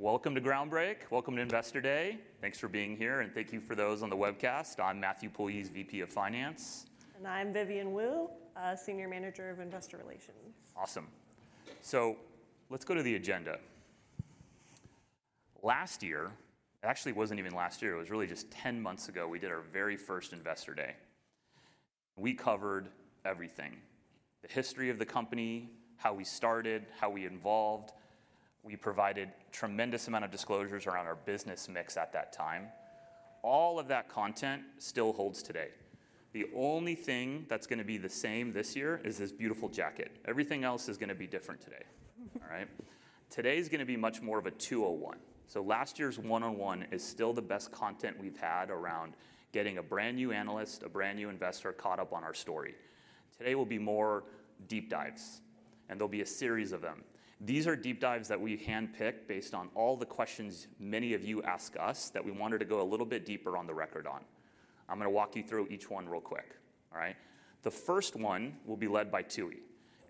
Welcome to Groundbreak. Welcome to Investor Day. Thanks for being here, and thank you for those on the webcast. I'm Matthew Puljiz, VP of Finance. I'm Vivian Wu, Senior Manager of Investor Relations. Awesome. So let's go to the agenda. Last year, it actually wasn't even last year, it was really just 10 months ago, we did our very first Investor Day. We covered everything: the history of the company, how we started, how we evolved. We provided tremendous amount of disclosures around our business mix at that time. All of that content still holds today. The only thing that's gonna be the same this year is this beautiful jacket. Everything else is gonna be different today. All right? Today is gonna be much more of a 201. So last year's 101 is still the best content we've had around getting a brand-new analyst, a brand-new investor, caught up on our story. Today will be more deep dives, and there'll be a series of them. These are deep dives that we handpicked based on all the questions many of you ask us that we wanted to go a little bit deeper on the record on. I'm gonna walk you through each one real quick. All right? The first one will be led by Tooey,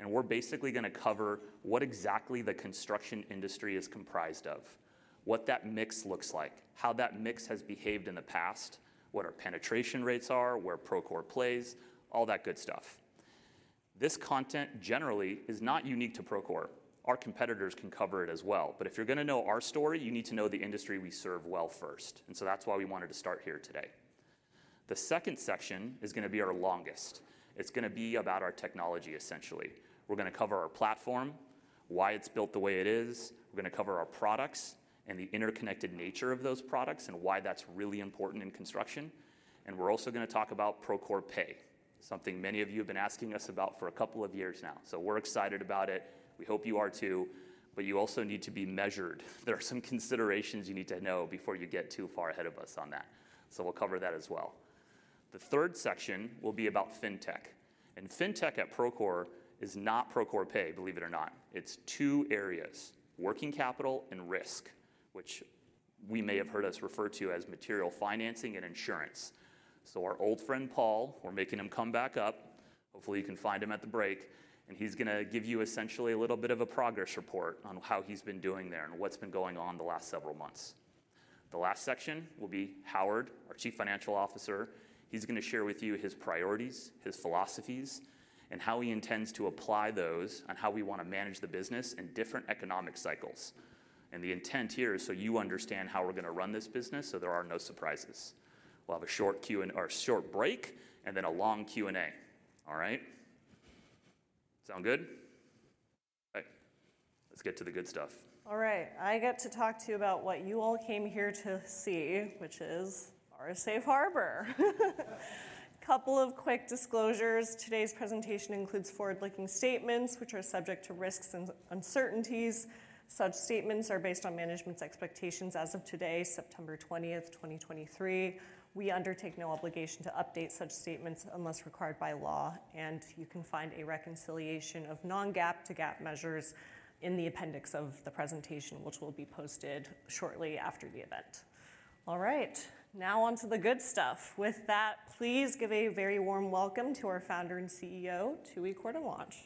and we're basically gonna cover what exactly the construction industry is comprised of, what that mix looks like, how that mix has behaved in the past, what our penetration rates are, where Procore plays, all that good stuff. This content generally is not unique to Procore. Our competitors can cover it as well. But if you're gonna know our story, you need to know the industry we serve well first, and so that's why we wanted to start here today. The second section is gonna be our longest. It's gonna be about our technology, essentially. We're gonna cover our platform, why it's built the way it is. We're gonna cover our products and the interconnected nature of those products, and why that's really important in construction. And we're also gonna talk about Procore Pay, something many of you have been asking us about for a couple of years now. So we're excited about it. We hope you are too, but you also need to be measured. There are some considerations you need to know before you get too far ahead of us on that. So we'll cover that as well. The third section will be about fintech, and fintech at Procore is not Procore Pay, believe it or not. It's two areas: working capital and risk, which we may have heard us refer to as materials financing and insurance. So our old friend, Paul, we're making him come back up. Hopefully, you can find him at the break, and he's gonna give you essentially a little bit of a progress report on how he's been doing there and what's been going on the last several months. The last section will be Howard, our Chief Financial Officer. He's gonna share with you his priorities, his philosophies, and how he intends to apply those on how we wanna manage the business in different economic cycles. The intent here is so you understand how we're gonna run this business, so there are no surprises. We'll have a short Q- and... or a short break, and then a long Q&A. All right? Sound good? Okay, let's get to the good stuff. All right. I get to talk to you about what you all came here to see, which is our safe harbor. Couple of quick disclosures. Today's presentation includes forward-looking statements, which are subject to risks and uncertainties. Such statements are based on management's expectations as of today, September 20, 2023. We undertake no obligation to update such statements unless required by law, and you can find a reconciliation of Non-GAAP to GAAP measures in the appendix of the presentation, which will be posted shortly after the event. All right, now on to the good stuff. With that, please give a very warm welcome to our founder and CEO, Tooey Courtemanche.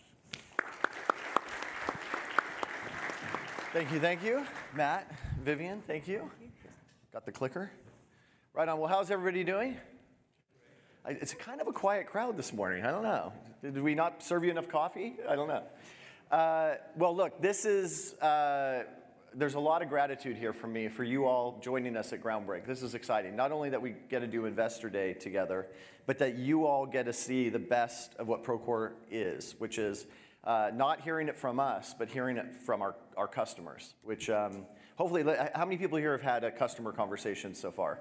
Thank you, thank you. Matt, Vivian, thank you. Thank you. Got the clicker. Right on. Well, how's everybody doing? It's kind of a quiet crowd this morning. I don't know. Did we not serve you enough coffee? I don't know. Well, look, this is... there's a lot of gratitude here for me, for you all joining us at Groundbreak. This is exciting. Not only that we get to do Investor Day together, but that you all get to see the best of what Procore is, which is, not hearing it from us, but hearing it from our, our customers, which, hopefully, how many people here have had a customer conversation so far?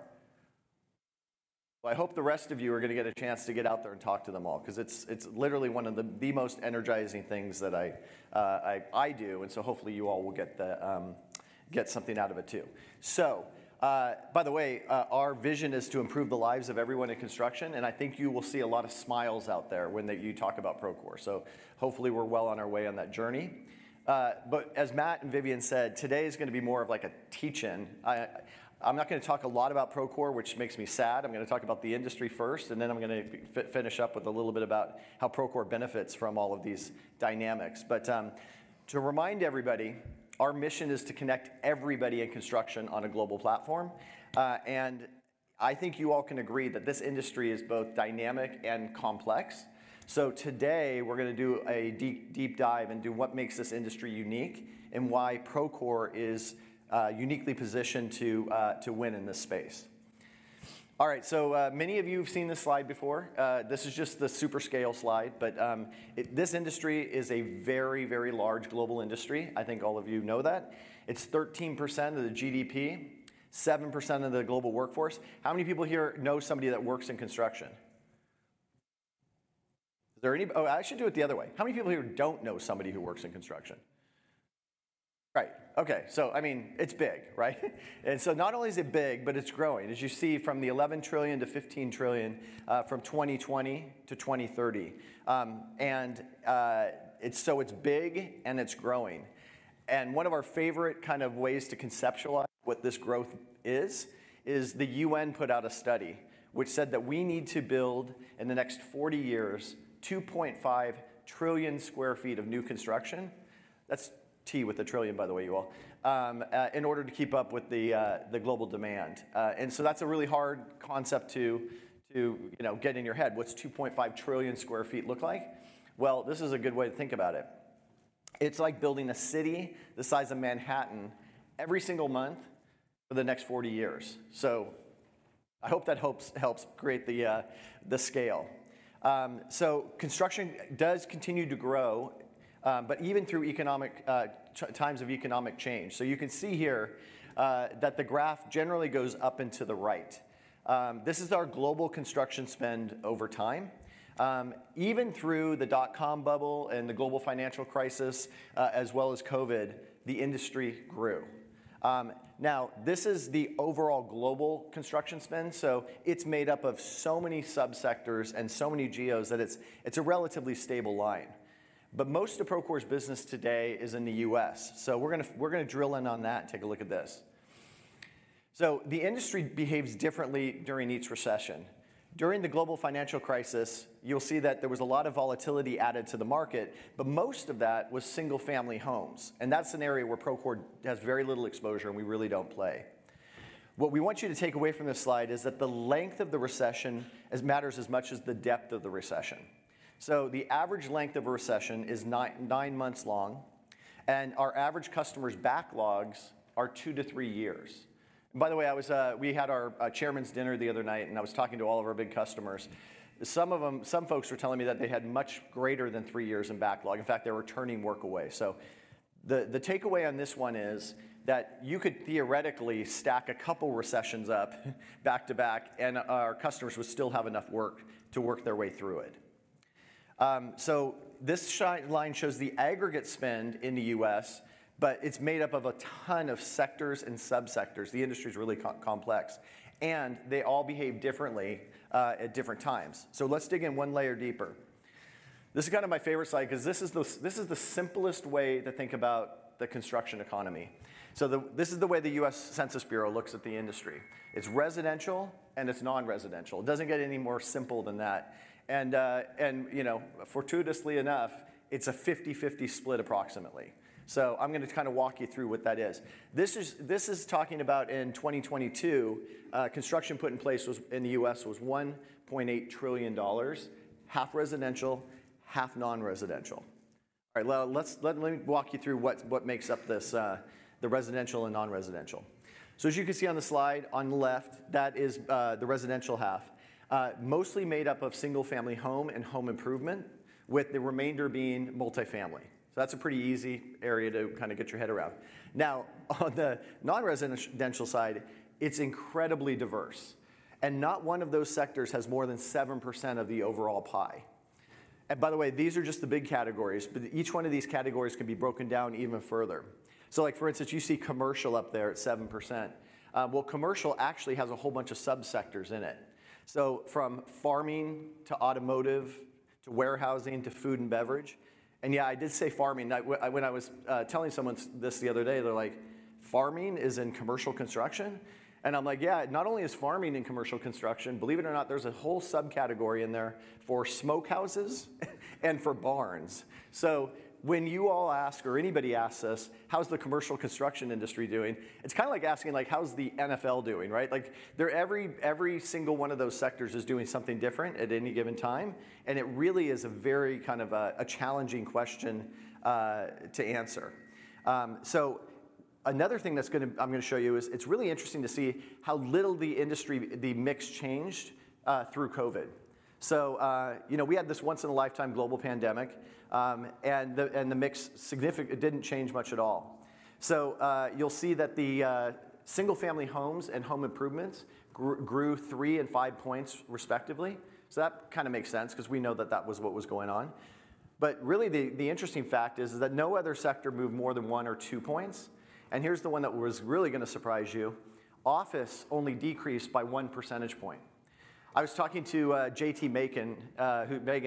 Well, I hope the rest of you are gonna get a chance to get out there and talk to them all, 'cause it's, it's literally one of the, the most energizing things that I do, and so hopefully you all will get the, get something out of it too. So, by the way, our vision is to improve the lives of everyone in construction, and I think you will see a lot of smiles out there when they- you talk about Procore. So hopefully, we're well on our way on that journey. But as Matt and Vivian said, today is gonna be more of like a teach-in. I, I'm not gonna talk a lot about Procore, which makes me sad. I'm gonna talk about the industry first, and then I'm gonna finish up with a little bit about how Procore benefits from all of these dynamics. But to remind everybody, our mission is to connect everybody in construction on a global platform, and I think you all can agree that this industry is both dynamic and complex. So today, we're gonna do a deep, deep dive into what makes this industry unique, and why Procore is uniquely positioned to win in this space. All right, so many of you have seen this slide before. This is just the super scale slide, but this industry is a very, very large global industry. I think all of you know that. It's 13% of the GDP, 7% of the global workforce. How many people here know somebody that works in construction? Is there anybody? Oh, I should do it the other way. How many people here don't know somebody who works in construction? Right. Okay. So I mean, it's big, right? And so not only is it big, but it's growing, as you see from the $11 trillion-$15 trillion, from 2020 to 2030. It's big, and it's growing. And one of our favorite kind of ways to conceptualize what this growth is, is the UN put out a study which said that we need to build, in the next 40 years, 2.5 trillion sq ft of new construction. That's T with a trillion, by the way, you all, in order to keep up with the global demand. And so that's a really hard concept to you know, get in your head. What's 2.5 trillion sq ft look like? Well, this is a good way to think about it.... It's like building a city the size of Manhattan every single month for the next 40 years. So I hope that helps, helps create the, the scale. So construction does continue to grow, but even through economic times of economic change. So you can see here that the graph generally goes up and to the right. This is our global construction spend over time. Even through the dot-com bubble and the global financial crisis, as well as COVID, the industry grew. Now, this is the overall global construction spend, so it's made up of so many subsectors and so many geos that it's a relatively stable line. But most of Procore's business today is in the U.S., so we're gonna we're gonna drill in on that and take a look at this. So the industry behaves differently during each recession. During the global financial crisis, you'll see that there was a lot of volatility added to the market, but most of that was single-family homes, and that's an area where Procore has very little exposure, and we really don't play. What we want you to take away from this slide is that the length of the recession as matters as much as the depth of the recession. So the average length of a recession is 9 months long, and our average customers' backlogs are 2-3 years. And by the way, I was... We had our chairman's dinner the other night, and I was talking to all of our big customers. Some of them, some folks were telling me that they had much greater than 3 years in backlog. In fact, they were turning work away. The takeaway on this one is that you could theoretically stack a couple recessions up back-to-back, and our customers would still have enough work to work their way through it. This line shows the aggregate spend in the U.S., but it's made up of a ton of sectors and subsectors. The industry is really complex, and they all behave differently at different times. Let's dig in one layer deeper. This is kind of my favorite slide 'cause this is the simplest way to think about the construction economy. This is the way the U.S. Census Bureau looks at the industry. It's residential, and it's non-residential. It doesn't get any more simple than that. And, you know, fortuitously enough, it's a 50/50 split approximately. I'm gonna kind of walk you through what that is. This is talking about in 2022, construction put in place was in the U.S. was $1.8 trillion, half residential, half non-residential. All right, let's let me walk you through what makes up this, the residential and non-residential. So as you can see on the slide on the left, that is, the residential half, mostly made up of single-family home and home improvement, with the remainder being multifamily. So that's a pretty easy area to kind of get your head around. Now, on the non-residential side, it's incredibly diverse, and not one of those sectors has more than 7% of the overall pie. And by the way, these are just the big categories, but each one of these categories can be broken down even further. So, like, for instance, you see commercial up there at 7%. Well, commercial actually has a whole bunch of subsectors in it. So from farming to automotive, to warehousing, to food and beverage, and yeah, I did say farming. When I was telling someone this the other day, they're like: "Farming is in commercial construction?" And I'm like: "Yeah, not only is farming in commercial construction, believe it or not, there's a whole subcategory in there for smokehouses and for barns." So when you all ask, or anybody asks us, "How's the commercial construction industry doing?" It's kind of like asking, like: "How's the NFL doing?" Right? Like, every single one of those sectors is doing something different at any given time, and it really is a very kind of a challenging question to answer. So another thing that's gonna show you is it's really interesting to see how little the industry, the mix changed, through COVID. So, you know, we had this once-in-a-lifetime global pandemic, and the mix, it didn't change much at all. So, you'll see that the single-family homes and home improvements grew 3 and 5 points, respectively. So that kind of makes sense 'cause we know that that was what was going on. But really, the interesting fact is that no other sector moved more than 1 or 2 points, and here's the one that was really gonna surprise you, office only decreased by 1 percentage point. I was talking to J.T. Magen,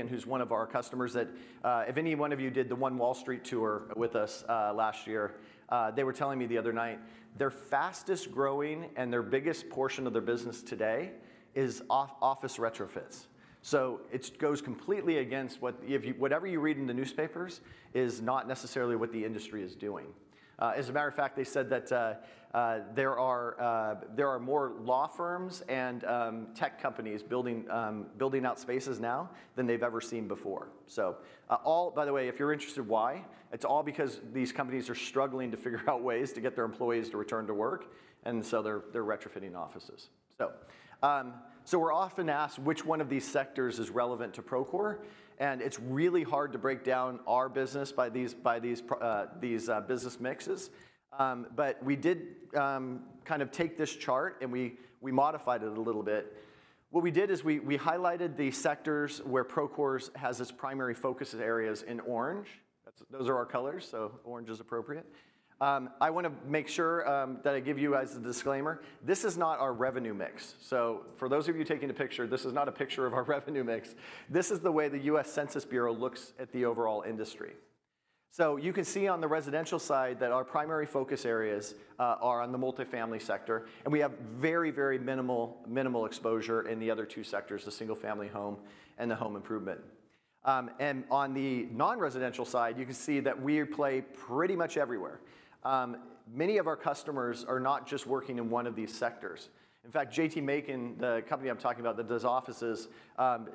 who's one of our customers, that if any one of you did the One Wall Street tour with us last year, they were telling me the other night, their fastest-growing and their biggest portion of their business today is office retrofits. So it goes completely against what, if you... Whatever you read in the newspapers is not necessarily what the industry is doing. As a matter of fact, they said that there are more law firms and tech companies building out spaces now than they've ever seen before. So, by the way, if you're interested, why? It's all because these companies are struggling to figure out ways to get their employees to return to work, and so they're retrofitting offices. So, so we're often asked which one of these sectors is relevant to Procore, and it's really hard to break down our business by these business mixes. But we did kind of take this chart, and we modified it a little bit. What we did is we highlighted the sectors where Procore has its primary focus areas in orange. That's those are our colors, so orange is appropriate. I want to make sure that I give you guys a disclaimer. This is not our revenue mix. So for those of you taking a picture, this is not a picture of our revenue mix. This is the way the U.S. Census Bureau looks at the overall industry. You can see on the residential side that our primary focus areas are on the multifamily sector, and we have very, very minimal, minimal exposure in the other two sectors, the single-family home and the home improvement. On the non-residential side, you can see that we play pretty much everywhere. Many of our customers are not just working in one of these sectors. In fact, J.T. Magen, the company I'm talking about that does offices,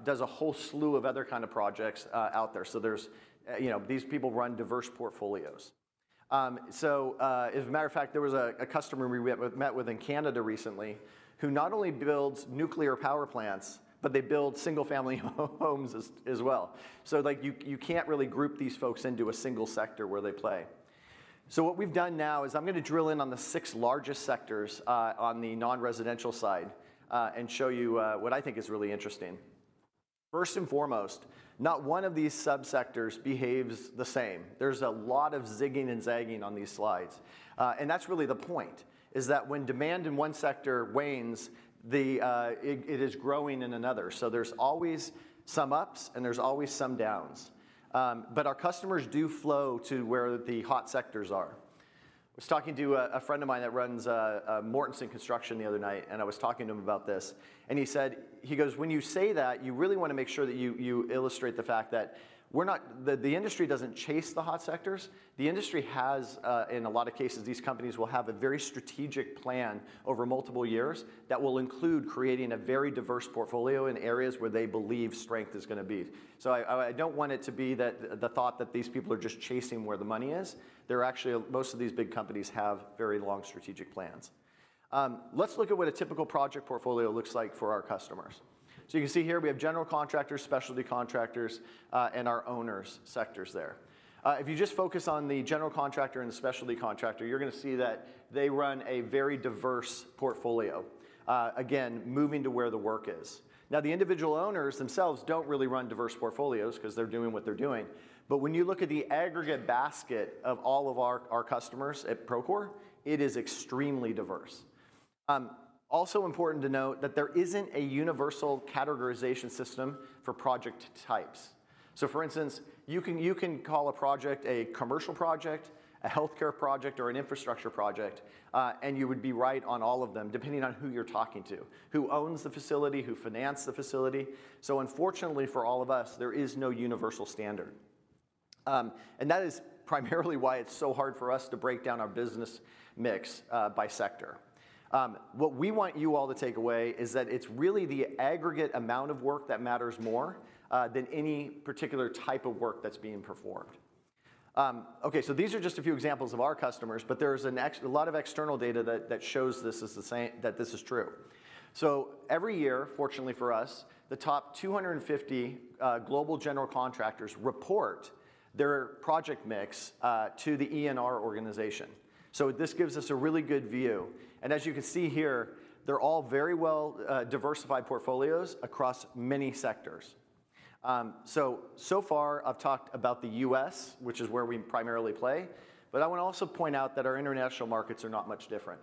does a whole slew of other kind of projects out there. These people run diverse portfolios. As a matter of fact, there was a customer we had met with in Canada recently, who not only builds nuclear power plants, but they build single-family homes as well. So like, you can't really group these folks into a single sector where they play. So what we've done now is I'm gonna drill in on the 6 largest sectors on the non-residential side, and show you what I think is really interesting. First and foremost, not one of these sub-sectors behaves the same. There's a lot of zigging and zagging on these slides. And that's really the point, is that when demand in one sector wanes, it is growing in another. So there's always some ups, and there's always some downs. But our customers do flow to where the hot sectors are. I was talking to a friend of mine that runs Mortenson Construction the other night, and I was talking to him about this, and he said... He goes, "When you say that, you really wanna make sure that you illustrate the fact that we're not the industry doesn't chase the hot sectors. The industry has, in a lot of cases, these companies will have a very strategic plan over multiple years, that will include creating a very diverse portfolio in areas where they believe strength is gonna be." So I don't want it to be that, the thought that these people are just chasing where the money is. They're actually most of these big companies have very long strategic plans. Let's look at what a typical project portfolio looks like for our customers. So you can see here we have general contractors, specialty contractors, and our owners sectors there. If you just focus on the general contractor and the specialty contractor, you're gonna see that they run a very diverse portfolio, again, moving to where the work is. Now, the individual owners themselves don't really run diverse portfolios because they're doing what they're doing. But when you look at the aggregate basket of all of our customers at Procore, it is extremely diverse. Also important to note that there isn't a universal categorization system for project types. So for instance, you can call a project a commercial project, a healthcare project, or an infrastructure project, and you would be right on all of them, depending on who you're talking to, who owns the facility, who financed the facility. So unfortunately for all of us, there is no universal standard. And that is primarily why it's so hard for us to break down our business mix by sector. What we want you all to take away is that it's really the aggregate amount of work that matters more than any particular type of work that's being performed. Okay, so these are just a few examples of our customers, but there's a lot of external data that shows this is the same, this is true. So every year, fortunately for us, the top 250 global general contractors report their project mix to the ENR organization. So this gives us a really good view. And as you can see here, they're all very well diversified portfolios across many sectors. So far I've talked about the U.S., which is where we primarily play, but I wanna also point out that our international markets are not much different.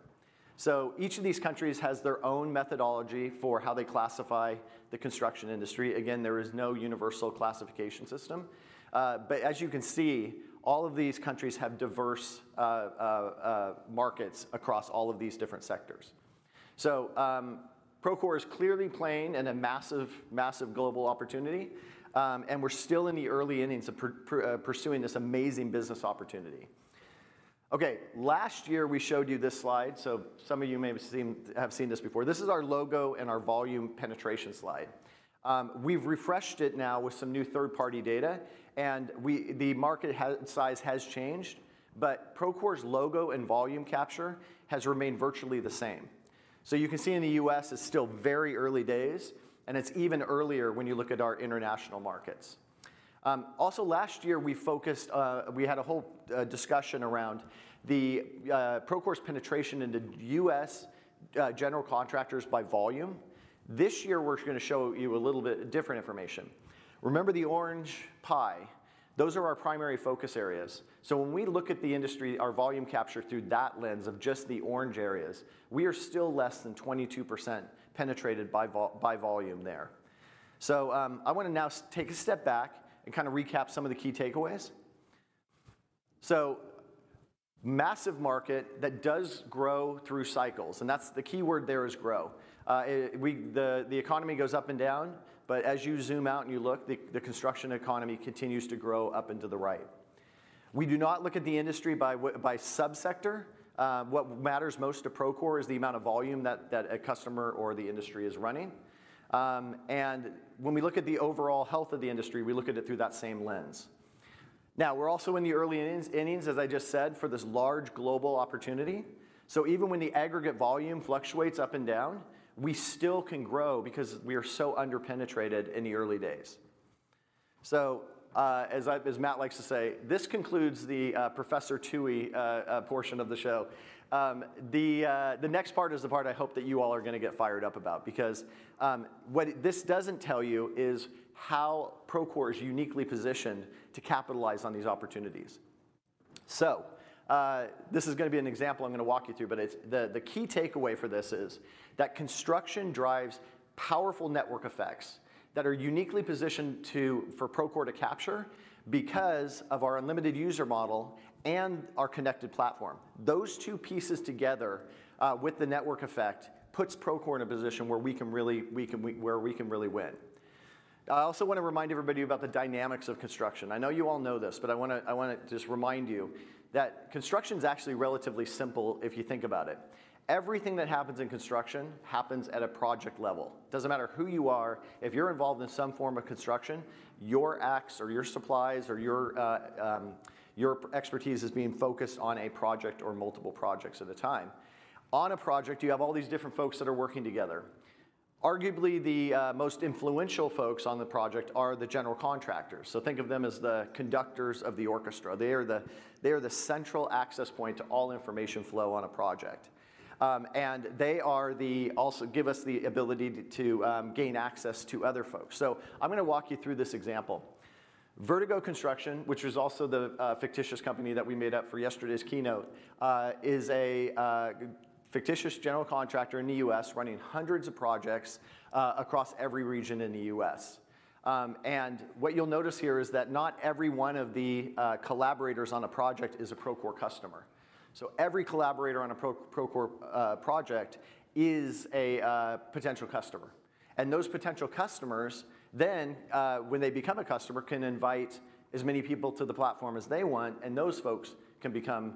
So each of these countries has their own methodology for how they classify the construction industry. Again, there is no universal classification system, but as you can see, all of these countries have diverse markets across all of these different sectors. So Procore is clearly playing in a massive, massive global opportunity, and we're still in the early innings of pursuing this amazing business opportunity. Okay, last year we showed you this slide, so some of you may have seen this before. This is our logo and our volume penetration slide. We've refreshed it now with some new third-party data, and the market size has changed, but Procore's logo and volume capture has remained virtually the same. So you can see in the U.S., it's still very early days, and it's even earlier when you look at our international markets. Also, last year, we focused. We had a whole discussion around the Procore's penetration in the U.S. general contractors by volume. This year, we're gonna show you a little bit different information. Remember the orange pie? Those are our primary focus areas. So when we look at the industry, our volume capture through that lens of just the orange areas, we are still less than 22% penetrated by volume there. So, I wanna now take a step back and kinda recap some of the key takeaways. So massive market that does grow through cycles, and that's the keyword there is grow. The economy goes up and down, but as you zoom out and you look, the construction economy continues to grow up and to the right. We do not look at the industry by subsector. What matters most to Procore is the amount of volume that a customer or the industry is running. And when we look at the overall health of the industry, we look at it through that same lens. Now, we're also in the early innings, as I just said, for this large global opportunity. So even when the aggregate volume fluctuates up and down, we still can grow because we are so under-penetrated in the early days. So, as Matt likes to say, "This concludes the Professor Tooey portion of the show." The next part is the part I hope that you all are gonna get fired up about. Because what this doesn't tell you is how Procore is uniquely positioned to capitalize on these opportunities. So, this is gonna be an example I'm gonna walk you through, but it's the key takeaway for this is that construction drives powerful network effects that are uniquely positioned to, for Procore to capture because of our unlimited user model and our connected platform. Those two pieces together with the network effect puts Procore in a position where we can really win. I also want to remind everybody about the dynamics of construction. I know you all know this, but I wanna just remind you that construction is actually relatively simple if you think about it. Everything that happens in construction happens at a project level. Doesn't matter who you are, if you're involved in some form of construction, your acts or your supplies or your expertise is being focused on a project or multiple projects at a time. On a project, you have all these different folks that are working together. Arguably, the most influential folks on the project are the general contractors. So think of them as the conductors of the orchestra. They are the central access point to all information flow on a project. And they also give us the ability to gain access to other folks. So I'm gonna walk you through this example. Vertigo Construction, which is also the fictitious company that we made up for yesterday's keynote, is a fictitious general contractor in the U.S., running hundreds of projects across every region in the U.S. What you'll notice here is that not every one of the collaborators on a project is a Procore customer. Every collaborator on a Procore project is a potential customer, and those potential customers, when they become a customer, can invite as many people to the platform as they want, and those folks can become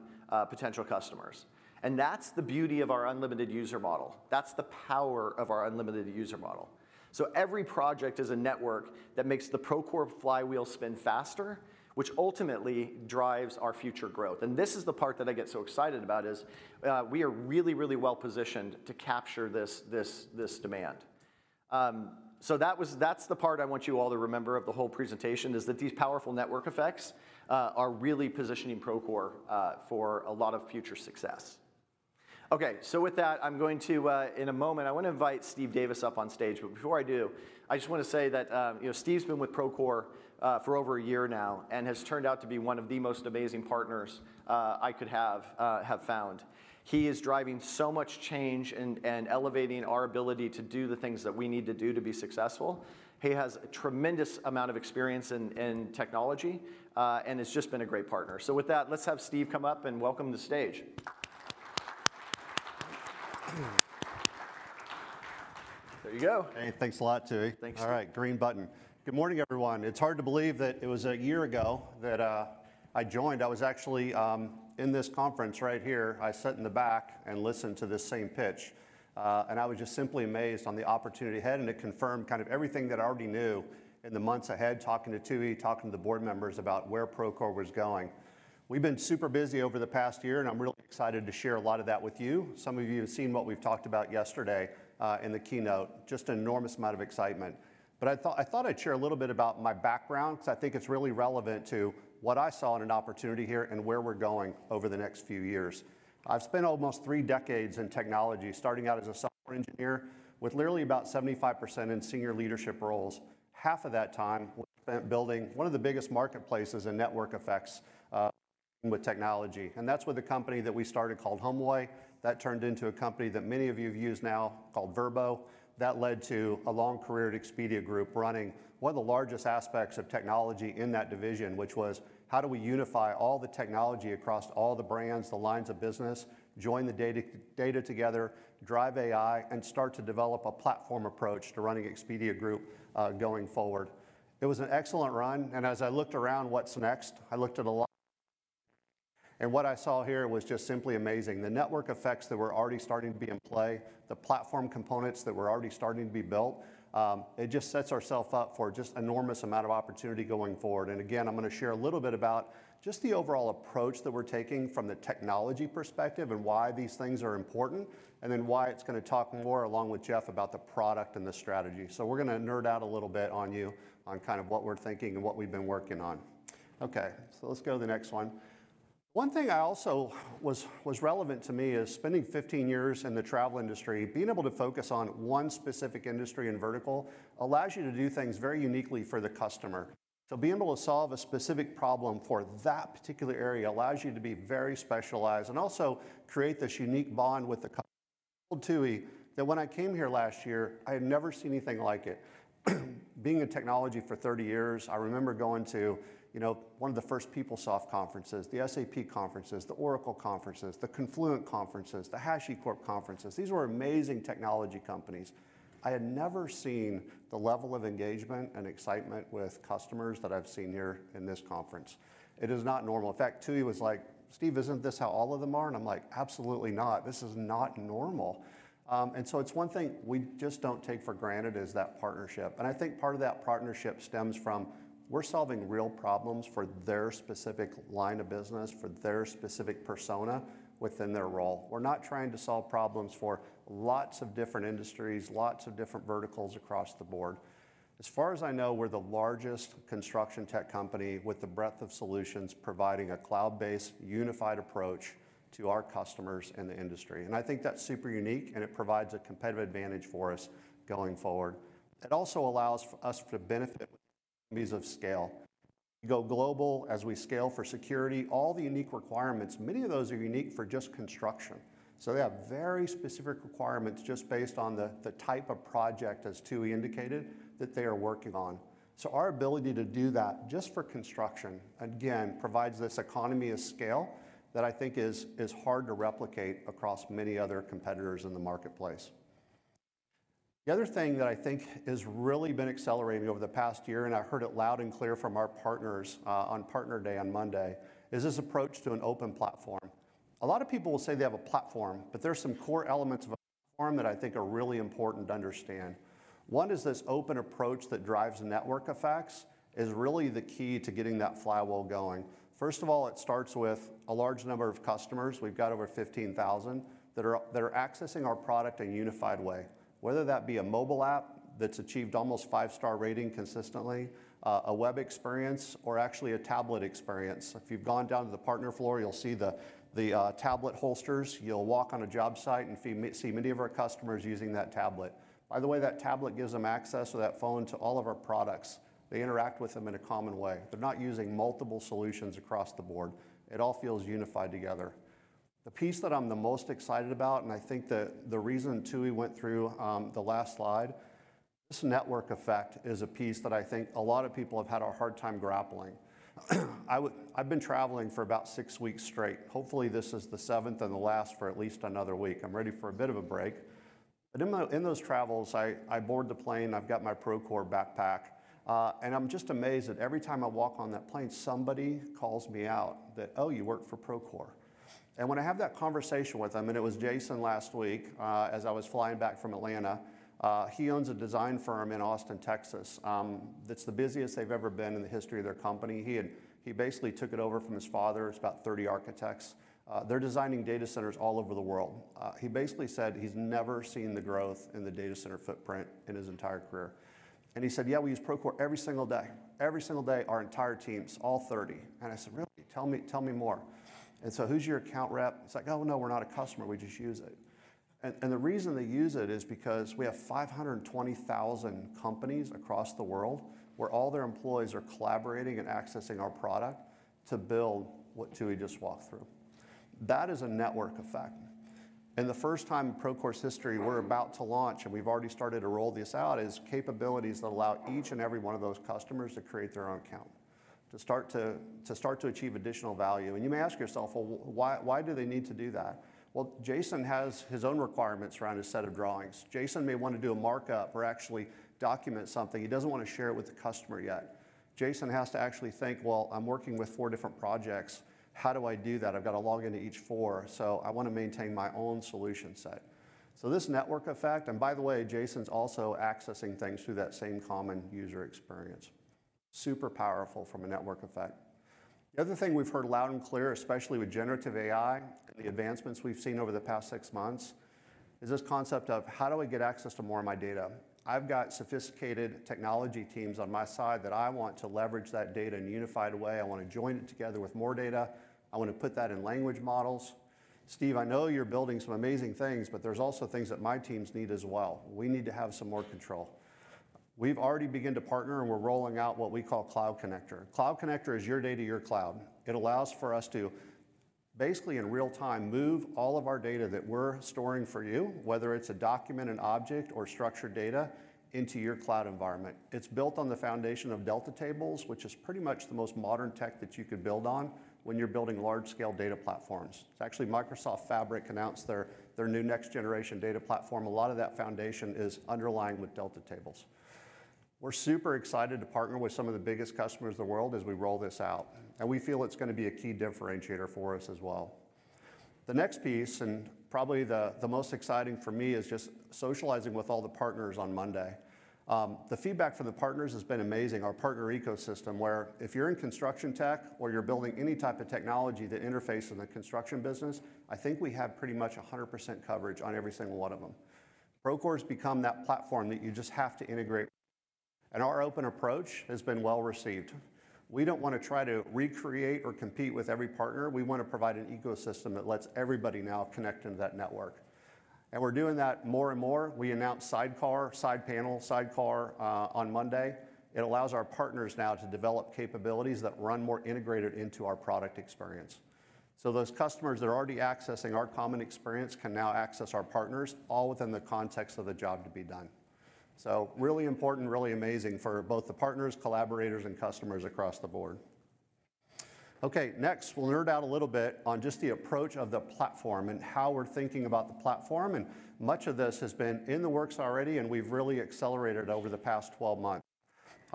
potential customers. That's the beauty of our unlimited user model. That's the power of our unlimited user model. Every project is a network that makes the Procore flywheel spin faster, which ultimately drives our future growth. This is the part that I get so excited about, is we are really, really well positioned to capture this, this, this demand. That's the part I want you all to remember of the whole presentation, is that these powerful network effects are really positioning Procore for a lot of future success. Okay, so with that, I'm going to, in a moment, I wanna invite Steve Davis up on stage. But before I do, I just wanna say that, you know, Steve's been with Procore for over a year now and has turned out to be one of the most amazing partners I could have found. He is driving so much change and elevating our ability to do the things that we need to do to be successful. He has a tremendous amount of experience in technology, and has just been a great partner. So with that, let's have Steve come up and welcome to the stage. There you go. Hey, thanks a lot, Tooey. Thanks. All right, green button. Good morning, everyone. It's hard to believe that it was a year ago that I joined. I was actually in this conference right here. I sat in the back and listened to this same pitch, and I was just simply amazed on the opportunity ahead, and it confirmed kind of everything that I already knew in the months ahead, talking to Tooey, talking to the board members about where Procore was going. We've been super busy over the past year, and I'm really excited to share a lot of that with you. Some of you have seen what we've talked about yesterday in the keynote, just an enormous amount of excitement. But I thought I'd share a little bit about my background, because I think it's really relevant to what I saw in an opportunity here and where we're going over the next few years. I've spent almost three decades in technology, starting out as a software engineer, with literally about 75% in senior leadership roles. Half of that time was spent building one of the biggest marketplaces and network effects with technology, and that's with a company that we started called HomeAway. That turned into a company that many of you have used now called Vrbo. That led to a long career at Expedia Group, running one of the largest aspects of technology in that division, which was: how do we unify all the technology across all the brands, the lines of business, join the data, data together, drive AI, and start to develop a platform approach to running Expedia Group, going forward? It was an excellent run, and as I looked around, what's next? I looked at a lot... And what I saw here was just simply amazing. The network effects that were already starting to be in play, the platform components that were already starting to be built, it just sets ourself up for just enormous amount of opportunity going forward. Again, I'm gonna share a little bit about just the overall approach that we're taking from the technology perspective and why these things are important, and then why it's gonna talk more, along with Shatz, about the product and the strategy. So we're gonna nerd out a little bit on you on kind of what we're thinking and what we've been working on. Okay, so let's go to the next one. One thing I also was relevant to me is spending 15 years in the travel industry, being able to focus on one specific industry and vertical allows you to do things very uniquely for the customer. So being able to solve a specific problem for that particular area allows you to be very specialized and also create this unique bond with the CEO, Tooey, that when I came here last year, I had never seen anything like it. Being in technology for 30 years, I remember going to, you know, one of the first PeopleSoft conferences, the SAP conferences, the Oracle conferences, the Confluent conferences, the HashiCorp conferences. These were amazing technology companies. I had never seen the level of engagement and excitement with customers that I've seen here in this conference. It is not normal. In fact, Tooey was like: "Steve, isn't this how all of them are?" And I'm like: "Absolutely not. This is not normal." And so it's one thing we just don't take for granted is that partnership. I think part of that partnership stems from we're solving real problems for their specific line of business, for their specific persona within their role. We're not trying to solve problems for lots of different industries, lots of different verticals across the board. As far as I know, we're the largest construction tech company with the breadth of solutions, providing a cloud-based, unified approach to our customers and the industry, and I think that's super unique, and it provides a competitive advantage for us going forward. It also allows for us to benefit with economies of scale. We go global as we scale for security, all the unique requirements, many of those are unique for just construction. So they have very specific requirements just based on the type of project, as Tooey indicated, that they are working on. So our ability to do that just for construction, again, provides this economy of scale that I think is hard to replicate across many other competitors in the marketplace. The other thing that I think has really been accelerating over the past year, and I heard it loud and clear from our partners on Partner Day on Monday, is this approach to an open platform. A lot of people will say they have a platform, but there are some core elements of a platform that I think are really important to understand. One is this open approach that drives the network effects, is really the key to getting that flywheel going. First of all, it starts with a large number of customers. We've got over 15,000 that are accessing our product in a unified way, whether that be a mobile app that's achieved almost 5-star rating consistently, a web experience, or actually a tablet experience. If you've gone down to the partner floor, you'll see the tablet holsters. You'll walk on a job site and see many of our customers using that tablet. By the way, that tablet gives them access or that phone to all of our products. They interact with them in a common way. They're not using multiple solutions across the board. It all feels unified together. The piece that I'm the most excited about, and I think that the reason Tooey went through the last slide, this network effect is a piece that I think a lot of people have had a hard time grappling. I've been traveling for about six weeks straight. Hopefully, this is the seventh and the last for at least another week. I'm ready for a bit of a break. But in those travels, I board the plane, I've got my Procore backpack, and I'm just amazed that every time I walk on that plane, somebody calls me out that, "Oh, you work for Procore." And when I have that conversation with them, and it was Jason last week, as I was flying back from Atlanta, he owns a design firm in Austin, Texas, that's the busiest they've ever been in the history of their company. He basically took it over from his father. It's about 30 architects. They're designing data centers all over the world. He basically said he's never seen the growth in the data center footprint in his entire career. And he said, "Yeah, we use Procore every single day. Every single day, our entire teams, all 30." And I said: Really? Tell me, tell me more. And so who's your account rep? He's like: "Oh, no, we're not a customer. We just use it." And the reason they use it is because we have 520,000 companies across the world, where all their employees are collaborating and accessing our product to build what Tooey just walked through. That is a network effect. And the first time in Procore's history, we're about to launch, and we've already started to roll this out, is capabilities that allow each and every one of those customers to create their own account, to start to achieve additional value. And you may ask yourself, "Well, why, why do they need to do that?" Well, Jason has his own requirements around his set of drawings. Jason may want to do a markup or actually document something. He doesn't want to share it with the customer yet. Jason has to actually think, "Well, I'm working with 4 different projects. How do I do that? I've got to log into each 4, so I want to maintain my own solution set." So this network effect, and by the way, Jason's also accessing things through that same common user experience. Super powerful from a network effect. The other thing we've heard loud and clear, especially with generative AI and the advancements we've seen over the past 6 months, is this concept of: How do I get access to more of my data? I've got sophisticated technology teams on my side that I want to leverage that data in a unified way. I want to join it together with more data. I want to put that in language models. Steve, I know you're building some amazing things, but there's also things that my teams need as well. We need to have some more control. We've already begun to partner, and we're rolling out what we call Cloud Connector. Cloud Connector is your data, your cloud. It allows for us to, basically in real time, move all of our data that we're storing for you, whether it's a document, an object, or structured data, into your cloud environment. It's built on the foundation of Delta Tables, which is pretty much the most modern tech that you could build on when you're building large-scale data platforms. Actually, Microsoft Fabric announced their new next-generation data platform. A lot of that foundation is underlined with Delta Tables. We're super excited to partner with some of the biggest customers in the world as we roll this out, and we feel it's gonna be a key differentiator for us as well. The next piece, and probably the most exciting for me, is just socializing with all the partners on Monday. The feedback from the partners has been amazing. Our partner ecosystem, where if you're in construction tech or you're building any type of technology that interfaces with the construction business, I think we have pretty much 100% coverage on every single one of them. Procore has become that platform that you just have to integrate, and our open approach has been well received. We don't want to try to recreate or compete with every partner. We want to provide an ecosystem that lets everybody now connect into that network, and we're doing that more and more. We announced Side Panel, on Monday. It allows our partners now to develop capabilities that run more integrated into our product experience. So those customers that are already accessing our common experience can now access our partners, all within the context of the job to be done. So really important, really amazing for both the partners, collaborators, and customers across the board. Okay, next, we'll nerd out a little bit on just the approach of the platform and how we're thinking about the platform, and much of this has been in the works already, and we've really accelerated over the past 12 months.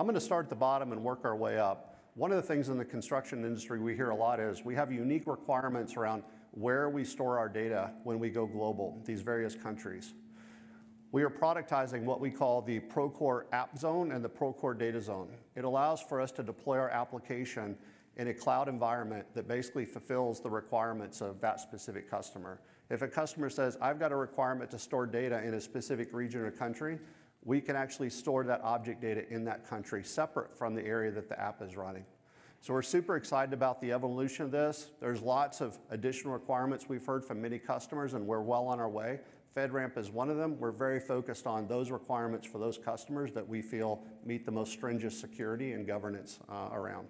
I'm gonna start at the bottom and work our way up. One of the things in the construction industry we hear a lot is, we have unique requirements around where we store our data when we go global, these various countries. We are productizing what we call the Procore App Zone and the Procore Data Zone. It allows for us to deploy our application in a cloud environment that basically fulfills the requirements of that specific customer. If a customer says, "I've got a requirement to store data in a specific region or country," we can actually store that object data in that country, separate from the area that the app is running. So we're super excited about the evolution of this. There's lots of additional requirements we've heard from many customers, and we're well on our way. FedRAMP is one of them. We're very focused on those requirements for those customers that we feel meet the most stringent security and governance around.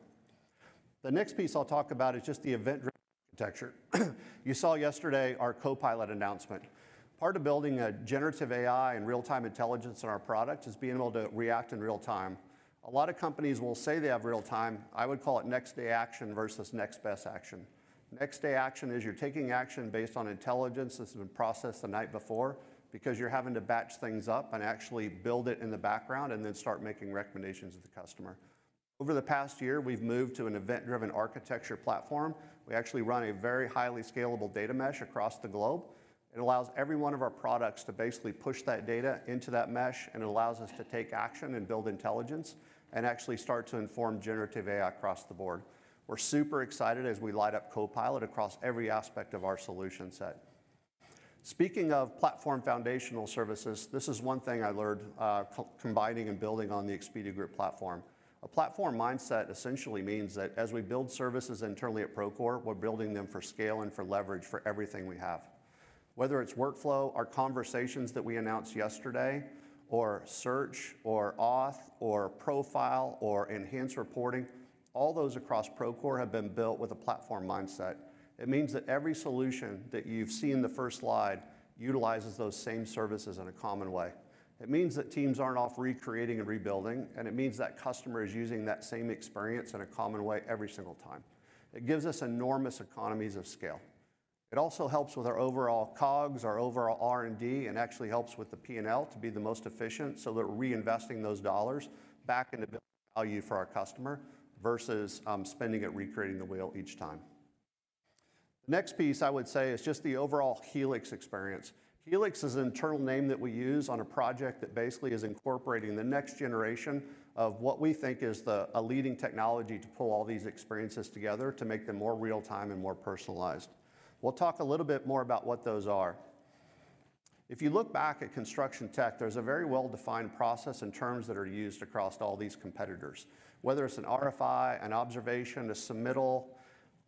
The next piece I'll talk about is just the event-driven architecture. You saw yesterday our Copilot announcement. Part of building a generative AI and real-time intelligence in our product is being able to react in real time. A lot of companies will say they have real time. I would call it next-day action versus next-best action. Next-day action is you're taking action based on intelligence that's been processed the night before because you're having to batch things up and actually build it in the background and then start making recommendations to the customer. Over the past year, we've moved to an event-driven architecture platform. We actually run a very highly scalable data mesh across the globe. It allows every one of our products to basically push that data into that mesh, and it allows us to take action and build intelligence and actually start to inform generative AI across the board. We're super excited as we light up Copilot across every aspect of our solution set. Speaking of platform foundational services, this is one thing I learned, combining and building on the Expedia Group platform. A platform mindset essentially means that as we build services internally at Procore, we're building them for scale and for leverage for everything we have. Whether it's workflow, our conversations that we announced yesterday, or search, or auth, or profile, or enhanced reporting, all those across Procore have been built with a platform mindset. It means that every solution that you've seen in the first slide utilizes those same services in a common way. It means that teams aren't off recreating and rebuilding, and it means that customer is using that same experience in a common way every single time. It gives us enormous economies of scale. It also helps with our overall COGS, our overall R&D, and actually helps with the P&L to be the most efficient, so that we're reinvesting those dollars back into building value for our customer versus, spending it recreating the wheel each time. The next piece I would say is just the overall Helix experience. Helix is an internal name that we use on a project that basically is incorporating the next generation of what we think is the, a leading technology to pull all these experiences together to make them more real-time and more personalized. We'll talk a little bit more about what those are. If you look back at construction tech, there's a very well-defined process and terms that are used across all these competitors. Whether it's an RFI, an observation, a submittal,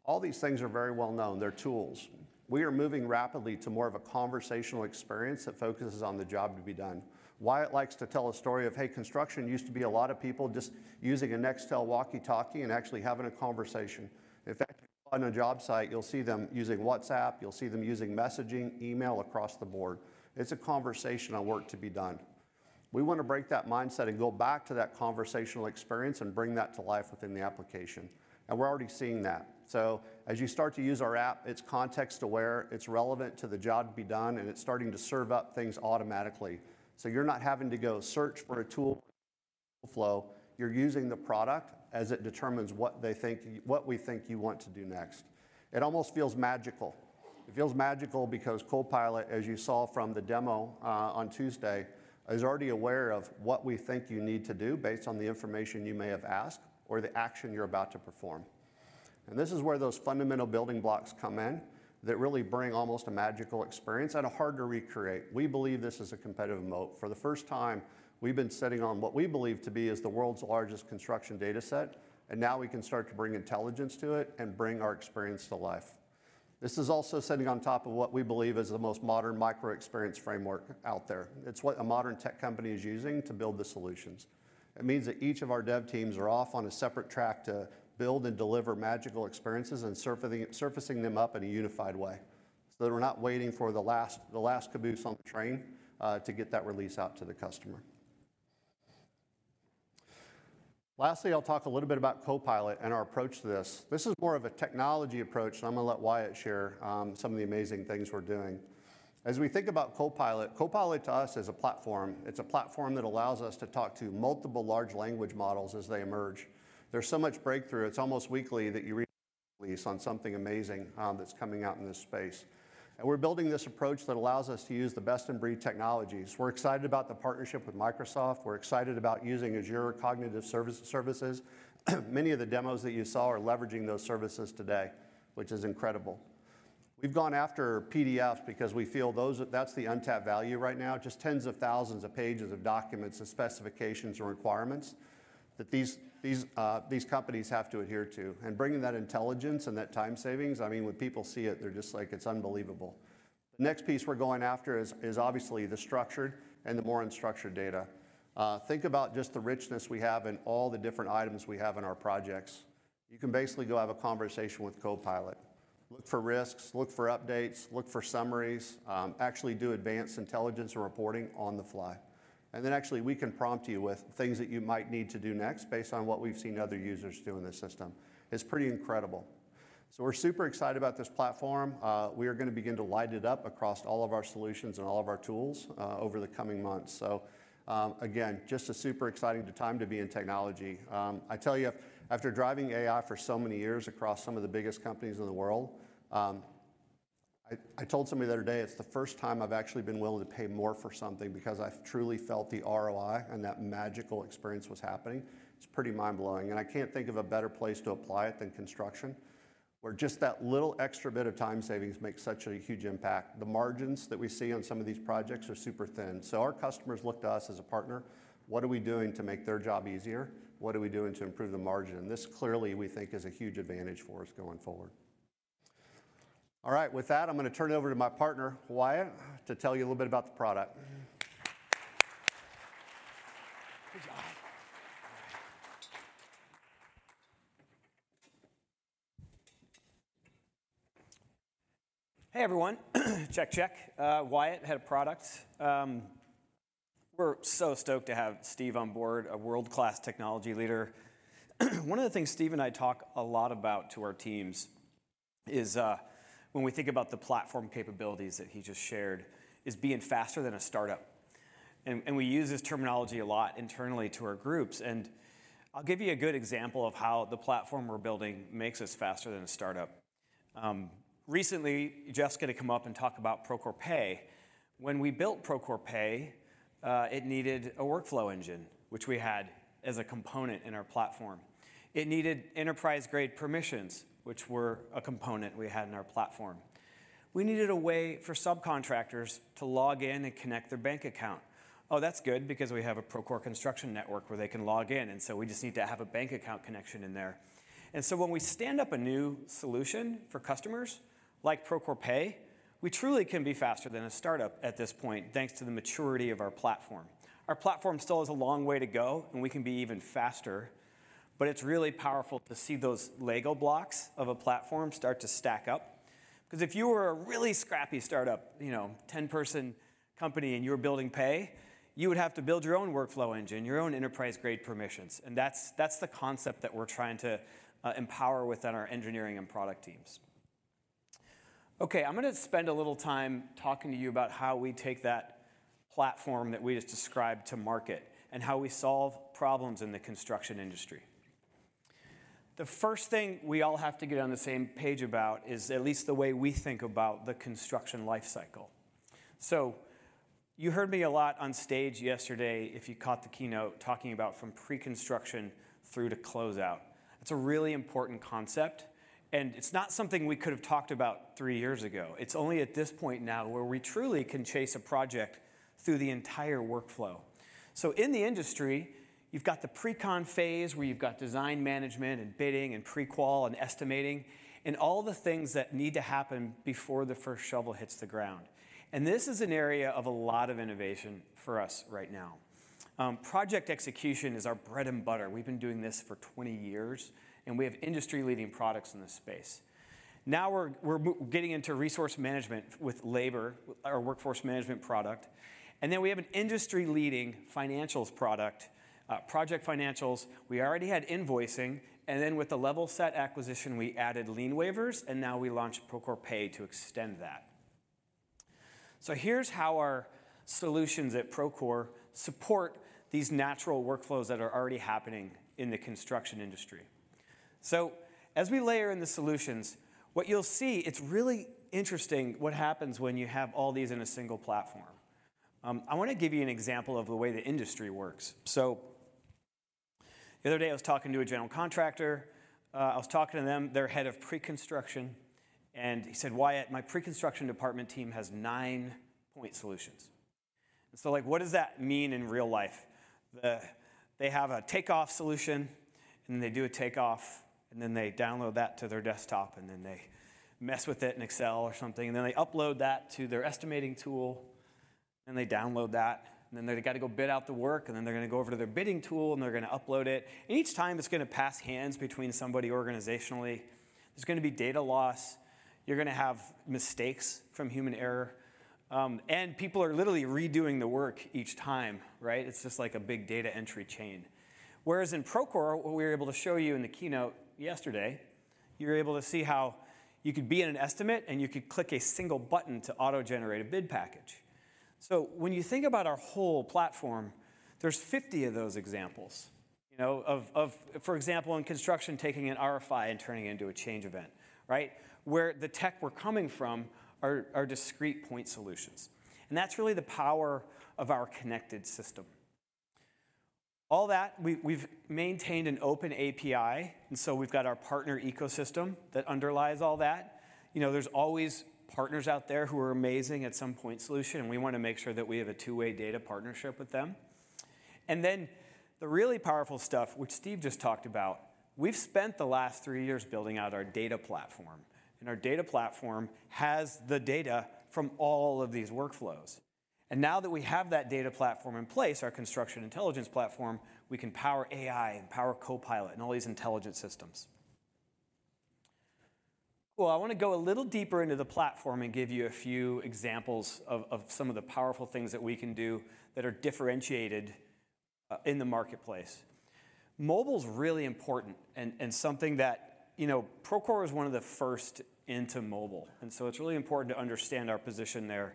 all these things are very well known. They're tools. We are moving rapidly to more of a conversational experience that focuses on the job to be done. Wyatt likes to tell a story of, hey, construction used to be a lot of people just using a Nextel walkie-talkie and actually having a conversation. In fact, on a job site, you'll see them using WhatsApp, you'll see them using messaging, email across the board. It's a conversational work to be done. We want to break that mindset and go back to that conversational experience and bring that to life within the application, and we're already seeing that. So as you start to use our app, it's context-aware, it's relevant to the job to be done, and it's starting to serve up things automatically. So you're not having to go search for a tool, flow. You're using the product as it determines what they think, what we think you want to do next. It almost feels magical. It feels magical because Copilot, as you saw from the demo, on Tuesday, is already aware of what we think you need to do based on the information you may have asked or the action you're about to perform. And this is where those fundamental building blocks come in, that really bring almost a magical experience and are hard to recreate. We believe this is a competitive moat. For the first time, we've been sitting on what we believe to be as the world's largest construction data set, and now we can start to bring intelligence to it and bring our experience to life. This is also sitting on top of what we believe is the most modern Micro Experience Framework out there. It's what a modern tech company is using to build the solutions. It means that each of our dev teams are off on a separate track to build and deliver magical experiences and surfacing them up in a unified way, so that we're not waiting for the last caboose on the train to get that release out to the customer. Lastly, I'll talk a little bit about Copilot and our approach to this. This is more of a technology approach, and I'm gonna let Wyatt share some of the amazing things we're doing. As we think about Copilot, Copilot to us is a platform. It's a platform that allows us to talk to multiple large language models as they emerge. There's so much breakthrough, it's almost weekly, that you read on something amazing that's coming out in this space. We're building this approach that allows us to use the best-in-breed technologies. We're excited about the partnership with Microsoft. We're excited about using Azure Cognitive Services. Many of the demos that you saw are leveraging those services today, which is incredible. We've gone after PDFs because we feel that's the untapped value right now, just tens of thousands of pages of documents of specifications and requirements that these, these companies have to adhere to. And bringing that intelligence and that time savings, I mean, when people see it, they're just like, "It's unbelievable." The next piece we're going after is obviously the structured and the more unstructured data. Think about just the richness we have in all the different items we have in our projects. You can basically go have a conversation with Copilot, look for risks, look for updates, look for summaries, actually do advanced intelligence and reporting on the fly. And then actually, we can prompt you with things that you might need to do next based on what we've seen other users do in the system. It's pretty incredible. So we're super excited about this platform. We are gonna begin to light it up across all of our solutions and all of our tools, over the coming months. So, again, just a super exciting time to be in technology. I tell you, after driving AI for so many years across some of the biggest companies in the world, I told somebody the other day, it's the first time I've actually been willing to Pay more for something because I've truly felt the ROI and that magical experience was happening. It's pretty mind-blowing, and I can't think of a better place to apply it than construction, where just that little extra bit of time savings makes such a huge impact. The margins that we see on some of these projects are super thin, so our customers look to us as a partner. What are we doing to make their job easier? What are we doing to improve the margin? This clearly, we think, is a huge advantage for us going forward. All right. With that, I'm gonna turn it over to my partner, Wyatt, to tell you a little bit about the product. Good job. Hey, everyone. Check, check. Wyatt, Head of Product. We're so stoked to have Steve on board, a world-class technology leader. One of the things Steve and I talk a lot about to our teams is, when we think about the platform capabilities that he just shared, is being faster than a startup... and, and we use this terminology a lot internally to our groups. I'll give you a good example of how the platform we're building makes us faster than a startup. Recently, Jessica had come up and talked about Procore Pay. When we built Procore Pay, it needed a workflow engine, which we had as a component in our platform. It needed enterprise-grade permissions, which were a component we had in our platform. We needed a way for subcontractors to log in and connect their bank account. Oh, that's good, because we have a Procore Construction Network where they can log in, and so we just need to have a bank account connection in there. And so when we stand up a new solution for customers, like Procore Pay, we truly can be faster than a startup at this point, thanks to the maturity of our platform. Our platform still has a long way to go, and we can be even faster, but it's really powerful to see those Lego blocks of a platform start to stack up. 'Cause if you were a really scrappy startup, you know, 10-person company, and you were building Pay, you would have to build your own workflow engine, your own enterprise-grade permissions, and that's, that's the concept that we're trying to empower within our engineering and product teams. Okay, I'm gonna spend a little time talking to you about how we take that platform that we just described to market, and how we solve problems in the construction industry. The first thing we all have to get on the same page about is at least the way we think about the construction life cycle. So you heard me a lot on stage yesterday, if you caught the keynote, talking about from pre-construction through to closeout. It's a really important concept, and it's not something we could have talked about three years ago. It's only at this point now where we truly can chase a project through the entire workflow. So in the industry, you've got the pre-con phase, where you've got design management, and bidding, and pre-qual, and estimating, and all the things that need to happen before the first shovel hits the ground. This is an area of a lot of innovation for us right now. Project execution is our bread and butter. We've been doing this for 20 years, and we have industry-leading products in this space. Now, we're getting into resource management with labor, our Workforce Management product, and then we have an industry-leading financials product, Project Financials. We already had invoicing, and then with the Levelset acquisition, we added lien waivers, and now we launched Procore Pay to extend that. So here's how our solutions at Procore support these natural workflows that are already happening in the construction industry. So as we layer in the solutions, what you'll see, it's really interesting what happens when you have all these in a single platform. I wanna give you an example of the way the industry works. So the other day, I was talking to a general contractor. I was talking to them, their head of pre-construction, and he said, "Wyatt, my pre-construction department team has nine point solutions." And so, like, what does that mean in real life? They have a takeoff solution, and then they do a takeoff, and then they download that to their desktop, and then they mess with it in Excel or something, and then they upload that to their estimating tool, and they download that, and then they've got to go bid out the work, and then they're gonna go over to their bidding tool, and they're gonna upload it. And each time it's gonna pass hands between somebody organizationally, there's gonna be data loss, you're gonna have mistakes from human error, and people are literally redoing the work each time, right? It's just like a big data entry chain. Whereas in Procore, what we were able to show you in the keynote yesterday, you were able to see how you could be in an estimate, and you could click a single button to auto-generate a bid package. So when you think about our whole platform, there's 50 of those examples, you know, of, of... For example, in construction, taking an RFI and turning it into a change event, right? Where the tech we're coming from are, are discrete point solutions, and that's really the power of our connected system. All that, we, we've maintained an open API, and so we've got our partner ecosystem that underlies all that. You know, there's always partners out there who are amazing at some point solution, and we wanna make sure that we have a two-way data partnership with them. And then the really powerful stuff, which Steve just talked about, we've spent the last three years building out our data platform, and our data platform has the data from all of these workflows. And now that we have that data platform in place, our construction intelligence platform, we can power AI and power Copilot and all these intelligence systems. Well, I wanna go a little deeper into the platform and give you a few examples of some of the powerful things that we can do that are differentiated in the marketplace. Mobile's really important and something that... You know, Procore was one of the first into mobile, and so it's really important to understand our position there.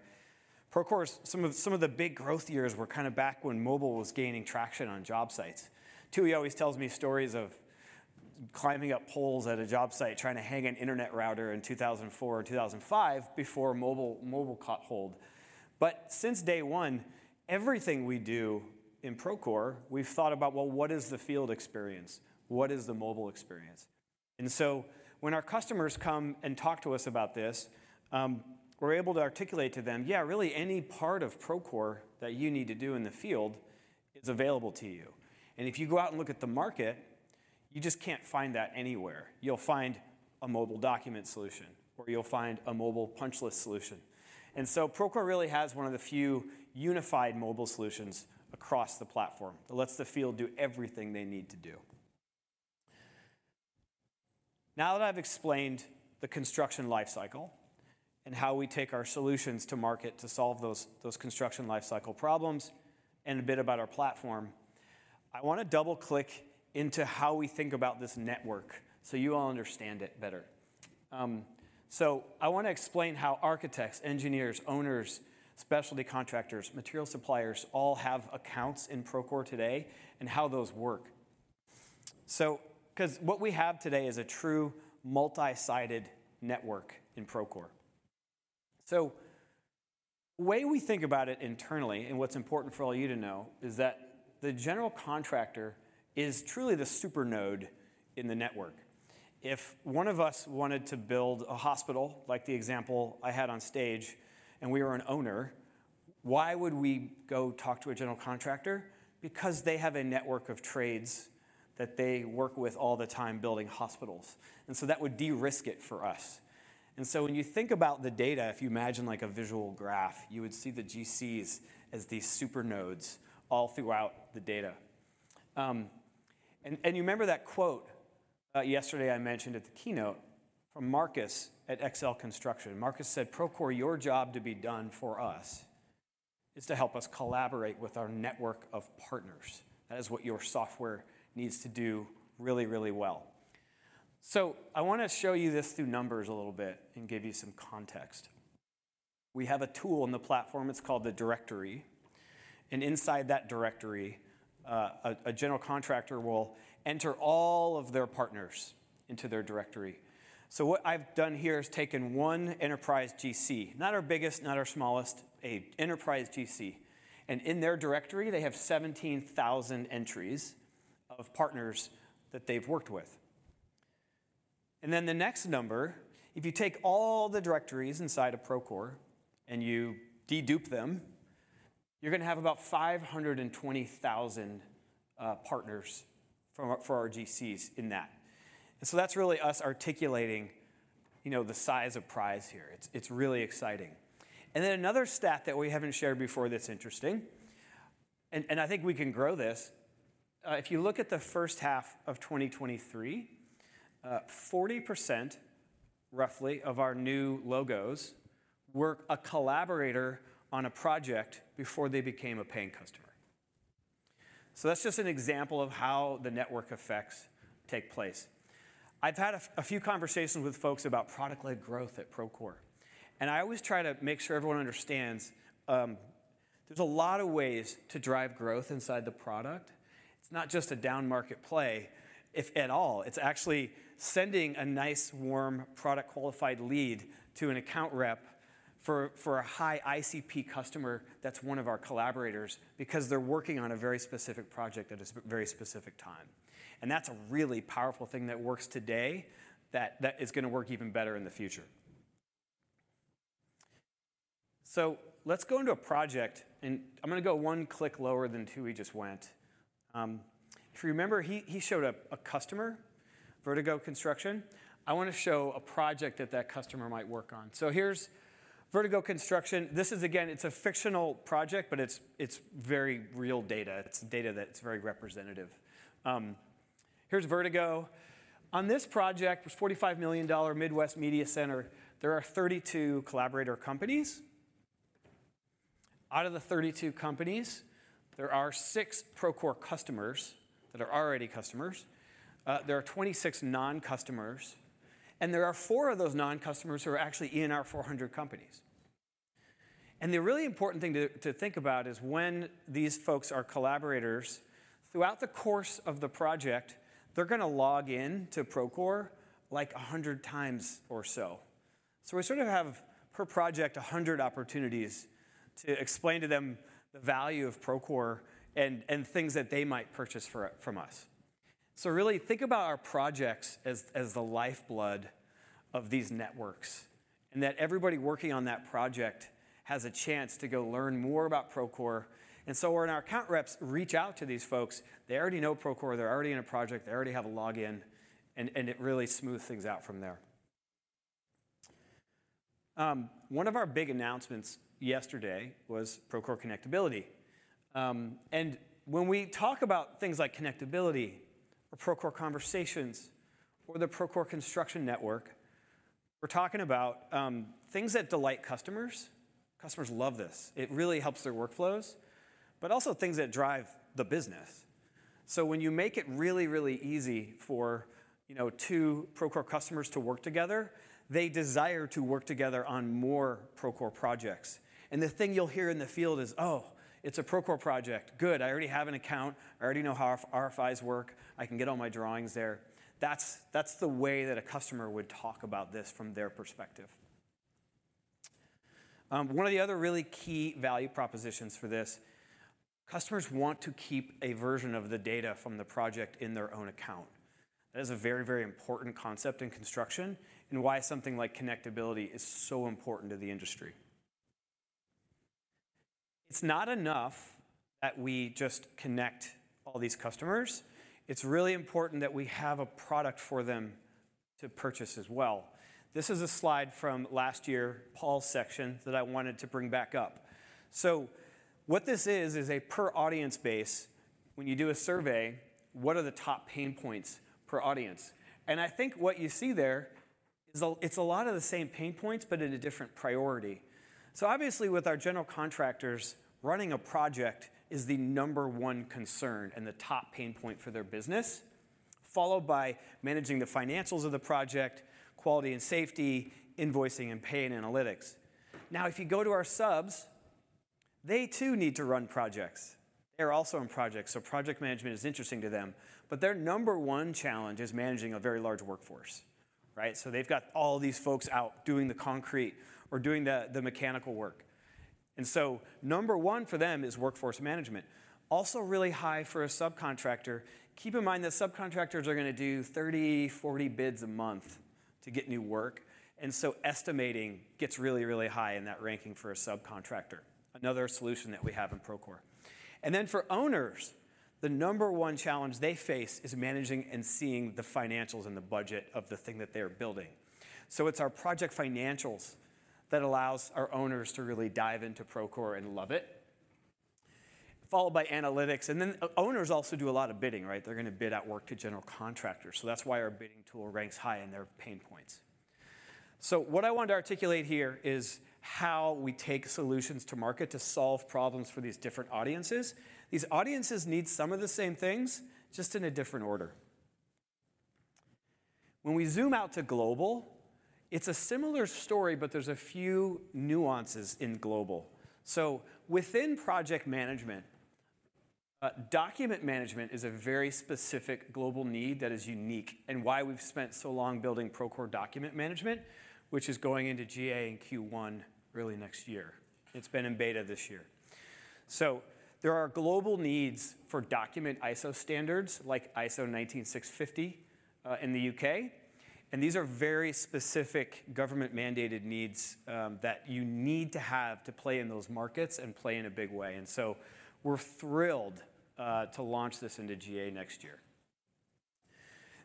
Procore, some of the big growth years were kinda back when mobile was gaining traction on job sites. Tooey always tells me stories of climbing up poles at a job site, trying to hang an internet router in 2004 or 2005, before mobile, mobile caught hold. Well, since day one, everything we do in Procore, we've thought about, well, what is the field experience? What is the mobile experience? When our customers come and talk to us about this, you know, we're able to articulate to them, "Yeah, really any part of Procore that you need to do in the field is available to you." If you go out and look at the market, you just can't find that anywhere. You'll find a mobile document solution, or you'll find a mobile punch list solution. Procore really has one of the few unified mobile solutions across the platform that lets the field do everything they need to do. Now that I've explained the construction life cycle and how we take our solutions to market to solve those construction life cycle problems, and a bit about our platform... I wanna double-click into how we think about this network, so you all understand it better. I wanna explain how architects, engineers, owners, specialty contractors, material suppliers, all have accounts in Procore today, and how those work. 'Cause what we have today is a true multi-sided network in Procore. The way we think about it internally, and what's important for all of you to know, is that the general contractor is truly the supernode in the network. If one of us wanted to build a hospital, like the example I had on stage, and we were an owner, why would we go talk to a general contractor? Because they have a network of trades that they work with all the time building hospitals, and so that would de-risk it for us. And so when you think about the data, if you imagine like a visual graph, you would see the GCs as these supernodes all throughout the data. You remember that quote yesterday I mentioned at the keynote from Marcus at XL Construction. Marcus said, "Procore, your job to be done for us, is to help us collaborate with our network of partners. That is what your software needs to do really, really well." So I wanna show you this through numbers a little bit and give you some context. We have a tool on the platform, it's called the Directory, and inside that Directory, a general contractor will enter all of their partners into their Directory. So what I've done here is taken one enterprise GC, not our biggest, not our smallest, an enterprise GC, and in their Directory, they have 17,000 entries of partners that they've worked with. And then the next number, if you take all the directories inside of Procore and you dedupe them, you're gonna have about 520,000 partners from, for our GCs in that. And so that's really us articulating, you know, the size of prize here. It's, it's really exciting. And then another stat that we haven't shared before that's interesting, and, and I think we can grow this, if you look at the first half of 2023, 40%, roughly, of our new logos were a collaborator on a project before they became a paying customer. So that's just an example of how the network effects take place. I've had a few conversations with folks about product-led growth at Procore, and I always try to make sure everyone understands, there's a lot of ways to drive growth inside the product. It's not just a downmarket play, if at all. It's actually sending a nice, warm, product-qualified lead to an account rep for a high ICP customer that's one of our collaborators, because they're working on a very specific project at a very specific time. And that's a really powerful thing that works today, that is gonna work even better in the future. So let's go into a project, and I'm gonna go one click lower than Tooey just went. If you remember, he showed a customer, Vertigo Construction. I wanna show a project that that customer might work on. So here's Vertigo Construction. This is, again, it's a fictional project, but it's very real data. It's data that's very representative. Here's Vertigo. On this project, this $45 million Midwest Media Center, there are 32 collaborator companies. Out of the 32 companies, there are six Procore customers that are already customers, there are 26 non-customers, and there are four of those non-customers who are actually in our 400 companies. And the really important thing to think about is when these folks are collaborators, throughout the course of the project, they're gonna log in to Procore, like, 100 times or so. So we sort of have, per project, 100 opportunities to explain to them the value of Procore and things that they might purchase from us. So really, think about our projects as the lifeblood of these networks, and that everybody working on that project has a chance to go learn more about Procore. And so when our account reps reach out to these folks, they already know Procore, they're already in a project, they already have a login, and it really smooths things out from there. One of our big announcements yesterday was Procore Connectability. When we talk about things like connectability or Procore Conversations or the Procore Construction Network, we're talking about things that delight customers. Customers love this. It really helps their workflows, but also things that drive the business. So when you make it really, really easy for, you know, two Procore customers to work together, they desire to work together on more Procore projects. The thing you'll hear in the field is: "Oh, it's a Procore project. Good, I already have an account. I already know how RFIs work. I can get all my drawings there." That's, that's the way that a customer would talk about this from their perspective. One of the other really key value propositions for this, customers want to keep a version of the data from the project in their own account. That is a very, very important concept in construction and why something like connectivity is so important to the industry. It's not enough that we just connect all these customers. It's really important that we have a product for them to purchase as well. This is a slide from last year, Paul's section, that I wanted to bring back up. So what this is, is a per audience base. When you do a survey, what are the top pain points per audience? And I think what you see there. So it's a lot of the same pain points, but at a different priority. So obviously, with our general contractors, running a project is the number one concern and the top pain point for their business, followed by managing the financials of the project, quality and safety, invoicing and paying, analytics. Now, if you go to our subs, they too need to run projects. They're also on projects, so project management is interesting to them, but their number one challenge is managing a very large workforce, right? So they've got all these folks out doing the concrete or doing the mechanical work. And so number one for them is Workforce Management. Also, really high for a subcontractor. Keep in mind that subcontractors are gonna do 30, 40 bids a month to get new work, and so estimating gets really, really high in that ranking for a subcontractor, another solution that we have in Procore. And then for owners, the number one challenge they face is managing and seeing the financials and the budget of the thing that they are building. So it's our Project Financials that allows our owners to really dive into Procore and love it, followed by analytics. And then, owners also do a lot of bidding, right? They're gonna bid out work to general contractors, so that's why our bidding tool ranks high in their pain points. So what I want to articulate here is how we take solutions to market to solve problems for these different audiences. These audiences need some of the same things, just in a different order. When we zoom out to global, it's a similar story, but there's a few nuances in global. So within project management, document management is a very specific global need that is unique and why we've spent so long building Procore Document Management, which is going into GA in Q1, early next year. It's been in beta this year. So there are global needs for document ISO standards, like ISO 19650, in the U.K., and these are very specific government-mandated needs that you need to have to play in those markets and play in a big way, and so we're thrilled to launch this into GA next year.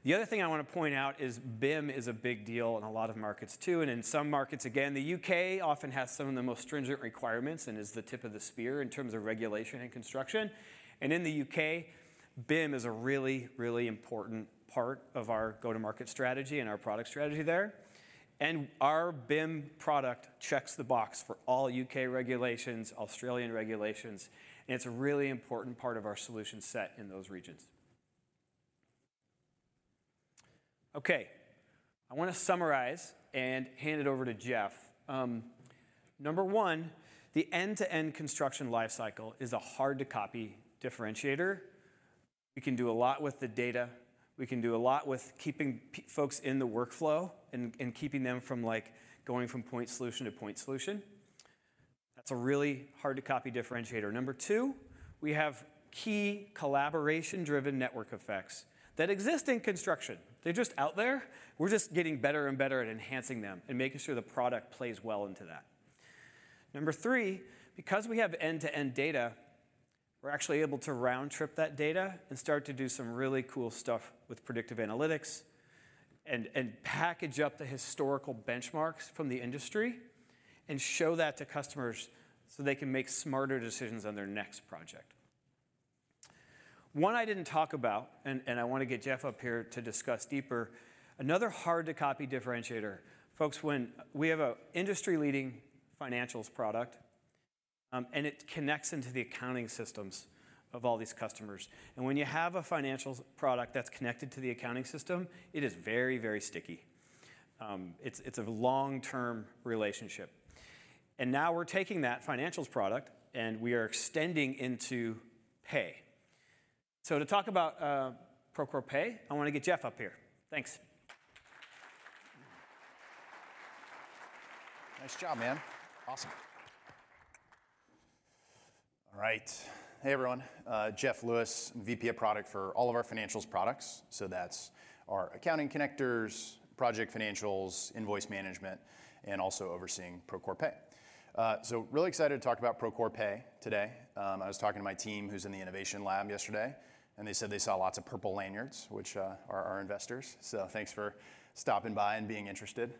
The other thing I wanna point out is BIM is a big deal in a lot of markets, too, and in some markets, again, the U.K. often has some of the most stringent requirements and is the tip of the spear in terms of regulation and construction. And in the U.K., BIM is a really, really important part of our go-to-market strategy and our product strategy there. And our BIM product checks the box for all U.K. regulations, Australian regulations, and it's a really important part of our solution set in those regions. Okay, I wanna summarize and hand it over to Jeff. Number one, the end-to-end construction lifecycle is a hard-to-copy differentiator. We can do a lot with the data. We can do a lot with keeping folks in the workflow and keeping them from, like, going from point solution to point solution. That's a really hard-to-copy differentiator. Number 2, we have key collaboration-driven network effects that exist in construction. They're just out there. We're just getting better and better at enhancing them and making sure the product plays well into that. Number 3, because we have end-to-end data, we're actually able to round-trip that data and start to do some really cool stuff with predictive analytics and package up the historical benchmarks from the industry and show that to customers, so they can make smarter decisions on their next project. One I didn't talk about, I wanna get Jeff up here to discuss deeper, another hard-to-copy differentiator. Folks, we have an industry-leading financials product, and it connects into the accounting systems of all these customers. And when you have a financials product that's connected to the accounting system, it is very, very sticky. It's a long-term relationship. Now we're taking that financials product, and we are extending into pay. To talk about Procore Pay, I wanna get Jeff up here. Thanks. Nice job, man. Awesome. All right. Hey, everyone, Jeff Lewis, I'm VP of Product for all of our financials products, so that's our accounting connectors, Project Financials, Invoice Management, and also overseeing Procore Pay. So really excited to talk about Procore Pay today. I was talking to my team, who's in the Innovation Lab yesterday, and they said they saw lots of purple lanyards, which are our investors, so thanks for stopping by and being interested.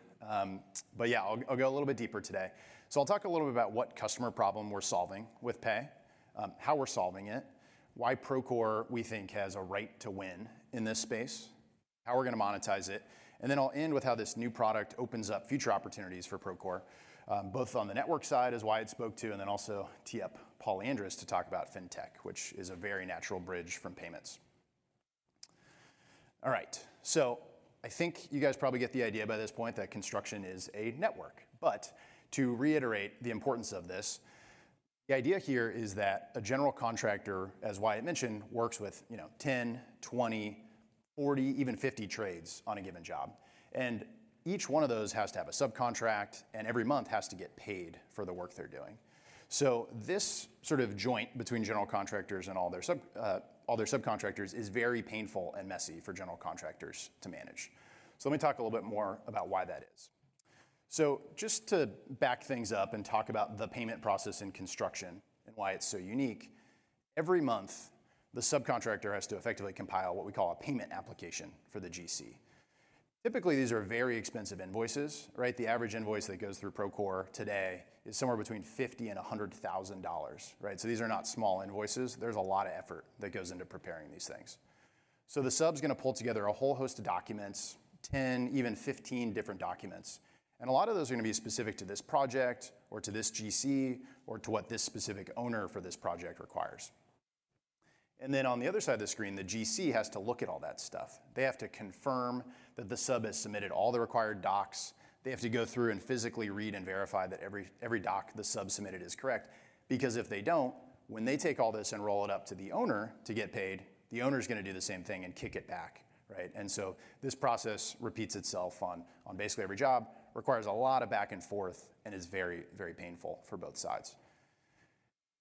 But yeah, I'll, I'll go a little bit deeper today. So I'll talk a little bit about what customer problem we're solving with Pay, how we're solving it, why Procore, we think, has a right to win in this space, how we're gonna monetize it, and then I'll end with how this new product opens up future opportunities for Procore, both on the network side, as Wyatt spoke to, and then also tee up Paul Lyandres to talk about fintech, which is a very natural bridge from payments. All right, so I think you guys probably get the idea by this point that construction is a network, but to reiterate the importance of this, the idea here is that a general contractor, as Wyatt mentioned, works with, you know, 10, 20, 40, even 50 trades on a given job, and each one of those has to have a subcontract and every month has to get paid for the work they're doing. So this sort of joint between general contractors and all their sub, all their subcontractors, is very painful and messy for general contractors to manage. So let me talk a little bit more about why that is. So just to back things up and talk about the payment process in construction and why it's so unique, every month, the subcontractor has to effectively compile what we call a payment application for the GC. Typically, these are very expensive invoices, right? The average invoice that goes through Procore today is somewhere between $50,000 and $100,000, right? So these are not small invoices. There's a lot of effort that goes into preparing these things.... So the sub's gonna pull together a whole host of documents, 10, even 15 different documents, and a lot of those are gonna be specific to this project or to this GC or to what this specific owner for this project requires. And then on the other side of the screen, the GC has to look at all that stuff. They have to confirm that the sub has submitted all the required docs. They have to go through and physically read and verify that every, every doc the sub submitted is correct, because if they don't, when they take all this and roll it up to the owner to get paid, the owner's gonna do the same thing and kick it back, right? And so this process repeats itself on, on basically every job, requires a lot of back and forth and is very, very painful for both sides.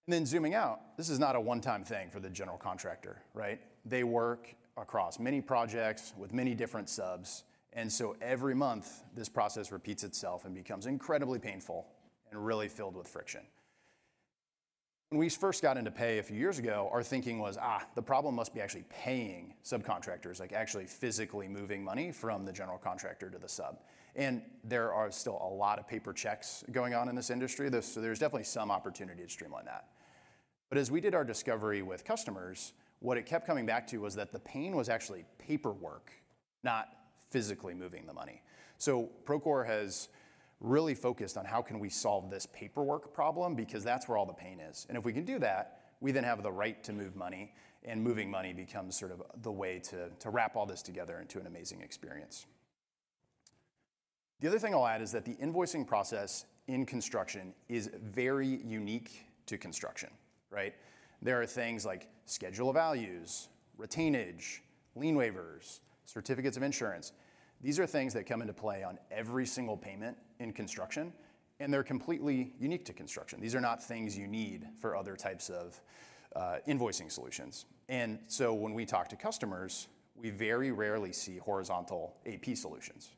And then zooming out, this is not a one-time thing for the general contractor, right? They work across many projects with many different subs, and so every month this process repeats itself and becomes incredibly painful and really filled with friction. When we first got into Pay a few years ago, our thinking was, "Ah, the problem must be actually paying subcontractors, like actually physically moving money from the general contractor to the sub." And there are still a lot of paper checks going on in this industry, so there's definitely some opportunity to streamline that. But as we did our discovery with customers, what it kept coming back to was that the pain was actually paperwork, not physically moving the money. So Procore has really focused on how can we solve this paperwork problem, because that's where all the pain is. And if we can do that, we then have the right to move money, and moving money becomes sort of the way to, to wrap all this together into an amazing experience. The other thing I'll add is that the invoicing process in construction is very unique to construction, right? There are things like Schedule of Values, retainage, lien waivers, certificates of insurance. These are things that come into play on every single payment in construction, and they're completely unique to construction. These are not things you need for other types of invoicing solutions. And so when we talk to customers, we very rarely see horizontal AP solutions,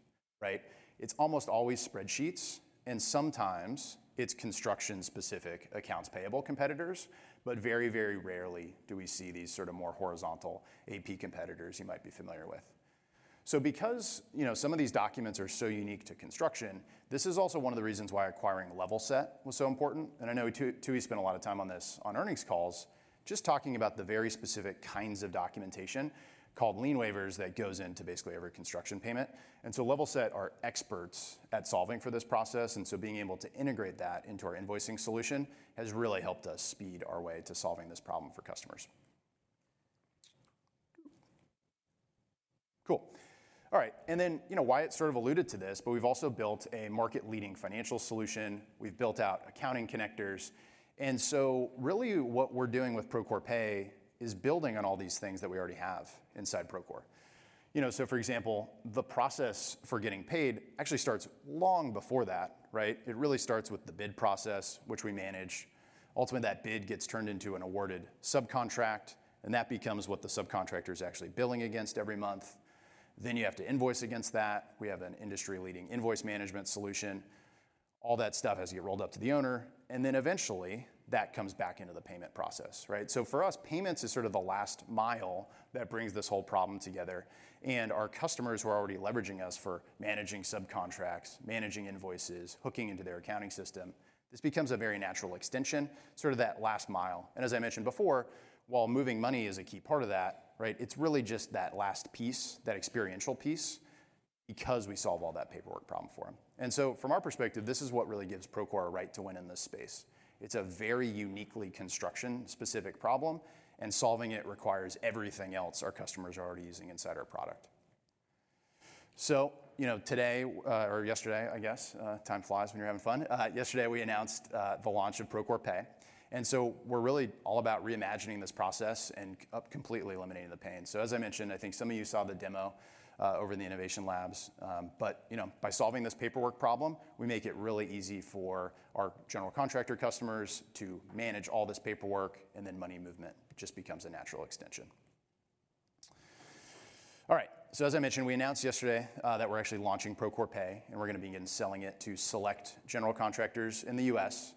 right? It's almost always spreadsheets, and sometimes it's construction-specific accounts payable competitors, but very, very rarely do we see these sort of more horizontal AP competitors you might be familiar with. So because, you know, some of these documents are so unique to construction, this is also one of the reasons why acquiring Levelset was so important. I know Tooey spent a lot of time on this on earnings calls, just talking about the very specific kinds of documentation, called lien waivers, that goes into basically every construction payment. And so Levelset are experts at solving for this process, and so being able to integrate that into our invoicing solution has really helped us speed our way to solving this problem for customers. Cool. All right, and then, you know, Wyatt sort of alluded to this, but we've also built a market-leading financial solution. We've built out accounting connectors, and so really what we're doing with Procore Pay is building on all these things that we already have inside Procore. You know, so for example, the process for getting paid actually starts long before that, right? It really starts with the bid process, which we manage. Ultimately, that bid gets turned into an awarded subcontract, and that becomes what the subcontractor's actually billing against every month. Then you have to invoice against that. We have an industry-leading Invoice Management solution. All that stuff has to get rolled up to the owner, and then eventually, that comes back into the payment process, right? So for us, payments is sort of the last mile that brings this whole problem together, and our customers who are already leveraging us for managing subcontracts, managing invoices, hooking into their accounting system, this becomes a very natural extension, sort of that last mile. And as I mentioned before, while moving money is a key part of that, right, it's really just that last piece, that experiential piece, because we solve all that paperwork problem for them. And so from our perspective, this is what really gives Procore a right to win in this space. It's a very uniquely construction-specific problem, and solving it requires everything else our customers are already using inside our product. So, you know, today, or yesterday, I guess, time flies when you're having fun. Yesterday, we announced the launch of Procore Pay, and so we're really all about reimagining this process and completely eliminating the pain. So, as I mentioned, I think some of you saw the demo over in the Innovation Labs. But, you know, by solving this paperwork problem, we make it really easy for our general contractor customers to manage all this paperwork, and then money movement just becomes a natural extension. All right, so as I mentioned, we announced yesterday that we're actually launching Procore Pay, and we're gonna begin selling it to select general contractors in the U.S.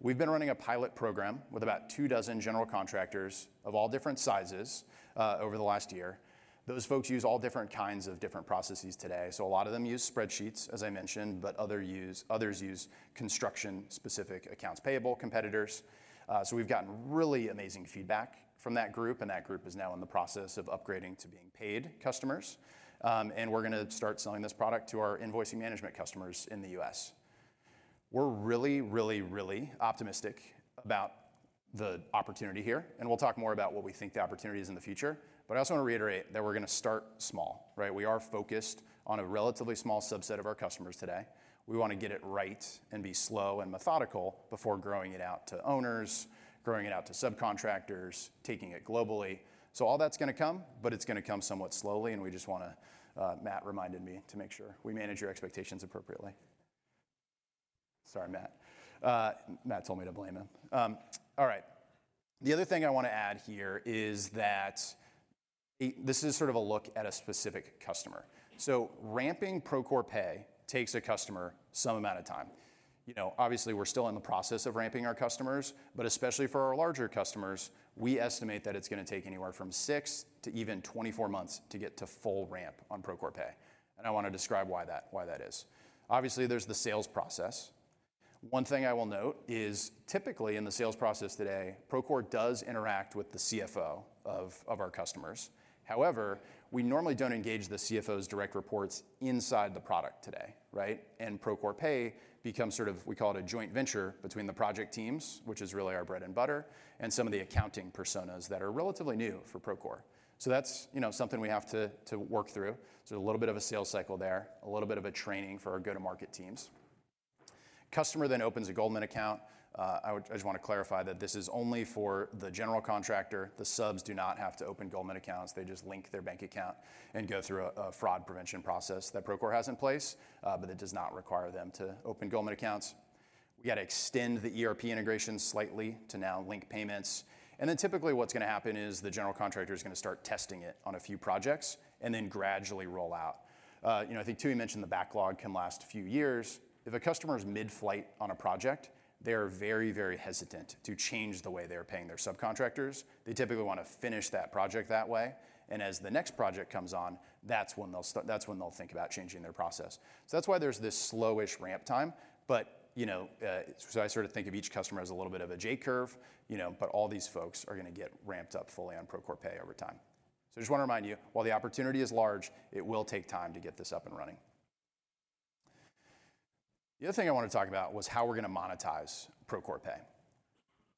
We've been running a pilot program with about 24 general contractors of all different sizes over the last year. Those folks use all different kinds of different processes today. So a lot of them use spreadsheets, as I mentioned, but others use construction-specific accounts payable competitors. So we've gotten really amazing feedback from that group, and that group is now in the process of upgrading to being paid customers. And we're gonna start selling this product to our invoicing management customers in the U.S. We're really, really, really optimistic about the opportunity here, and we'll talk more about what we think the opportunity is in the future. But I also want to reiterate that we're gonna start small, right? We are focused on a relatively small subset of our customers today. We wanna get it right and be slow and methodical before growing it out to owners, growing it out to subcontractors, taking it globally. So all that's gonna come, but it's gonna come somewhat slowly, and we just wanna... Matt reminded me to make sure we manage your expectations appropriately. Sorry, Matt. Matt told me to blame him. All right. The other thing I want to add here is that this is sort of a look at a specific customer. So ramping Procore Pay takes a customer some amount of time. You know, obviously, we're still in the process of ramping our customers, but especially for our larger customers, we estimate that it's gonna take anywhere from 6 to even 24 months to get to full ramp on Procore Pay, and I wanna describe why that, why that is. Obviously, there's the sales process. One thing I will note is, typically in the sales process today, Procore does interact with the CFO of, of our customers. However, we normally don't engage the CFO's direct reports inside the product today, right? And Procore Pay becomes sort of, we call it, a joint venture between the project teams, which is really our bread and butter, and some of the accounting personas that are relatively new for Procore. So that's, you know, something we have to, to work through. So a little bit of a sales cycle there, a little bit of a training for our go-to-market teams. Customer then opens a Goldman Sachs account. I just want to clarify that this is only for the general contractor. The subs do not have to open Goldman Sachs accounts. They just link their bank account and go through a fraud prevention process that Procore has in place, but it does not require them to open Goldman Sachs accounts. We've got to extend the ERP integration slightly to now link payments, and then typically what's gonna happen is the general contractor is gonna start testing it on a few projects and then gradually roll out. You know, I think Tooey mentioned the backlog can last a few years. If a customer is mid-flight on a project, they are very, very hesitant to change the way they are paying their subcontractors. They typically want to finish that project that way, and as the next project comes on, that's when they'll start, that's when they'll think about changing their process. So that's why there's this slowish ramp time, but, you know, so I sort of think of each customer as a little bit of a J curve, you know, but all these folks are gonna get ramped up fully on Procore Pay over time. So I just want to remind you, while the opportunity is large, it will take time to get this up and running. The other thing I wanted to talk about was how we're gonna monetize Procore Pay.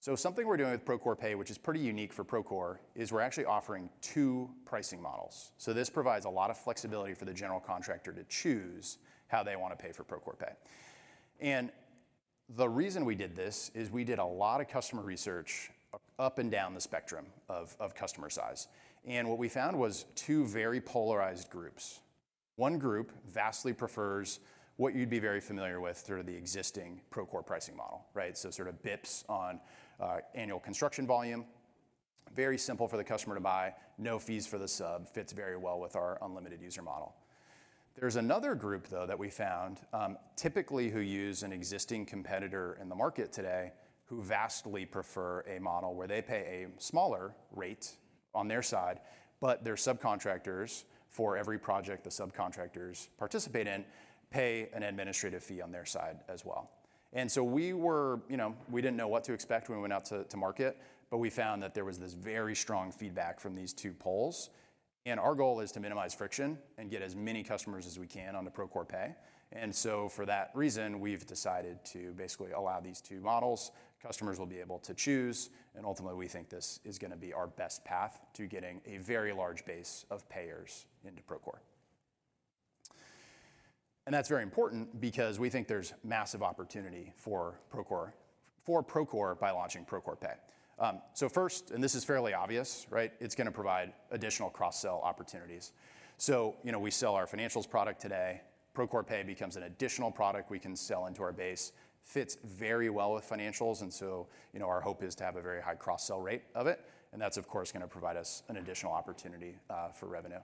So something we're doing with Procore Pay, which is pretty unique for Procore, is we're actually offering two pricing models. So this provides a lot of flexibility for the general contractor to choose how they want to pay for Procore Pay. And the reason we did this is we did a lot of customer research up and down the spectrum of customer size, and what we found was two very polarized groups. One group vastly prefers what you'd be very familiar with through the existing Procore pricing model, right? So sort of bps on annual construction volume. Very simple for the customer to buy. No fees for the sub, fits very well with our unlimited user model. There's another group, though, that we found, typically who use an existing competitor in the market today, who vastly prefer a model where they pay a smaller rate on their side, but their subcontractors, for every project the subcontractors participate in, pay an administrative fee on their side as well. You know, we didn't know what to expect when we went out to market, but we found that there was this very strong feedback from these two poles. And our goal is to minimize friction and get as many customers as we can onto Procore Pay, and so for that reason, we've decided to basically allow these two models. Customers will be able to choose, and ultimately, we think this is gonna be our best path to getting a very large base of payers into Procore. And that's very important because we think there's massive opportunity for Procore, for Procore by launching Procore Pay. So first, and this is fairly obvious, right, it's gonna provide additional cross-sell opportunities. So, you know, we sell our financials product today. Procore Pay becomes an additional product we can sell into our base. Fits very well with financials, and so, you know, our hope is to have a very high cross-sell rate of it, and that's, of course, gonna provide us an additional opportunity for revenue.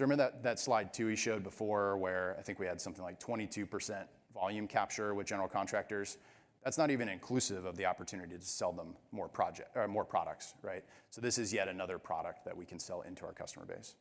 So remember that, that slide, too, we showed before, where I think we had something like 22% volume capture with general contractors? That's not even inclusive of the opportunity to sell them more project, or more products, right? So this is yet another product that we can sell into our customer base.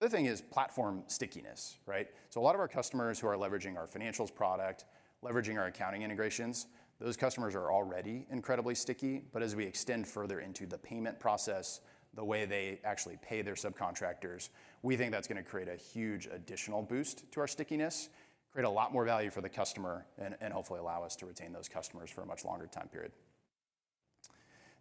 The other thing is platform stickiness, right? So a lot of our customers who are leveraging our financials product, leveraging our accounting integrations, those customers are already incredibly sticky. But as we extend further into the payment process, the way they actually pay their subcontractors, we think that's gonna create a huge additional boost to our stickiness, create a lot more value for the customer, and, and hopefully allow us to retain those customers for a much longer time period.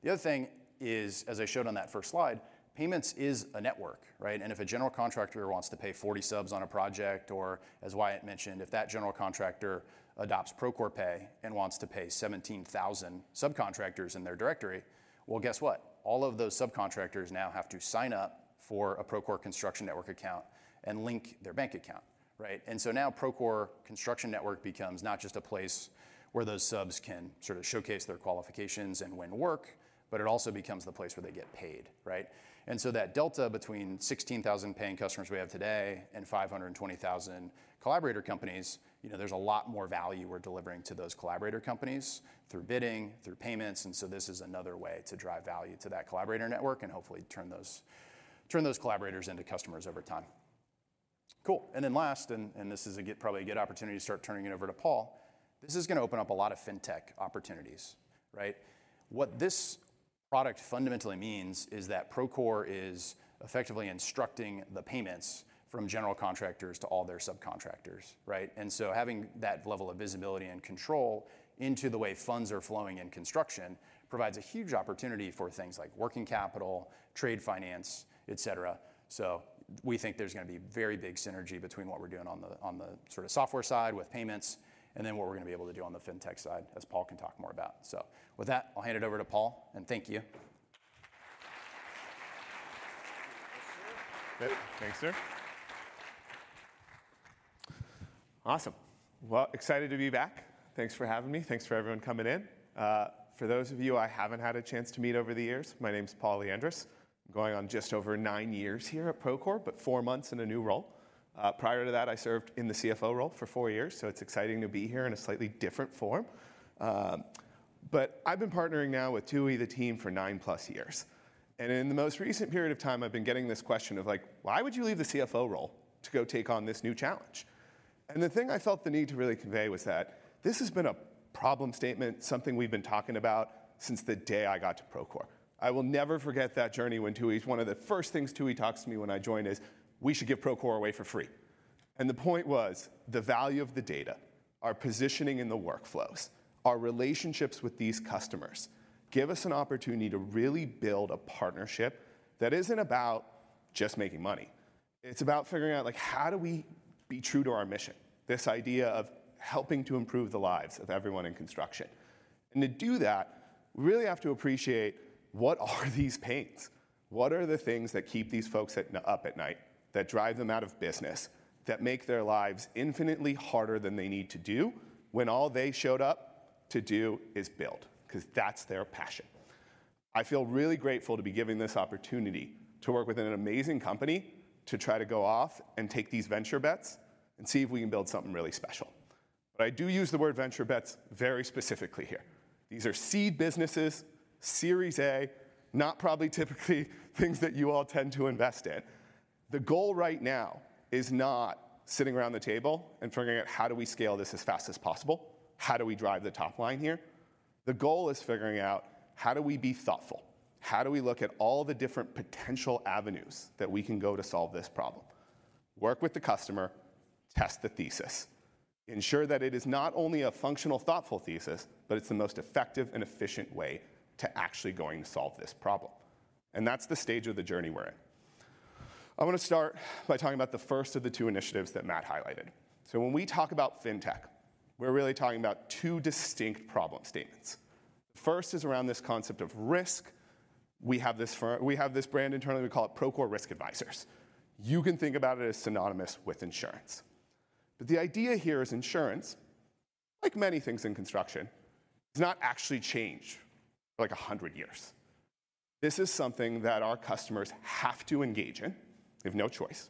The other thing is, as I showed on that first slide, payments is a network, right? And if a general contractor wants to pay 40 subs on a project, or as Wyatt mentioned, if that general contractor adopts Procore Pay and wants to pay 17,000 subcontractors in their Directory, well, guess what? All of those subcontractors now have to sign up for a Procore Construction Network account and link their bank account, right? Now Procore Construction Network becomes not just a place where those subs can sort of showcase their qualifications and win work, but it also becomes the place where they get paid, right? That delta between 16,000 paying customers we have today and 520,000 collaborator companies, you know, there's a lot more value we're delivering to those collaborator companies through bidding, through payments, and so this is another way to drive value to that collaborator network and hopefully turn those, turn those collaborators into customers over time. Cool. Last, and this is a good, probably a good opportunity to start turning it over to Paul. This is gonna open up a lot of fintech opportunities, right? What this product fundamentally means is that Procore is effectively instructing the payments from general contractors to all their subcontractors, right? And so having that level of visibility and control into the way funds are flowing in construction provides a huge opportunity for things like working capital, trade finance, et cetera. So we think there's gonna be very big synergy between what we're doing on the sort of software side with payments and then what we're gonna be able to do on the fintech side, as Paul can talk more about. So with that, I'll hand it over to Paul, and thank you. Thanks, sir. Awesome. Well, excited to be back. Thanks for having me. Thanks for everyone coming in. For those of you I haven't had a chance to meet over the years, my name is Paul Lyandres. I'm going on just over nine years here at Procore, but four months in a new role. Prior to that, I served in the CFO role for four years, so it's exciting to be here in a slightly different form. But I've been partnering now with Tooey, the team, for nine plus years. And in the most recent period of time, I've been getting this question of like: "Why would you leave the CFO role to go take on this new challenge?" And the thing I felt the need to really convey was that this has been a problem statement, something we've been talking about since the day I got to Procore. I will never forget that journey when Tooey, one of the first things Tooey talks to me when I joined is, "We should give Procore away for free." And the point was, the value of the data, our positioning in the workflows, our relationships with these customers, give us an opportunity to really build a partnership that isn't about just making money. It's about figuring out, like, how do we be true to our mission? This idea of helping to improve the lives of everyone in construction. And to do that, we really have to appreciate what are these pains? What are the things that keep these folks up at night, that drive them out of business, that make their lives infinitely harder than they need to do, when all they showed up to do is build? 'Cause that's their passion. I feel really grateful to be given this opportunity to work with an amazing company, to try to go off and take these venture bets and see if we can build something really special. But I do use the word venture bets very specifically here. These are seed businesses, Series A, not probably typically things that you all tend to invest in. The goal right now is not sitting around the table and figuring out how do we scale this as fast as possible? How do we drive the top line here? The goal is figuring out how do we be thoughtful? How do we look at all the different potential avenues that we can go to solve this problem, work with the customer, test the thesis, ensure that it is not only a functional, thoughtful thesis, but it's the most effective and efficient way to actually going to solve this problem. That's the stage of the journey we're in. I wanna start by talking about the first of the two initiatives that Matt highlighted. So when we talk about fintech, we're really talking about two distinct problem statements. First is around this concept of risk. We have this brand internally, we call it Procore Risk Advisors. You can think about it as synonymous with insurance. But the idea here is insurance, like many things in construction, has not actually changed for, like, 100 years. This is something that our customers have to engage in. They have no choice.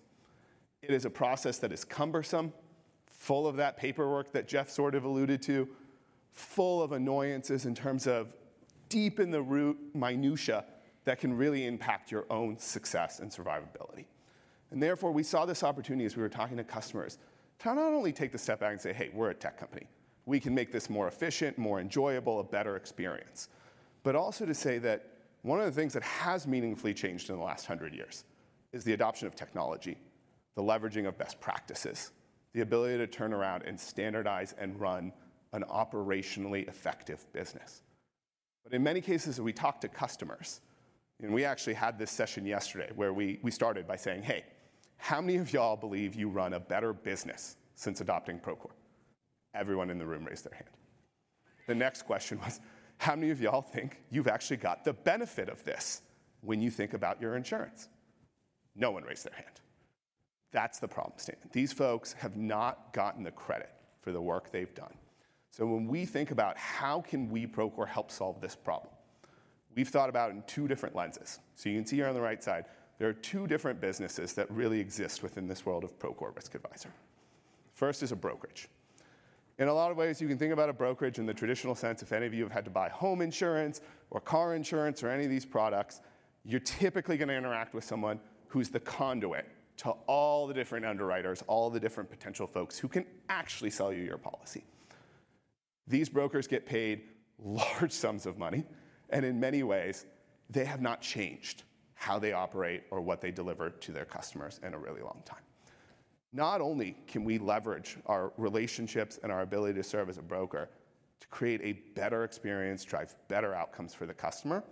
It is a process that is cumbersome, full of that paperwork that Jeff sort of alluded to, full of annoyances in terms of deep in the root minutia that can really impact your own success and survivability. And therefore, we saw this opportunity as we were talking to customers, to not only take the step back and say, "Hey, we're a tech company. We can make this more efficient, more enjoyable, a better experience," but also to say that one of the things that has meaningfully changed in the last hundred years is the adoption of technology, the leveraging of best practices, the ability to turn around and standardize and run an operationally effective business. But in many cases, we talked to customers, and we actually had this session yesterday, where we, we started by saying: "Hey, how many of y'all believe you run a better business since adopting Procore?" Everyone in the room raised their hand. The next question was: "How many of y'all think you've actually got the benefit of this when you think about your insurance?" No one raised their hand. That's the problem statement. These folks have not gotten the credit for the work they've done. So when we think about how can we, Procore, help solve this problem, we've thought about it in two different lenses. So you can see here on the right side, there are two different businesses that really exist within this world of Procore Risk Advisors. First is a brokerage. In a lot of ways, you can think about a brokerage in the traditional sense. If any of you have had to buy home insurance or car insurance or any of these products, you're typically gonna interact with someone who's the conduit to all the different underwriters, all the different potential folks who can actually sell you your policy. These brokers get paid large sums of money, and in many ways, they have not changed how they operate or what they deliver to their customers in a really long time. Not only can we leverage our relationships and our ability to serve as a broker to create a better experience, drive better outcomes for the customer,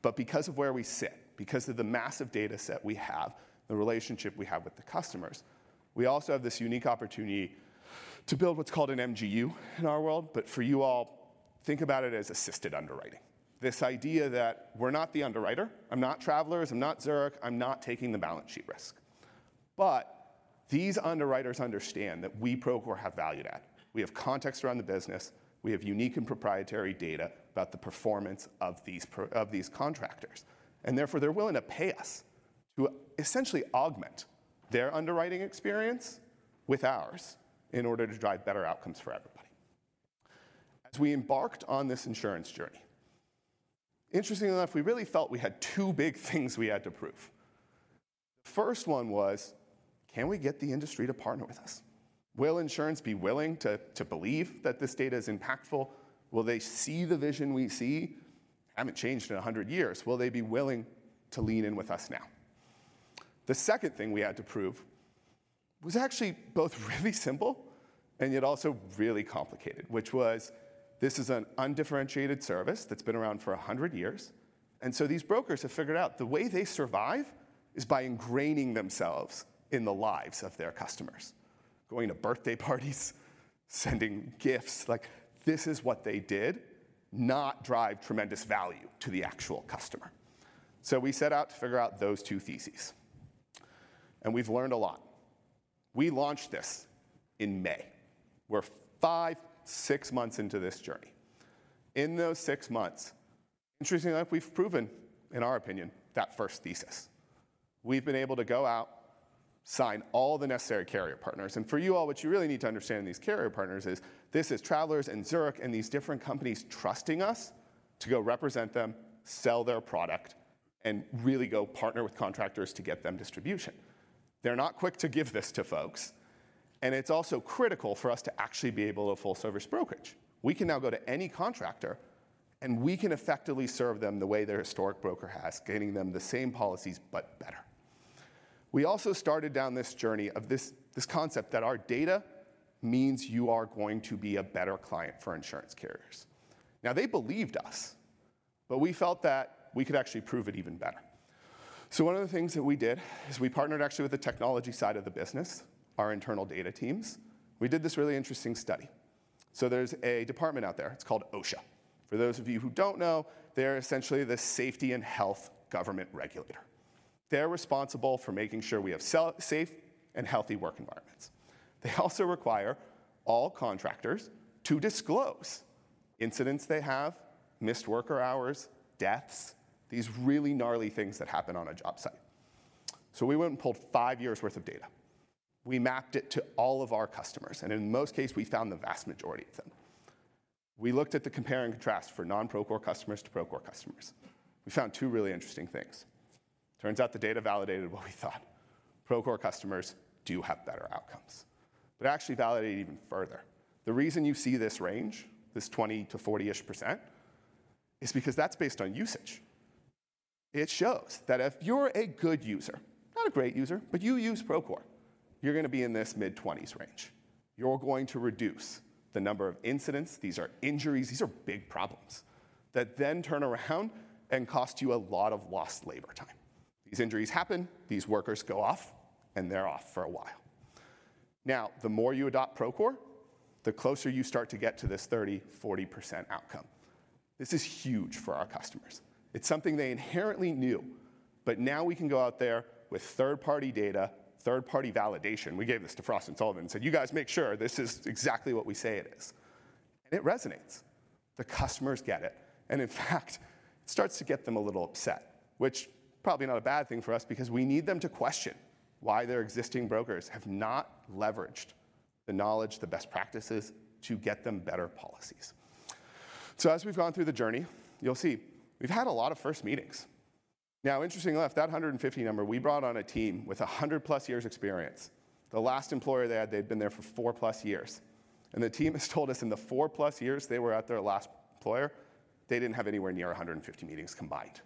but because of where we sit, because of the massive data set we have, the relationship we have with the customers, we also have this unique opportunity to build what's called an MGU in our world, but for you all, think about it as assisted underwriting. This idea that we're not the underwriter, I'm not Travelers, I'm not Zurich, I'm not taking the balance sheet risk. But these underwriters understand that we, Procore, have value to add. We have context around the business. We have unique and proprietary data about the performance of these of these contractors, and therefore, they're willing to pay us to essentially augment their underwriting experience with ours in order to drive better outcomes for everybody. As we embarked on this insurance journey, interestingly enough, we really felt we had two big things we had to prove. First one was, can we get the industry to partner with us? Will insurance be willing to, to believe that this data is impactful? Will they see the vision we see? Haven't changed in a hundred years. Will they be willing to lean in with us now? The second thing we had to prove was actually both really simple and yet also really complicated, which was, this is an undifferentiated service that's been around for 100 years, and so these brokers have figured out the way they survive is by ingraining themselves in the lives of their customers, going to birthday parties, sending gifts. Like, this is what they did, not drive tremendous value to the actual customer. So we set out to figure out those two theses, and we've learned a lot. We launched this in May. We're five, six months into this journey. In those six months, interestingly enough, we've proven, in our opinion, that first thesis. We've been able to go out... sign all the necessary carrier partners. For you all, what you really need to understand these carrier partners is, this is Travelers and Zurich and these different companies trusting us to go represent them, sell their product, and really go partner with contractors to get them distribution. They're not quick to give this to folks, and it's also critical for us to actually be able to full service brokerage. We can now go to any contractor, and we can effectively serve them the way their historic broker has, getting them the same policies, but better. We also started down this journey of this concept that our data means you are going to be a better client for insurance carriers. Now, they believed us, but we felt that we could actually prove it even better. So one of the things that we did is we partnered actually with the technology side of the business, our internal data teams. We did this really interesting study. So there's a department out there, it's called OSHA. For those of you who don't know, they're essentially the safety and health government regulator. They're responsible for making sure we have safe and healthy work environments. They also require all contractors to disclose incidents they have, missed worker hours, deaths, these really gnarly things that happen on a job site. So we went and pulled five years' worth of data. We mapped it to all of our customers, and in most cases, we found the vast majority of them. We looked at the compare and contrast for non-Procore customers to Procore customers. We found two really interesting things. Turns out the data validated what we thought: Procore customers do have better outcomes, but actually validated even further. The reason you see this range, this 20%-40%-ish, is because that's based on usage. It shows that if you're a good user, not a great user, but you use Procore, you're gonna be in this mid-20s range. You're going to reduce the number of incidents. These are injuries. These are big problems that then turn around and cost you a lot of lost labor time. These injuries happen, these workers go off, and they're off for a while. Now, the more you adopt Procore, the closer you start to get to this 30%, 40% outcome. This is huge for our customers. It's something they inherently knew, but now we can go out there with third-party data, third-party validation. We gave this to Frost & Sullivan and said, "You guys make sure this is exactly what we say it is." It resonates. The customers get it, and in fact, it starts to get them a little upset, which probably not a bad thing for us because we need them to question why their existing brokers have not leveraged the knowledge, the best practices to get them better policies. As we've gone through the journey, you'll see we've had a lot of first meetings. Now, interesting enough, that 150 number, we brought on a team with 100+ years experience. The last employer they had, they'd been there for 4+ years, and the team has told us in the 4+ years they were at their last employer, they didn't have anywhere near 150 meetings combined.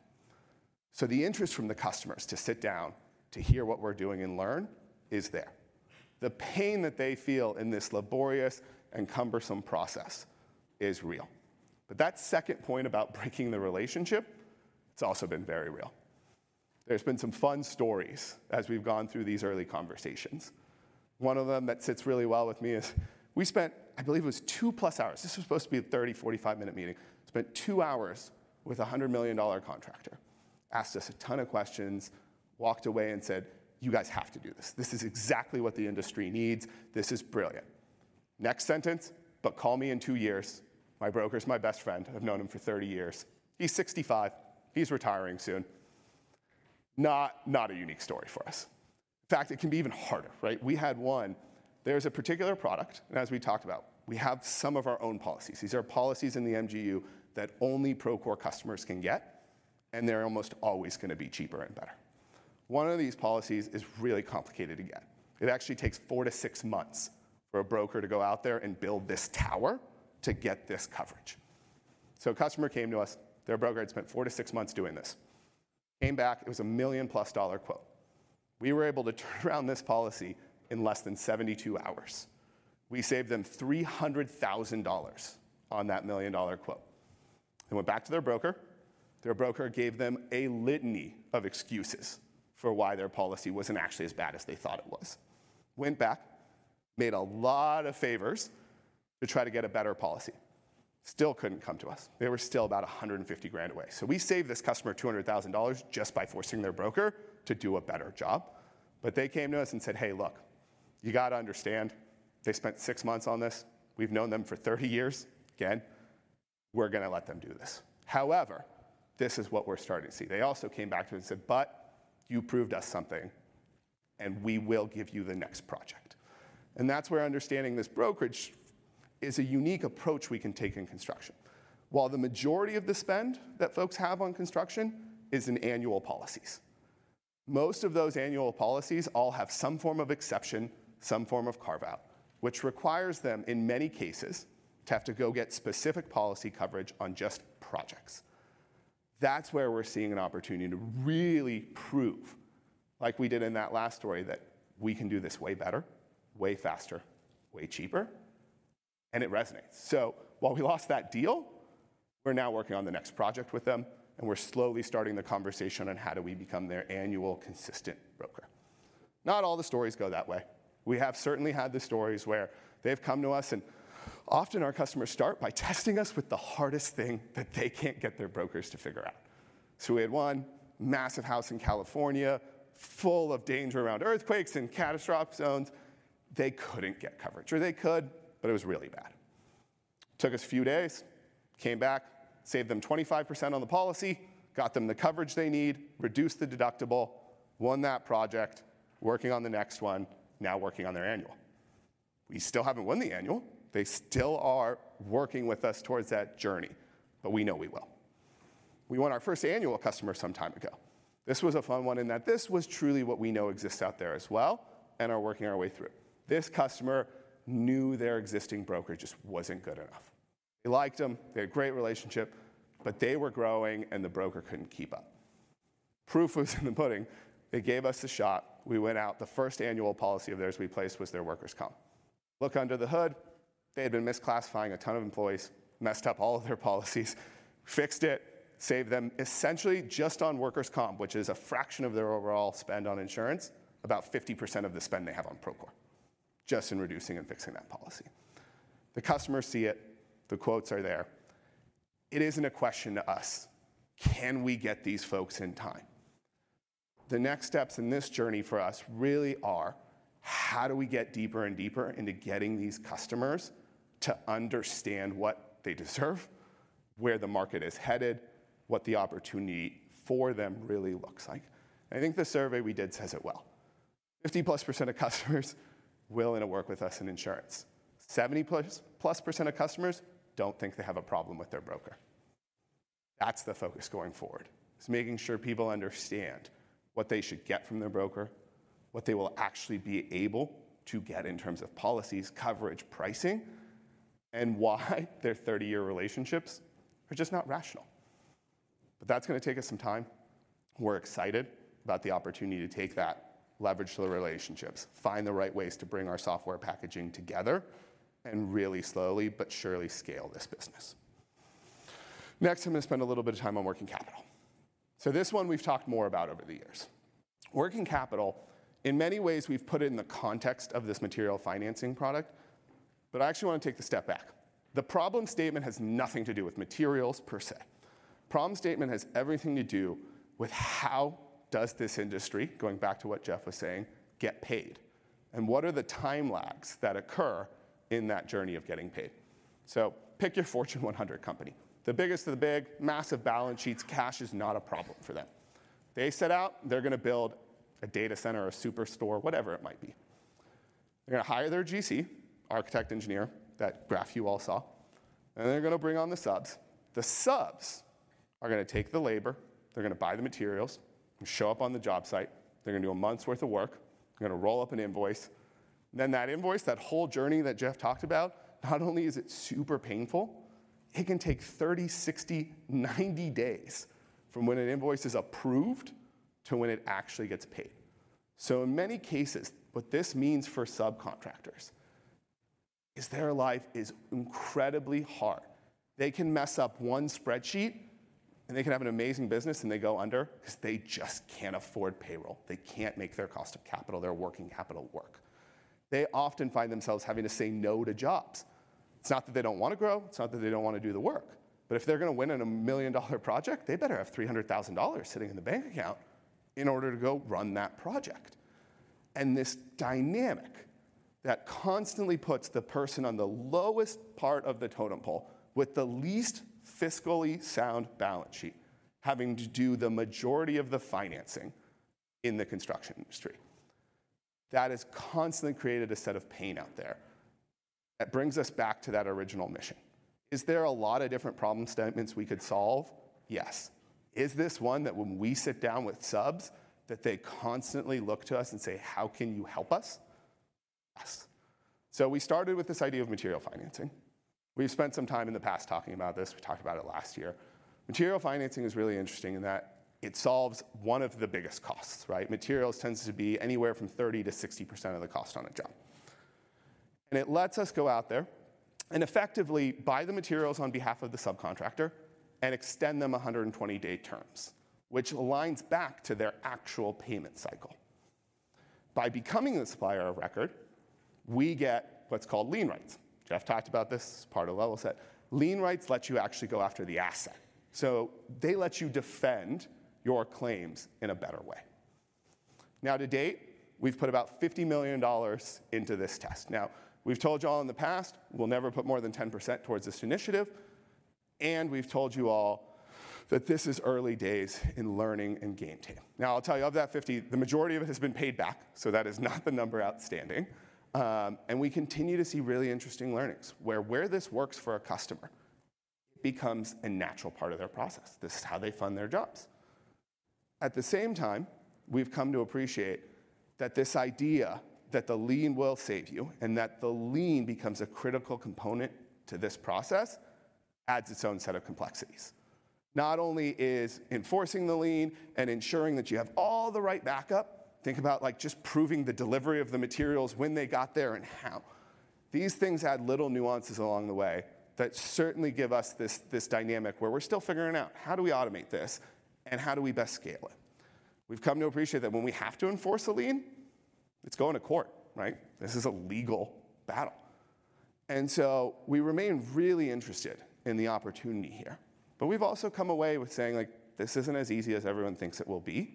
So the interest from the customers to sit down, to hear what we're doing and learn, is there. The pain that they feel in this laborious and cumbersome process is real. But that second point about breaking the relationship, it's also been very real. There's been some fun stories as we've gone through these early conversations. One of them that sits really well with me is we spent, I believe it was 2+ hours. This was supposed to be a 30-, 45-minute meeting. Spent 2 hours with a $100 million contractor, asked us a ton of questions, walked away and said, "You guys have to do this. This is exactly what the industry needs. This is brilliant." Next sentence: "But call me in 2 years. My broker's my best friend. I've known him for 30 years. He's 65. He's retiring soon." Not, not a unique story for us. In fact, it can be even harder, right? We had one. There’s a particular product, and as we talked about, we have some of our own policies. These are policies in the MGU that only Procore customers can get, and they’re almost always gonna be cheaper and better. One of these policies is really complicated to get. It actually takes 4-6 months for a broker to go out there and build this tower to get this coverage. So a customer came to us. Their broker had spent 4-6 months doing this. Came back, it was a $1 million+ quote. We were able to turn around this policy in less than 72 hours. We saved them $300,000 on that $1 million quote. They went back to their broker. Their broker gave them a litany of excuses for why their policy wasn't actually as bad as they thought it was. Went back, made a lot of favors to try to get a better policy. Still couldn't come to us. They were still about $150,000 away. So we saved this customer $200,000 just by forcing their broker to do a better job. But they came to us and said: "Hey, look, you got to understand, they spent six months on this. We've known them for 30 years. Again, we're gonna let them do this." However, this is what we're starting to see. They also came back to me and said, "But you proved us something, and we will give you the next project." And that's where understanding this brokerage is a unique approach we can take in construction. While the majority of the spend that folks have on construction is in annual policies, most of those annual policies all have some form of exception, some form of carve-out, which requires them, in many cases, to have to go get specific policy coverage on just projects. That's where we're seeing an opportunity to really prove, like we did in that last story, that we can do this way better, way faster, way cheaper, and it resonates. So while we lost that deal, we're now working on the next project with them, and we're slowly starting the conversation on how do we become their annual consistent broker. Not all the stories go that way. We have certainly had the stories where they've come to us, and often our customers start by testing us with the hardest thing that they can't get their brokers to figure out. So we had one massive house in California, full of danger around earthquakes and catastrophe zones. They couldn't get coverage, or they could, but it was really bad. Took us a few days, came back, saved them 25% on the policy, got them the coverage they need, reduced the deductible, won that project, working on the next one, now working on their annual. We still haven't won the annual. They still are working with us towards that journey, but we know we will. We won our first annual customer some time ago. This was a fun one in that this was truly what we know exists out there as well, and are working our way through. This customer knew their existing broker just wasn't good enough. They liked them. They had a great relationship, but they were growing and the broker couldn't keep up. Proof was in the pudding. They gave us a shot. We went out. The first annual policy of theirs we placed was their workers' comp. Look under the hood, they had been misclassifying a ton of employees, messed up all of their policies, fixed it, saved them essentially just on workers' comp, which is a fraction of their overall spend on insurance, about 50% of the spend they have on Procore, just in reducing and fixing that policy. The customers see it, the quotes are there. It isn't a question to us: Can we get these folks in time? The next steps in this journey for us really are, how do we get deeper and deeper into getting these customers to understand what they deserve, where the market is headed, what the opportunity for them really looks like? I think the survey we did says it well. 50+% of customers willing to work with us in insurance. 70-plus % of customers don't think they have a problem with their broker. That's the focus going forward, is making sure people understand what they should get from their broker, what they will actually be able to get in terms of policies, coverage, pricing, and why their 30-year relationships are just not rational. But that's gonna take us some time. We're excited about the opportunity to take that leverage to the relationships, find the right ways to bring our software packaging together, and really slowly but surely scale this business. Next, I'm gonna spend a little bit of time on working capital. So this one we've talked more about over the years. Working capital, in many ways, we've put it in the context of this material financing product, but I actually wanna take a step back. The problem statement has nothing to do with materials per se. Problem statement has everything to do with how does this industry, going back to what Jeff was saying, get paid, and what are the time lags that occur in that journey of getting paid? So pick your Fortune 100 company. The biggest of the big, massive balance sheets, cash is not a problem for them. They set out, they're gonna build a data center or a superstore, whatever it might be. They're gonna hire their GC, architect, engineer, that graph you all saw, and they're gonna bring on the subs. The subs are gonna take the labor, they're gonna buy the materials and show up on the job site. They're gonna do a month's worth of work. They're gonna roll up an invoice. Then that invoice, that whole journey that Jeff talked about, not only is it super painful, it can take 30, 60, 90 days from when an invoice is approved to when it actually gets paid. So in many cases, what this means for subcontractors is their life is incredibly hard. They can mess up one spreadsheet, and they can have an amazing business, and they go under because they just can't afford payroll. They can't make their cost of capital, their working capital work. They often find themselves having to say no to jobs. It's not that they don't wanna grow, it's not that they don't wanna do the work, but if they're gonna win in a million-dollar project, they better have $300,000 sitting in the bank account in order to go run that project. And this dynamic that constantly puts the person on the lowest part of the totem pole with the least fiscally sound balance sheet, having to do the majority of the financing in the construction industry. That has constantly created a set of pain out there. That brings us back to that original mission. Is there a lot of different problem statements we could solve? Yes. Is this one that when we sit down with subs, that they constantly look to us and say: "How can you help us?" Yes. So we started with this idea of material financing. We've spent some time in the past talking about this. We talked about it last year. Material financing is really interesting in that it solves one of the biggest costs, right? Materials tends to be anywhere from 30%-60% of the cost on a job. It lets us go out there and effectively buy the materials on behalf of the subcontractor and extend them 120-day terms, which aligns back to their actual payment cycle. By becoming the supplier of record, we get what's called lien rights. Jeff talked about this, part of the Levelset. Lien rights let you actually go after the asset, so they let you defend your claims in a better way. Now, to date, we've put about $50 million into this test. Now, we've told you all in the past, we'll never put more than 10% towards this initiative, and we've told you all that this is early days in learning and game tape. Now, I'll tell you, of that $50 million, the majority of it has been paid back, so that is not the number outstanding. We continue to see really interesting learnings, where this works for a customer becomes a natural part of their process. This is how they fund their jobs. At the same time, we've come to appreciate that this idea that the lien will save you and that the lien becomes a critical component to this process, adds its own set of complexities. Not only is enforcing the lien and ensuring that you have all the right backup, think about like just proving the delivery of the materials when they got there and how. These things add little nuances along the way that certainly give us this dynamic where we're still figuring out how do we automate this and how do we best scale it. We've come to appreciate that when we have to enforce a lien, it's going to court, right? This is a legal battle. We remain really interested in the opportunity here. We've also come away with saying, like, "This isn't as easy as everyone thinks it will be,"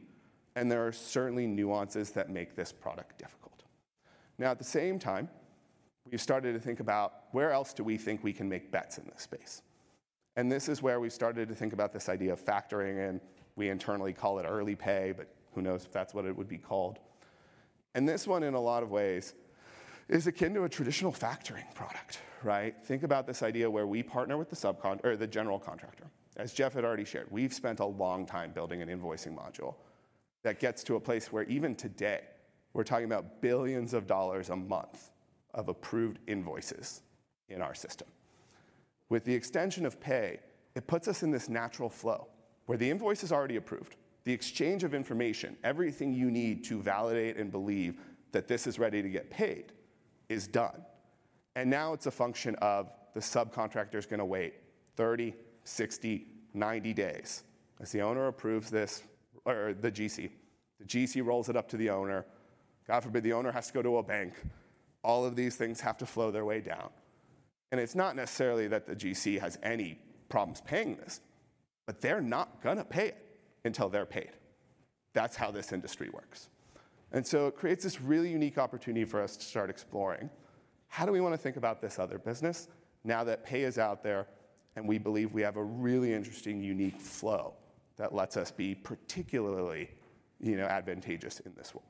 and there are certainly nuances that make this product difficult. Now, at the same time, we've started to think about: where else do we think we can make bets in this space? This is where we started to think about this idea of factoring, and we internally call it early pay, but who knows if that's what it would be called. This one, in a lot of ways, is akin to a traditional factoring product, right? Think about this idea where we partner with the subcon- or the general contractor. As Jeff had already shared, we've spent a long time building an invoicing module that gets to a place where even today, we're talking about $ billions a month of approved invoices in our system. With the extension of Pay, it puts us in this natural flow where the invoice is already approved, the exchange of information, everything you need to validate and believe that this is ready to get paid, is done, and now it's a function of the subcontractor's gonna wait 30, 60, 90 days. As the owner approves this, or the GC, the GC rolls it up to the owner. God forbid, the owner has to go to a bank. All of these things have to flow their way down. And it's not necessarily that the GC has any problems paying this, but they're not gonna pay it until they're paid. That's how this industry works. And so it creates this really unique opportunity for us to start exploring, how do we wanna think about this other business now that Pay is out there, and we believe we have a really interesting, unique flow that lets us be particularly, you know, advantageous in this world?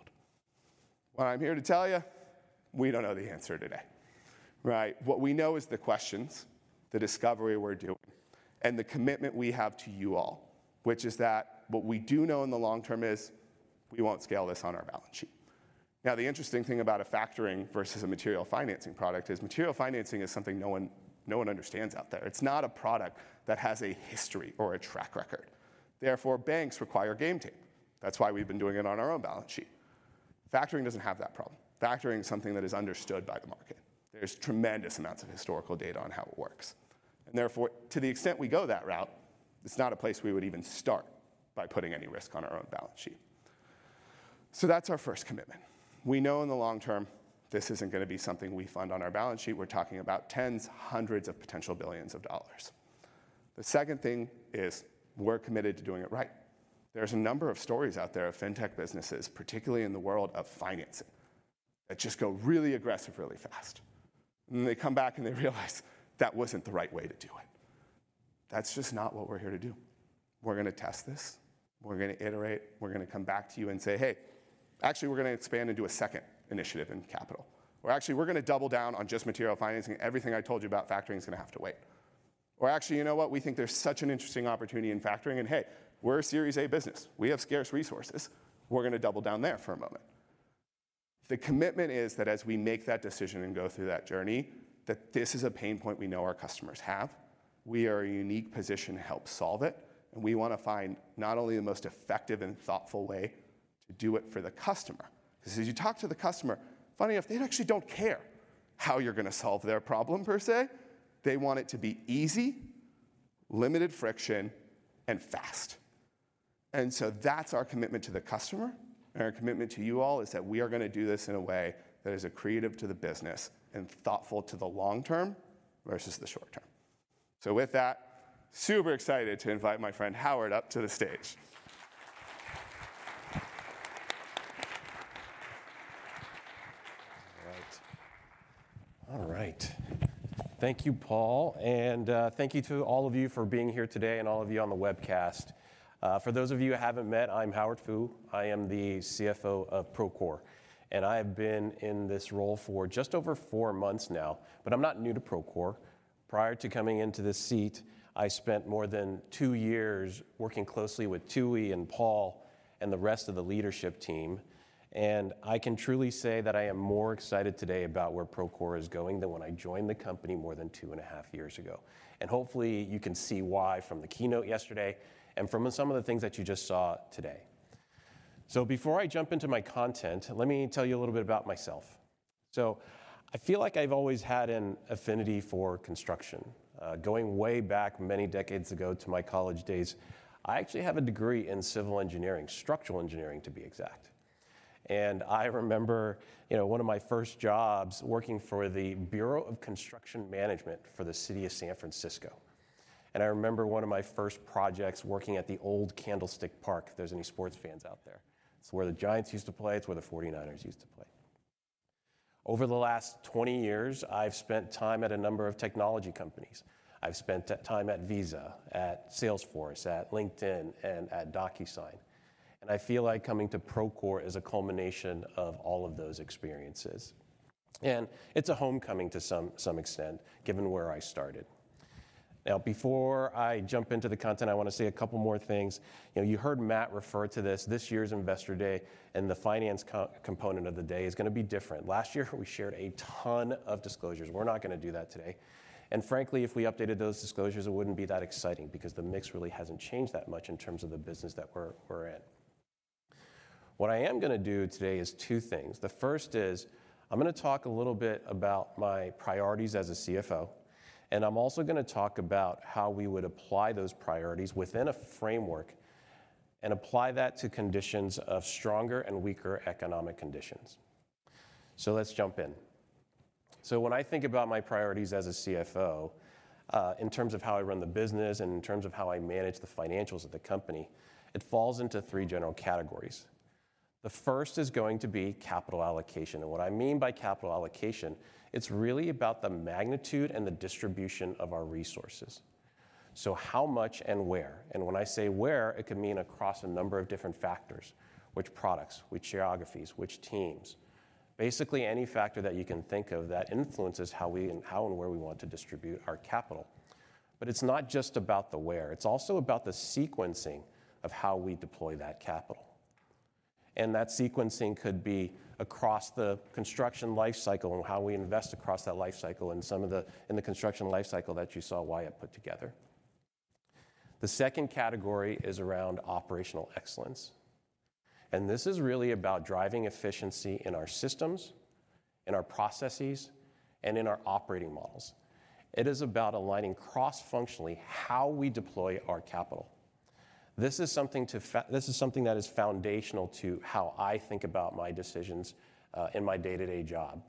Well, I'm here to tell you, we don't know the answer today, right? What we know is the questions, the discovery we're doing, and the commitment we have to you all, which is that what we do know in the long term is, we won't scale this on our balance sheet. Now, the interesting thing about a factoring versus a material financing product is material financing is something no one, no one understands out there. It's not a product that has a history or a track record. Therefore, banks require game tape. That's why we've been doing it on our own balance sheet. Factoring doesn't have that problem. Factoring is something that is understood by the market. There's tremendous amounts of historical data on how it works, and therefore, to the extent we go that route, it's not a place we would even start by putting any risk on our own balance sheet. That's our first commitment. We know in the long term, this isn't gonna be something we fund on our balance sheet. We're talking about tens, hundreds of potential billions of dollars. The second thing is, we're committed to doing it right. There's a number of stories out there of fintech businesses, particularly in the world of financing, that just go really aggressive, really fast, and then they come back and they realize that wasn't the right way to do it. That's just not what we're here to do. We're gonna test this. We're gonna iterate. We're gonna come back to you and say, "Hey, actually, we're gonna expand and do a second initiative in capital." Or, "Actually, we're gonna double down on just material financing. Everything I told you about factoring is gonna have to wait." Or, "Actually, you know what? We think there's such an interesting opportunity in factoring and, hey, we're a Series A business. We have scarce resources. We're gonna double down there for a moment." The commitment is that as we make that decision and go through that journey, that this is a pain point we know our customers have. We are in a unique position to help solve it, and we wanna find not only the most effective and thoughtful way to do it for the customer... ‘Cause as you talk to the customer, funny, they actually don't care how you're gonna solve their problem, per se. They want it to be easy, limited friction, and fast. And so that's our commitment to the customer, and our commitment to you all is that we are gonna do this in a way that is accretive to the business and thoughtful to the long term versus the short term. So with that, super excited to invite my friend Howard up to the stage. All right. All right. Thank you, Paul, and thank you to all of you for being here today and all of you on the webcast. For those of you I haven't met, I'm Howard Fu. I am the CFO of Procore, and I have been in this role for just over four months now, but I'm not new to Procore. Prior to coming into this seat, I spent more than two years working closely with Tooey, and Paul, and the rest of the leadership team, and I can truly say that I am more excited today about where Procore is going than when I joined the company more than two and a half years ago. And hopefully, you can see why from the keynote yesterday and from some of the things that you just saw today. So before I jump into my content, let me tell you a little bit about myself. So I feel like I've always had an affinity for construction. Going way back many decades ago to my college days, I actually have a degree in civil engineering, structural engineering, to be exact. And I remember, you know, one of my first jobs working for the Bureau of Construction Management for the City of San Francisco. And I remember one of my first projects working at the old Candlestick Park, if there's any sports fans out there. It's where the Giants used to play, it's where the 49ers used to play. Over the last 20 years, I've spent time at a number of technology companies. I've spent time at Visa, at Salesforce, at LinkedIn, and at DocuSign, and I feel like coming to Procore is a culmination of all of those experiences. It's a homecoming to some extent, given where I started. Now, before I jump into the content, I wanna say a couple more things. You know, you heard Matt refer to this year's Investor Day, and the finance component of the day is gonna be different. Last year, we shared a ton of disclosures. We're not gonna do that today. And frankly, if we updated those disclosures, it wouldn't be that exciting because the mix really hasn't changed that much in terms of the business that we're in. What I am gonna do today is two things. The first is, I'm gonna talk a little bit about my priorities as a CFO, and I'm also gonna talk about how we would apply those priorities within a framework and apply that to conditions of stronger and weaker economic conditions. Let's jump in.... So when I think about my priorities as a CFO, in terms of how I run the business and in terms of how I manage the financials of the company, it falls into three general categories. The first is going to be capital allocation, and what I mean by capital allocation, it's really about the magnitude and the distribution of our resources. So how much and where? And when I say where, it could mean across a number of different factors: which products, which geographies, which teams. Basically, any factor that you can think of that influences how we, and how and where we want to distribute our capital. But it's not just about the where, it's also about the sequencing of how we deploy that capital. And that sequencing could be across the construction life cycle and how we invest across that life cycle, and in the construction life cycle that you saw Wyatt put together. The second category is around operational excellence, and this is really about driving efficiency in our systems, in our processes, and in our operating models. It is about aligning cross-functionally how we deploy our capital. This is something that is foundational to how I think about my decisions, in my day-to-day job.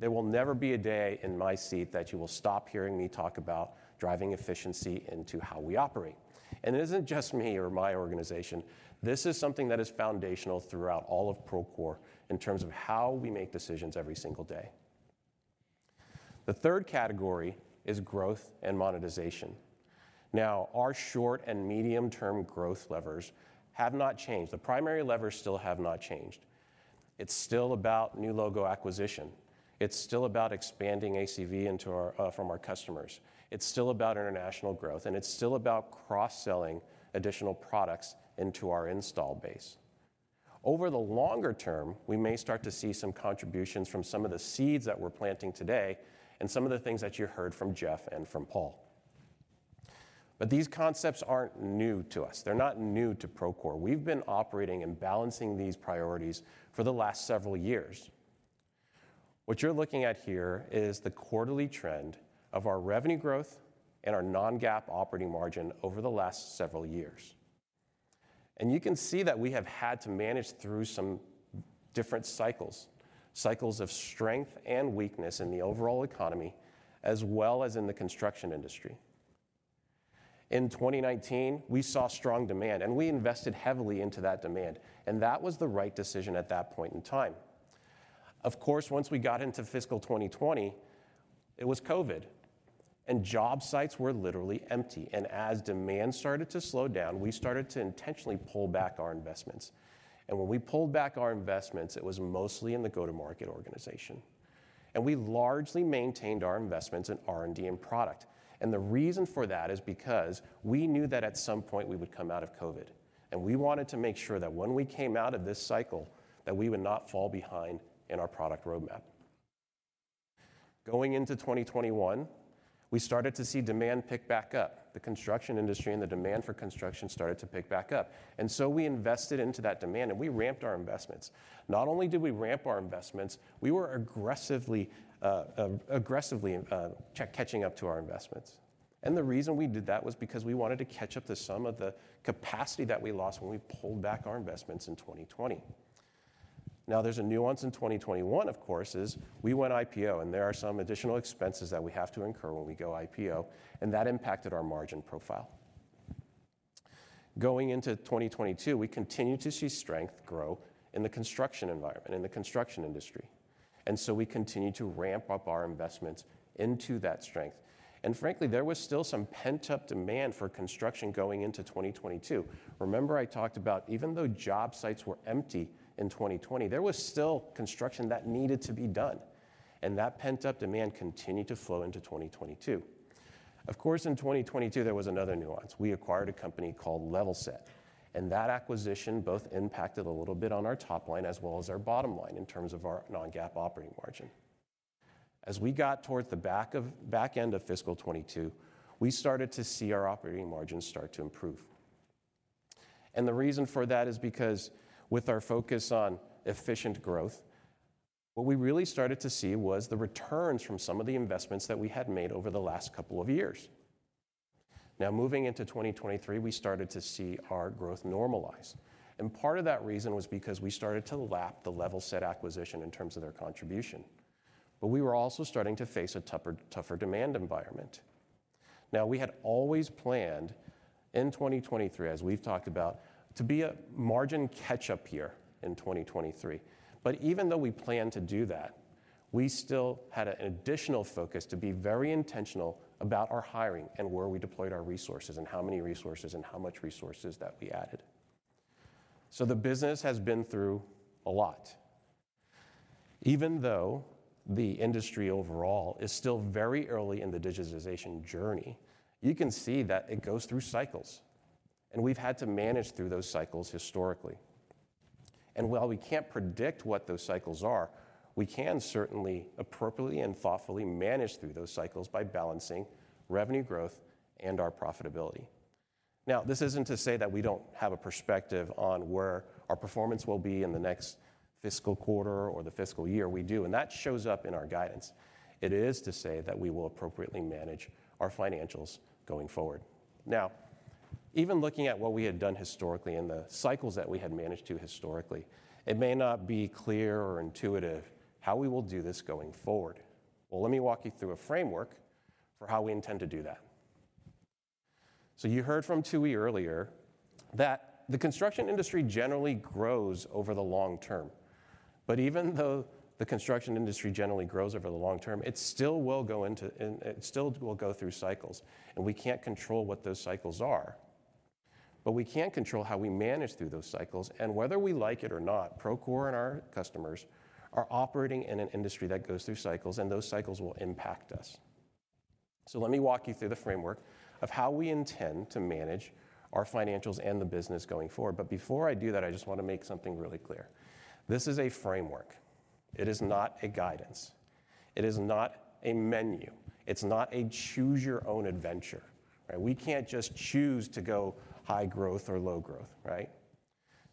There will never be a day in my seat that you will stop hearing me talk about driving efficiency into how we operate. And it isn't just me or my organization, this is something that is foundational throughout all of Procore in terms of how we make decisions every single day. The third category is growth and monetization. Now, our short and medium-term growth levers have not changed. The primary levers still have not changed. It's still about new logo acquisition. It's still about expanding ACV into our, from our customers. It's still about international growth, and it's still about cross-selling additional products into our install base. Over the longer term, we may start to see some contributions from some of the seeds that we're planting today and some of the things that you heard from Jeff and from Paul. But these concepts aren't new to us. They're not new to Procore. We've been operating and balancing these priorities for the last several years. What you're looking at here is the quarterly trend of our revenue growth and our non-GAAP operating margin over the last several years. You can see that we have had to manage through some different cycles, cycles of strength and weakness in the overall economy, as well as in the construction industry. In 2019, we saw strong demand, and we invested heavily into that demand, and that was the right decision at that point in time. Of course, once we got into fiscal 2020, it was COVID, and job sites were literally empty, and as demand started to slow down, we started to intentionally pull back our investments. When we pulled back our investments, it was mostly in the go-to-market organization, and we largely maintained our investments in R&D and product. The reason for that is because we knew that at some point we would come out of COVID, and we wanted to make sure that when we came out of this cycle, that we would not fall behind in our product roadmap. Going into 2021, we started to see demand pick back up. The construction industry and the demand for construction started to pick back up, and so we invested into that demand, and we ramped our investments. Not only did we ramp our investments, we were aggressively catching up to our investments. And the reason we did that was because we wanted to catch up to some of the capacity that we lost when we pulled back our investments in 2020. Now, there's a nuance in 2021, of course, is we went IPO, and there are some additional expenses that we have to incur when we go IPO, and that impacted our margin profile. Going into 2022, we continued to see strength grow in the construction environment, in the construction industry, and so we continued to ramp up our investments into that strength. And frankly, there was still some pent-up demand for construction going into 2022. Remember I talked about even though job sites were empty in 2020, there was still construction that needed to be done, and that pent-up demand continued to flow into 2022. Of course, in 2022, there was another nuance. We acquired a company called Levelset, and that acquisition both impacted a little bit on our top line as well as our bottom line in terms of our non-GAAP operating margin. As we got toward the back of, back end of fiscal 2022, we started to see our operating margins start to improve. The reason for that is because with our focus on efficient growth, what we really started to see was the returns from some of the investments that we had made over the last couple of years. Now, moving into 2023, we started to see our growth normalize, and part of that reason was because we started to lap the Levelset acquisition in terms of their contribution. We were also starting to face a tougher, tougher demand environment. Now, we had always planned in 2023, as we've talked about, to be a margin catch-up year in 2023. But even though we planned to do that, we still had an additional focus to be very intentional about our hiring and where we deployed our resources, and how many resources and how much resources that we added. So the business has been through a lot. Even though the industry overall is still very early in the digitization journey, you can see that it goes through cycles, and we've had to manage through those cycles historically. And while we can't predict what those cycles are, we can certainly appropriately and thoughtfully manage through those cycles by balancing revenue growth and our profitability. Now, this isn't to say that we don't have a perspective on where our performance will be in the next fiscal quarter or the fiscal year. We do, and that shows up in our guidance. It is to say that we will appropriately manage our financials going forward. Even looking at what we had done historically and the cycles that we had managed to historically, it may not be clear or intuitive how we will do this going forward. Well, let me walk you through a framework for how we intend to do that. So you heard from Tooey earlier, that the construction industry generally grows over the long term. But even though the construction industry generally grows over the long term, it still will go into, and it still will go through cycles, and we can't control what those cycles are. But we can control how we manage through those cycles, and whether we like it or not, Procore and our customers are operating in an industry that goes through cycles, and those cycles will impact us. So let me walk you through the framework of how we intend to manage our financials and the business going forward. But before I do that, I just want to make something really clear. This is a framework. It is not a guidance, it is not a menu, it's not a choose-your-own-adventure, right? We can't just choose to go high growth or low growth, right?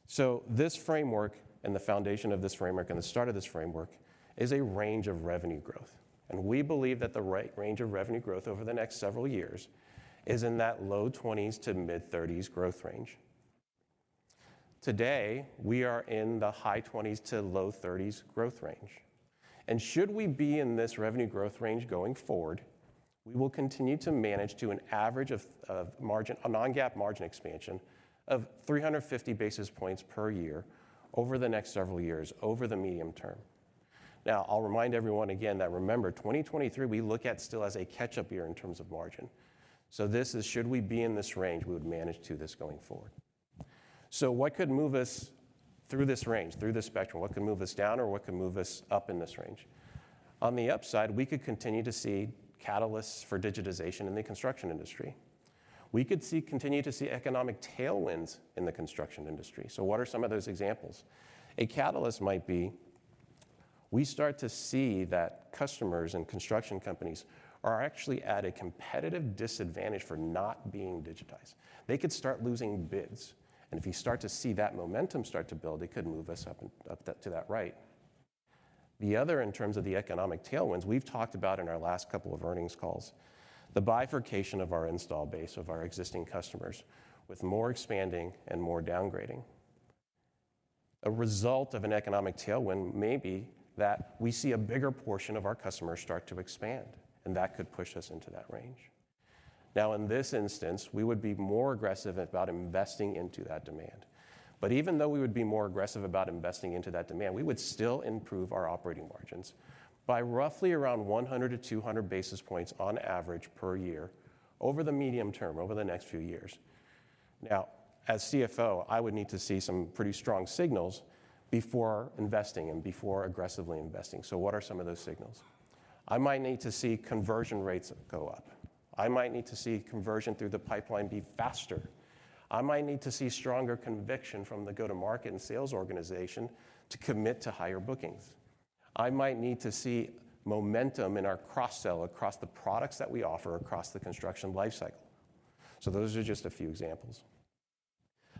So this framework, and the foundation of this framework, and the start of this framework is a range of revenue growth, and we believe that the right range of revenue growth over the next several years is in that low-20s to mid-30s growth range. Today, we are in the high 20s-low 30s growth range, and should we be in this revenue growth range going forward, we will continue to manage to an average of, of margin- a non-GAAP margin expansion of 350 basis points per year over the next several years, over the medium term. Now, I'll remind everyone again that remember, 2023, we look at still as a catch-up year in terms of margin. So this is, should we be in this range, we would manage to this going forward. So what could move us through this range, through this spectrum? What could move us down or what could move us up in this range? On the upside, we could continue to see catalysts for digitization in the construction industry. We could see, continue to see economic tailwinds in the construction industry. So what are some of those examples? A catalyst might be, we start to see that customers and construction companies are actually at a competitive disadvantage for not being digitized. They could start losing bids, and if you start to see that momentum start to build, it could move us up, up to that right. The other, in terms of the economic tailwinds, we've talked about in our last couple of earnings calls, the bifurcation of our installed base of our existing customers with more expanding and more downgrading. A result of an economic tailwind may be that we see a bigger portion of our customers start to expand, and that could push us into that range. Now, in this instance, we would be more aggressive about investing into that demand. But even though we would be more aggressive about investing into that demand, we would still improve our operating margins by roughly around 100-200 basis points on average per year over the medium term, over the next few years. Now, as CFO, I would need to see some pretty strong signals before investing and before aggressively investing. So what are some of those signals? I might need to see conversion rates go up. I might need to see conversion through the pipeline be faster. I might need to see stronger conviction from the go-to-market and sales organization to commit to higher bookings. I might need to see momentum in our cross-sell across the products that we offer across the construction life cycle. So those are just a few examples.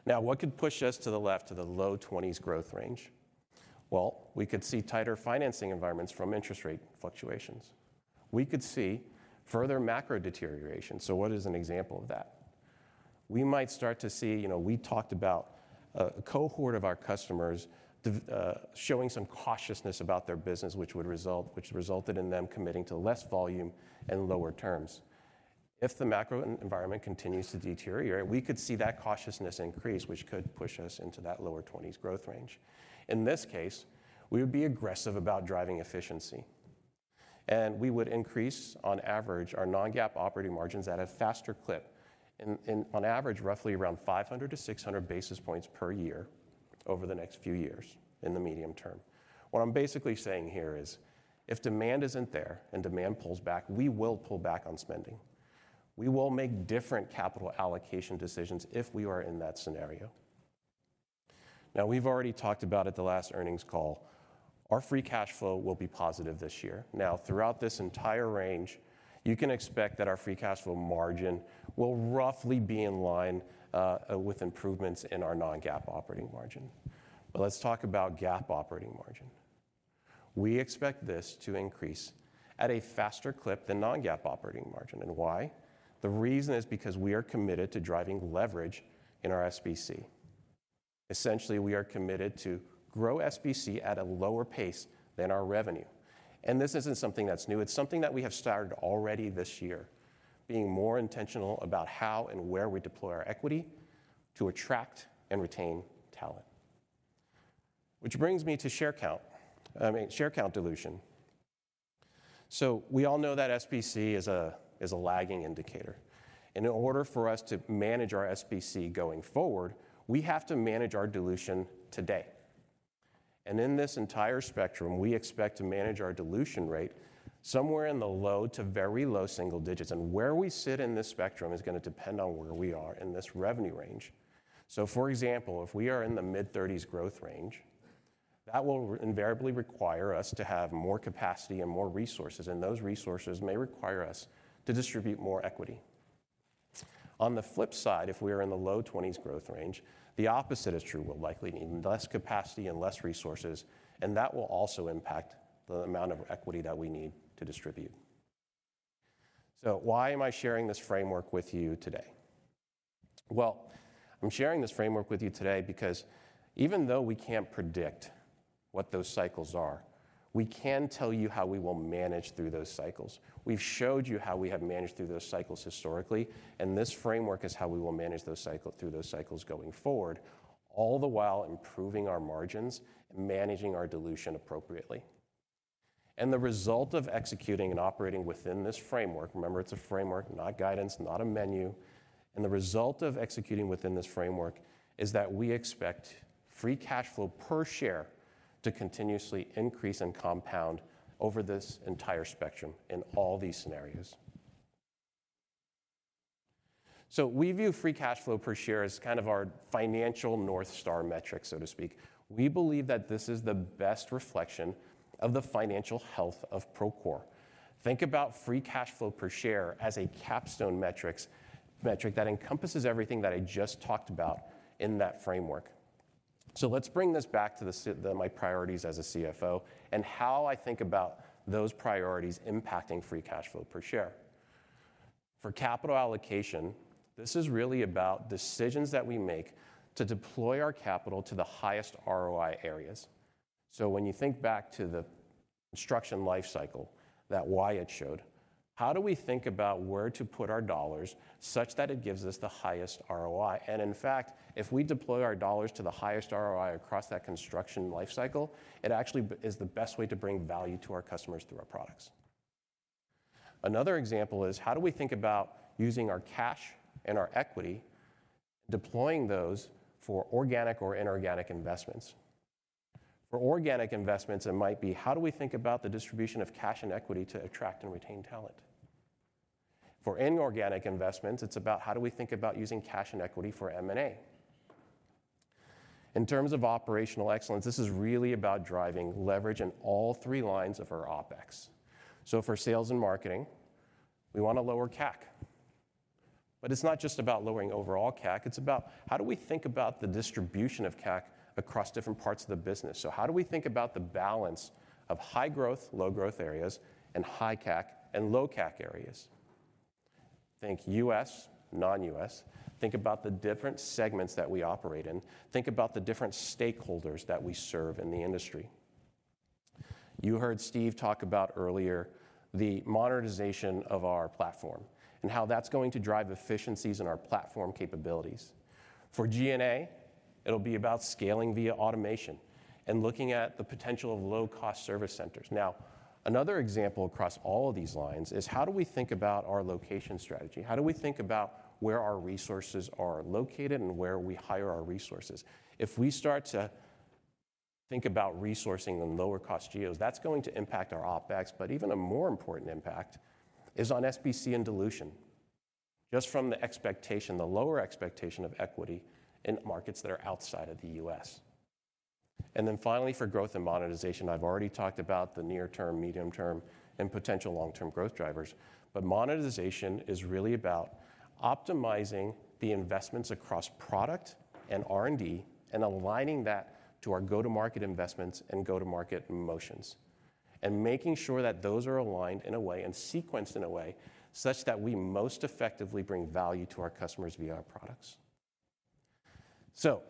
Now, what could push us to the left, to the low 20s growth range? Well, we could see tighter financing environments from interest rate fluctuations. We could see further macro deterioration. So what is an example of that? We might start to see, you know, we talked about a cohort of our customers showing some cautiousness about their business, which resulted in them committing to less volume and lower terms. If the macro environment continues to deteriorate, we could see that cautiousness increase, which could push us into that lower 20s growth range. In this case, we would be aggressive about driving efficiency, and we would increase, on average, our non-GAAP operating margins at a faster clip, on average, roughly around 500-600 basis points per year over the next few years in the medium term. What I'm basically saying here is, if demand isn't there and demand pulls back, we will pull back on spending. We will make different capital allocation decisions if we are in that scenario. Now, we've already talked about at the last earnings call, our free cash flow will be positive this year. Now, throughout this entire range, you can expect that our free cash flow margin will roughly be in line with improvements in our non-GAAP operating margin. But let's talk about GAAP operating margin. We expect this to increase at a faster clip than non-GAAP operating margin. And why? The reason is because we are committed to driving leverage in our SBC. Essentially, we are committed to grow SBC at a lower pace than our revenue. And this isn't something that's new. It's something that we have started already this year, being more intentional about how and where we deploy our equity to attract and retain talent. Which brings me to share count, I mean, share count dilution. So we all know that SBC is a lagging indicator, and in order for us to manage our SBC going forward, we have to manage our dilution today. And in this entire spectrum, we expect to manage our dilution rate somewhere in the low to very low single digits, and where we sit in this spectrum is gonna depend on where we are in this revenue range. So, for example, if we are in the mid-30s growth range, that will invariably require us to have more capacity and more resources, and those resources may require us to distribute more equity. On the flip side, if we are in the low-20s growth range, the opposite is true. We'll likely need less capacity and less resources, and that will also impact the amount of equity that we need to distribute. So why am I sharing this framework with you today? Well, I'm sharing this framework with you today because even though we can't predict what those cycles are, we can tell you how we will manage through those cycles. We've showed you how we have managed through those cycles historically, and this framework is how we will manage those cycle, through those cycles going forward, all the while improving our margins and managing our dilution appropriately. The result of executing and operating within this framework, remember, it's a framework, not guidance, not a menu, and the result of executing within this framework is that we expect free cash flow per share to continuously increase and compound over this entire spectrum in all these scenarios. We view free cash flow per share as kind of our financial North Star metric, so to speak. We believe that this is the best reflection of the financial health of Procore. Think about free cash flow per share as a capstone metric that encompasses everything that I just talked about in that framework. Let's bring this back to my priorities as a CFO and how I think about those priorities impacting free cash flow per share. For capital allocation, this is really about decisions that we make to deploy our capital to the highest ROI areas. So when you think back to the construction life cycle, that Wyatt showed, how do we think about where to put our dollars such that it gives us the highest ROI? And in fact, if we deploy our dollars to the highest ROI across that construction life cycle, it actually is the best way to bring value to our customers through our products. Another example is: How do we think about using our cash and our equity, deploying those for organic or inorganic investments? For organic investments, it might be: How do we think about the distribution of cash and equity to attract and retain talent? For inorganic investments, it's about: How do we think about using cash and equity for M&A? In terms of operational excellence, this is really about driving leverage in all three lines of our OpEx. So for sales and marketing, we wanna lower CAC. But it's not just about lowering overall CAC, it's about: How do we think about the distribution of CAC across different parts of the business? So how do we think about the balance of high-growth, low-growth areas and high CAC and low CAC areas? Think U.S., non-U.S. Think about the different segments that we operate in. Think about the different stakeholders that we serve in the industry. You heard Steve talk about, earlier, the monetization of our platform and how that's going to drive efficiencies in our platform capabilities. For G&A, it'll be about scaling via automation and looking at the potential of low-cost service centers. Now, another example across all of these lines is: How do we think about our location strategy? How do we think about where our resources are located and where we hire our resources? If we start to think about resourcing in lower-cost geos, that's going to impact our OpEx, but even a more important impact is on SBC and dilution, just from the expectation, the lower expectation of equity in markets that are outside of the U.S. And then finally, for growth and monetization, I've already talked about the near term, medium term, and potential long-term growth drivers. But monetization is really about optimizing the investments across product and R&D and aligning that to our go-to-market investments and go-to-market motions, and making sure that those are aligned in a way and sequenced in a way such that we most effectively bring value to our customers via our products. So,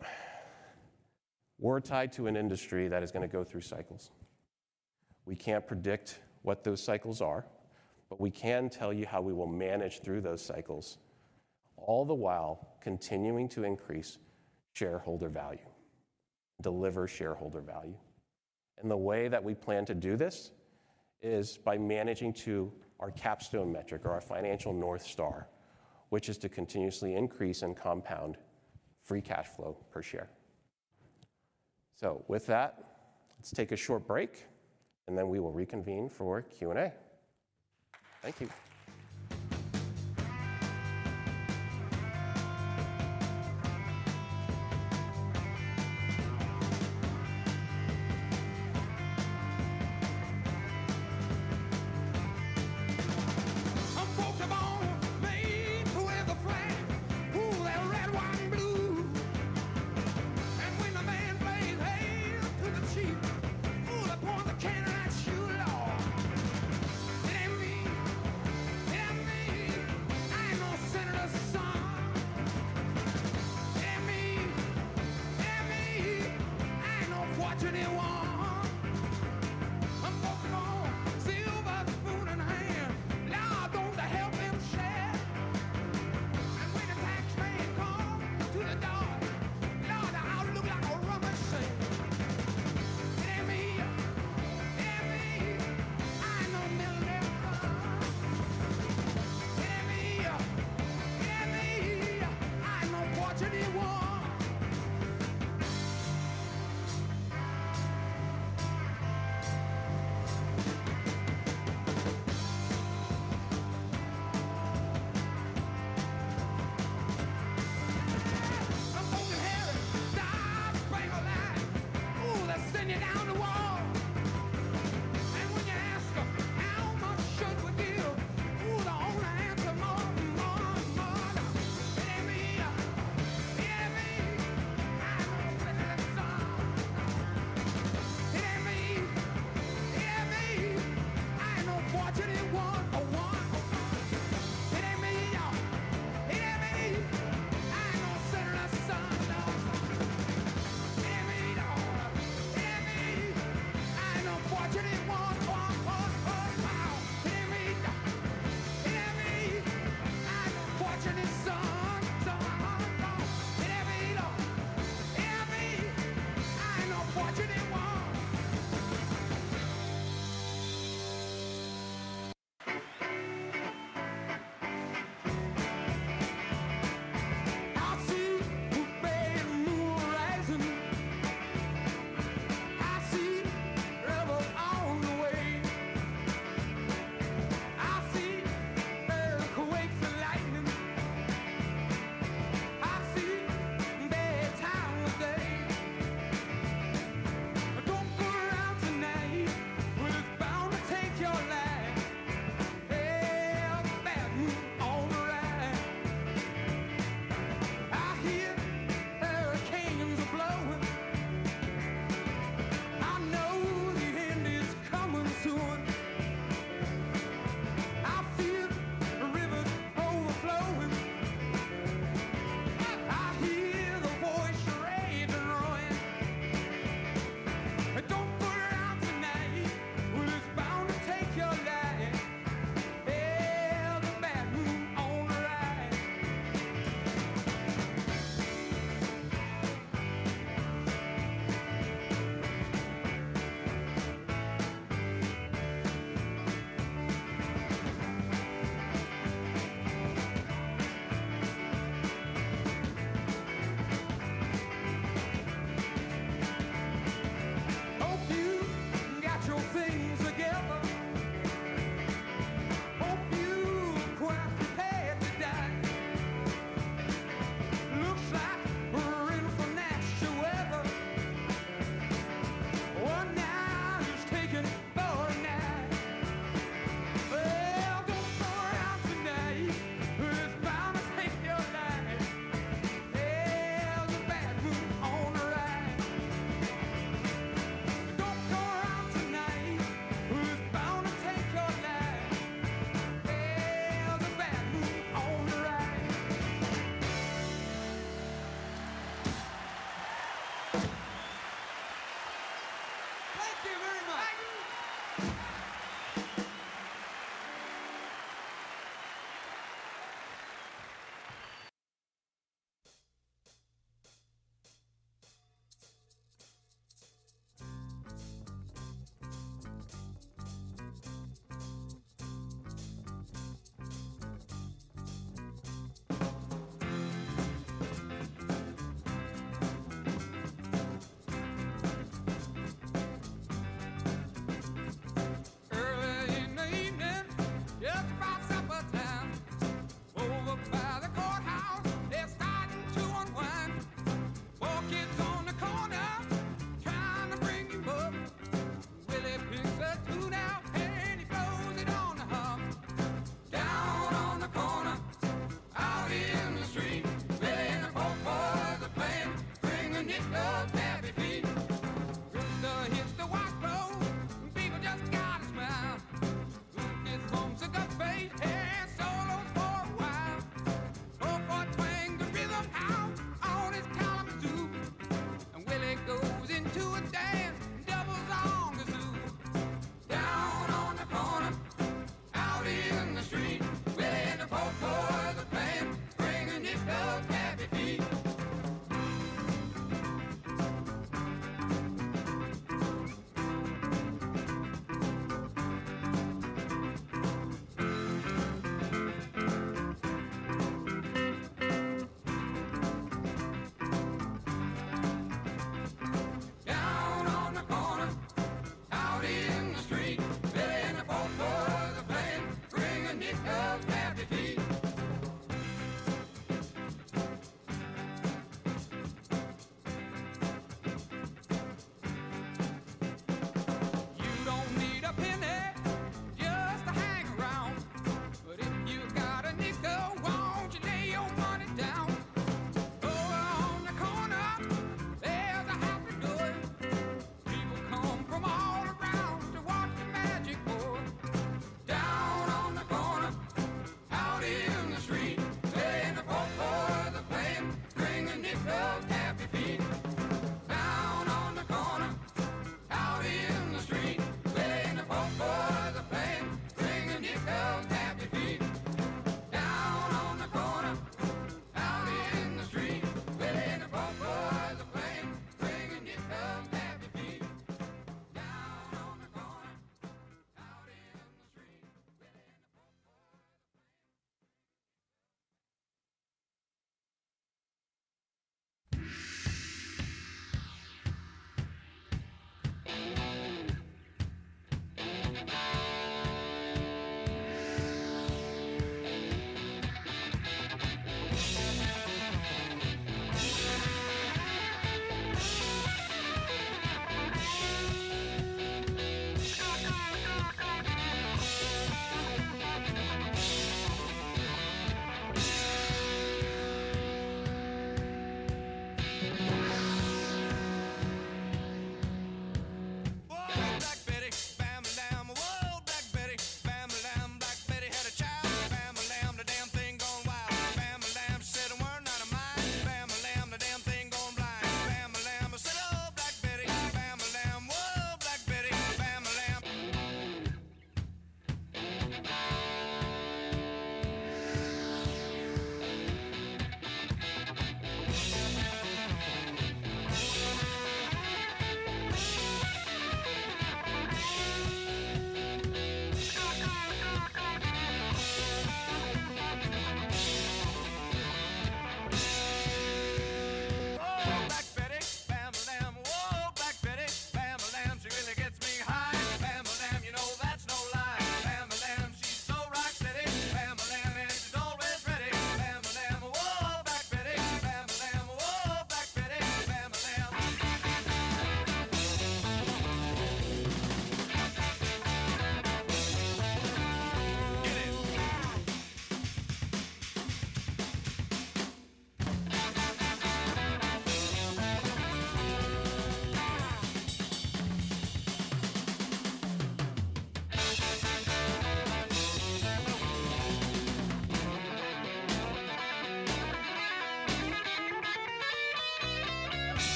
we're tied to an industry that is gonna go through cycles. We can't predict what those cycles are, but we can tell you how we will manage through those cycles, all the while continuing to increase shareholder value, deliver shareholder value. The way that we plan to do this is by managing to our capstone metric or our financial North Star, which is to continuously increase and compound free cash flow per share. With that, let's take a short break, and then we will reconvene for Q&A. Thank you.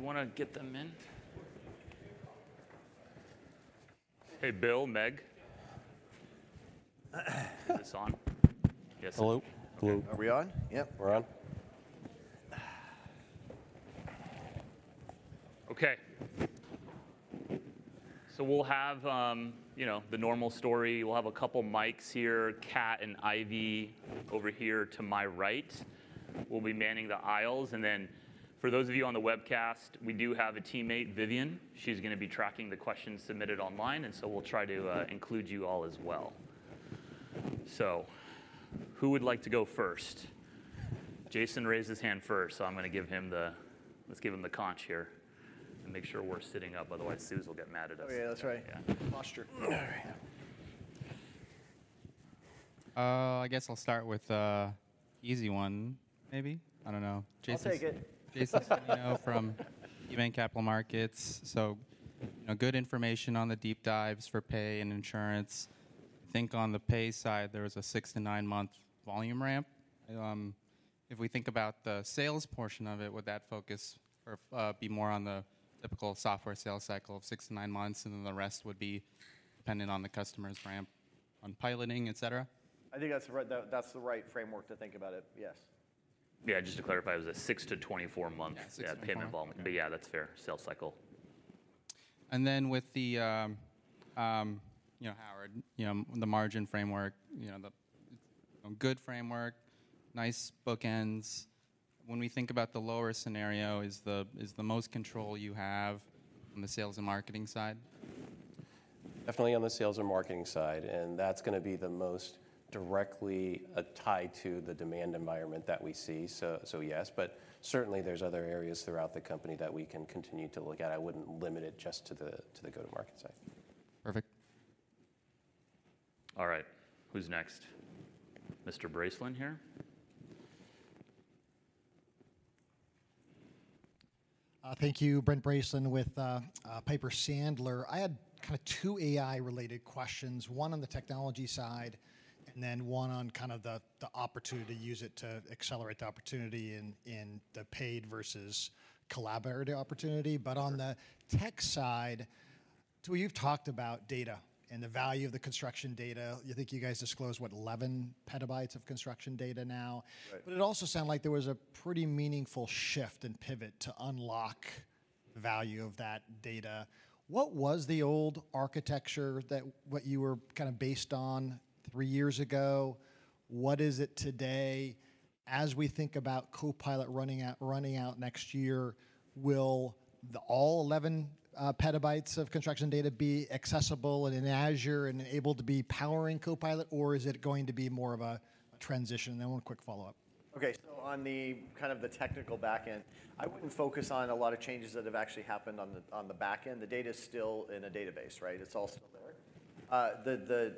Should we get up? Yeah. You guys go ahead. Yeah, yeah. Cool. Do you wanna get them in? Hey, Bill, Meg? Is this on? Yes. Hello? Hello. Are we on? Yep, we're on. Okay. So we'll have, you know, the normal story. We'll have a couple mics here, Cat and Ivy over here to my right, will be manning the aisles. And then for those of you on the webcast, we do have a teammate, Vivian. She's gonna be tracking the questions submitted online, and so we'll try to include you all as well. So who would like to go first? Jason raised his hand first, so I'm gonna give him the... Let's give him the conch here, and make sure we're sitting up, otherwise, Suze will get mad at us. Oh, yeah, that's right. Yeah. Posture. All right. I guess I'll start with a easy one, maybe. I don't know. Jason- I'll take it. Jason Celino from KeyBanc Capital Markets. So you know, good information on the deep dives for Pay and insurance. I think on the pay side, there was a 6-9-month volume ramp. If we think about the sales portion of it, would that focus or be more on the typical software sales cycle of 6-9 months, and then the rest would be dependent on the customer's ramp on piloting, et cetera? I think that's the right framework to think about it, yes. Yeah, just to clarify, it was a 6-24 month- Yeah, 6-24... yeah, payment involvement. But yeah, that's fair. Sales cycle. And then with the, you know, Howard, you know, the margin framework, you know, the good framework, nice bookends. When we think about the lower scenario, is the most control you have on the sales and marketing side? Definitely on the sales and marketing side, and that's gonna be the most directly tied to the demand environment that we see. So, yes, but certainly there's other areas throughout the company that we can continue to look at. I wouldn't limit it just to the go-to-market side. Perfect. All right, who's next? Mr. Bracelin, here. Thank you. Brent Bracelin with Piper Sandler. I had kinda two AI-related questions, one on the technology side, and then one on kind of the opportunity to use it to accelerate the opportunity in the paid versus collaborative opportunity. Sure. But on the tech side, so you've talked about data and the value of the construction data. I think you guys disclosed, what? 11 PB of construction data now. Right. But it also sounded like there was a pretty meaningful shift and pivot to unlock the value of that... data. What was the old architecture that, what you were kind of based on three years ago? What is it today? As we think about Copilot rolling out, running out next year, will the all 11 petabytes of construction data be accessible and in Azure and able to be powering Copilot, or is it going to be more of a transition? And then one quick follow-up. Okay, so on the kind of the technical back end, I wouldn't focus on a lot of changes that have actually happened on the back end. The data is still in a database, right? It's all still there. The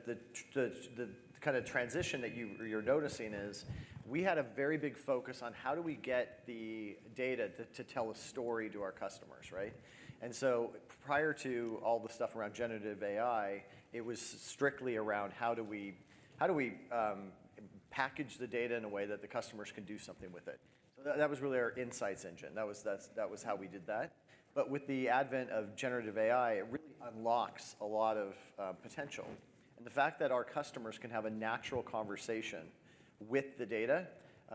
kind of transition that you, you're noticing is, we had a very big focus on how do we get the data to tell a story to our customers, right? And so prior to all the stuff around generative AI, it was strictly around how do we package the data in a way that the customers can do something with it? So that, that was really our insights engine. That was, that's, that was how we did that. But with the advent of generative AI, it really unlocks a lot of potential, and the fact that our customers can have a natural conversation with the data.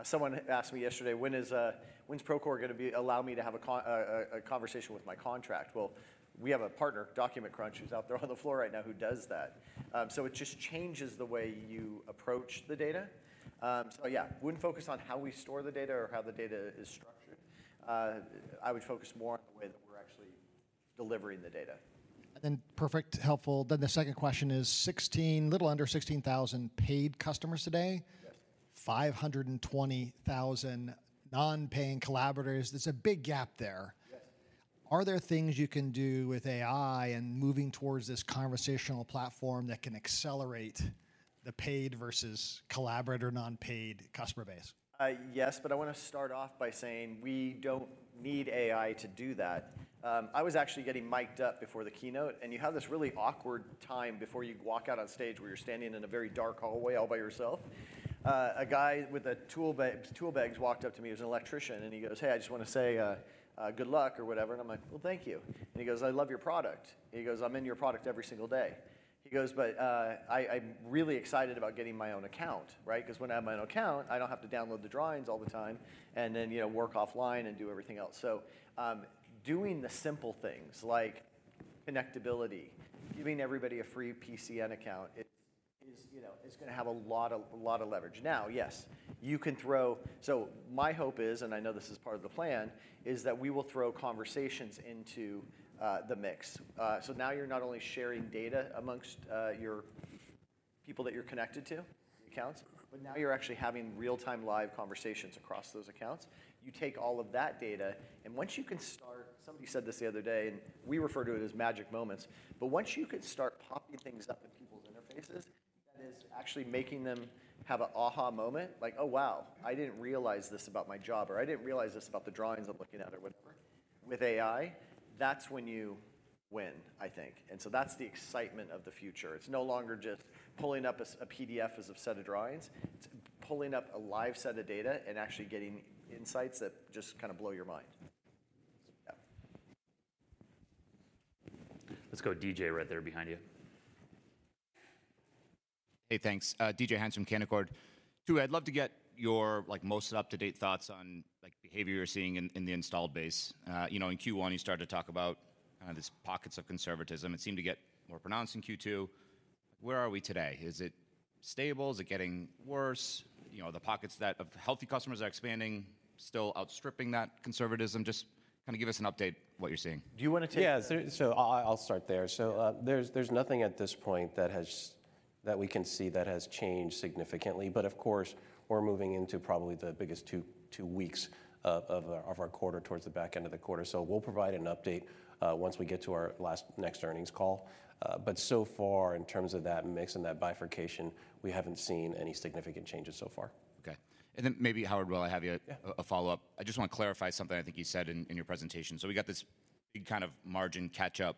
Someone asked me yesterday, "When is Procore gonna allow me to have a conversation with my contract?" Well, we have a partner, Document Crunch, who's out there on the floor right now, who does that. So it just changes the way you approach the data. So yeah, wouldn't focus on how we store the data or how the data is structured. I would focus more on the way that we're actually delivering the data. Perfect, helpful. Then the second question is 16... little under 16,000 paid customers today? Yes. 520,000 non-paying collaborators. There's a big gap there. Yes. Are there things you can do with AI and moving towards this conversational platform that can accelerate the paid versus collaborator non-paid customer base? Yes, but I want to start off by saying we don't need AI to do that. I was actually getting mic'd up before the keynote, and you have this really awkward time before you walk out on stage, where you're standing in a very dark hallway all by yourself. A guy with a tool bag walked up to me. He was an electrician, and he goes, "Hey, I just want to say, good luck," or whatever. And I'm like: "Well, thank you." And he goes, "I love your product." And he goes, "I'm in your product every single day." He goes, "But, I'm really excited about getting my own account, right? Because when I have my own account, I don't have to download the drawings all the time and then, you know, work offline and do everything else." So, doing the simple things like connectivity, giving everybody a free PCN account, it is, you know, is gonna have a lot of, lot of leverage. Now, yes, you can throw... So my hope is, and I know this is part of the plan, is that we will throw conversations into the mix. So now you're not only sharing data among your people that you're connected to, accounts, but now you're actually having real-time, live conversations across those accounts. You take all of that data, and once you can start somebody said this the other day, and we refer to it as magic moments, but once you can start popping things up in people's interfaces, that is actually making them have an aha moment, like, "Oh, wow, I didn't realize this about my job," or, "I didn't realize this about the drawings I'm looking at," or whatever. With AI, that's when you win, I think. And so that's the excitement of the future. It's no longer just pulling up a PDF as a set of drawings. It's pulling up a live set of data and actually getting insights that just kind of blow your mind. So, yeah. Let's go DJ, right there behind you. Hey, thanks. DJ Hynes from Canaccord. Two, I'd love to get your, like, most up-to-date thoughts on, like, behavior you're seeing in, in the installed base. You know, in Q1, you started to talk about these pockets of conservatism. It seemed to get more pronounced in Q2. Where are we today? Is it stable? Is it getting worse? You know, the pockets that of healthy customers are expanding, still outstripping that conservatism. Just kind of give us an update of what you're seeing. Do you want to take- Yeah, so I, I'll start there. So, there's nothing at this point that we can see that has changed significantly. But of course, we're moving into probably the biggest two weeks of our quarter, towards the back end of the quarter. So we'll provide an update once we get to our next earnings call. But so far, in terms of that mix and that bifurcation, we haven't seen any significant changes so far. Okay. And then maybe, Howard, will I have you- Yeah… a follow-up? I just want to clarify something I think you said in your presentation. So we got this big kind of margin catch-up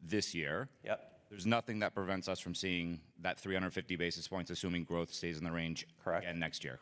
this year. Yep. There's nothing that prevents us from seeing that 350 basis points, assuming growth stays in the range- Correct... again next year?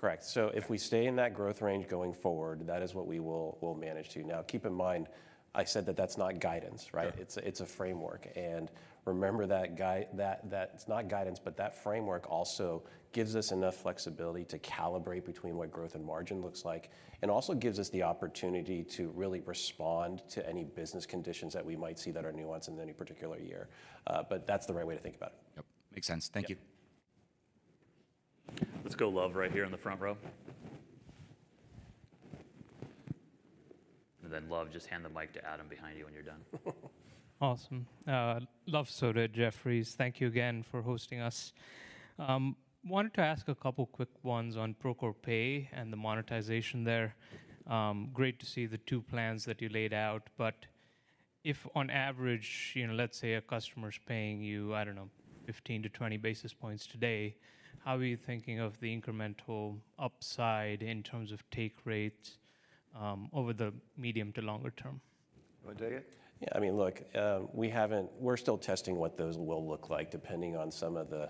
Correct. So if we stay in that growth range going forward, that is what we will, we'll manage to. Now, keep in mind, I said that that's not guidance, right? Sure. It's a, it's a framework, and remember that that, that's not guidance, but that framework also gives us enough flexibility to calibrate between what growth and margin looks like, and also gives us the opportunity to really respond to any business conditions that we might see that are nuanced in any particular year. But that's the right way to think about it. Yep, makes sense. Yep. Thank you. Let's go, Luv, right here in the front row. And then, Luv, just hand the mic to Adam behind you when you're done. Awesome. Luv Sodha, Jefferies. Thank you again for hosting us. Wanted to ask a couple quick ones on Procore Pay and the monetization there. Great to see the two plans that you laid out, but if on average, you know, let's say a customer's paying you, I don't know, 15-20 basis points today, how are you thinking of the incremental upside in terms of take rates, over the medium to longer term? You want to take it? Yeah, I mean, look, we haven't... We're still testing what those will look like, depending on some of the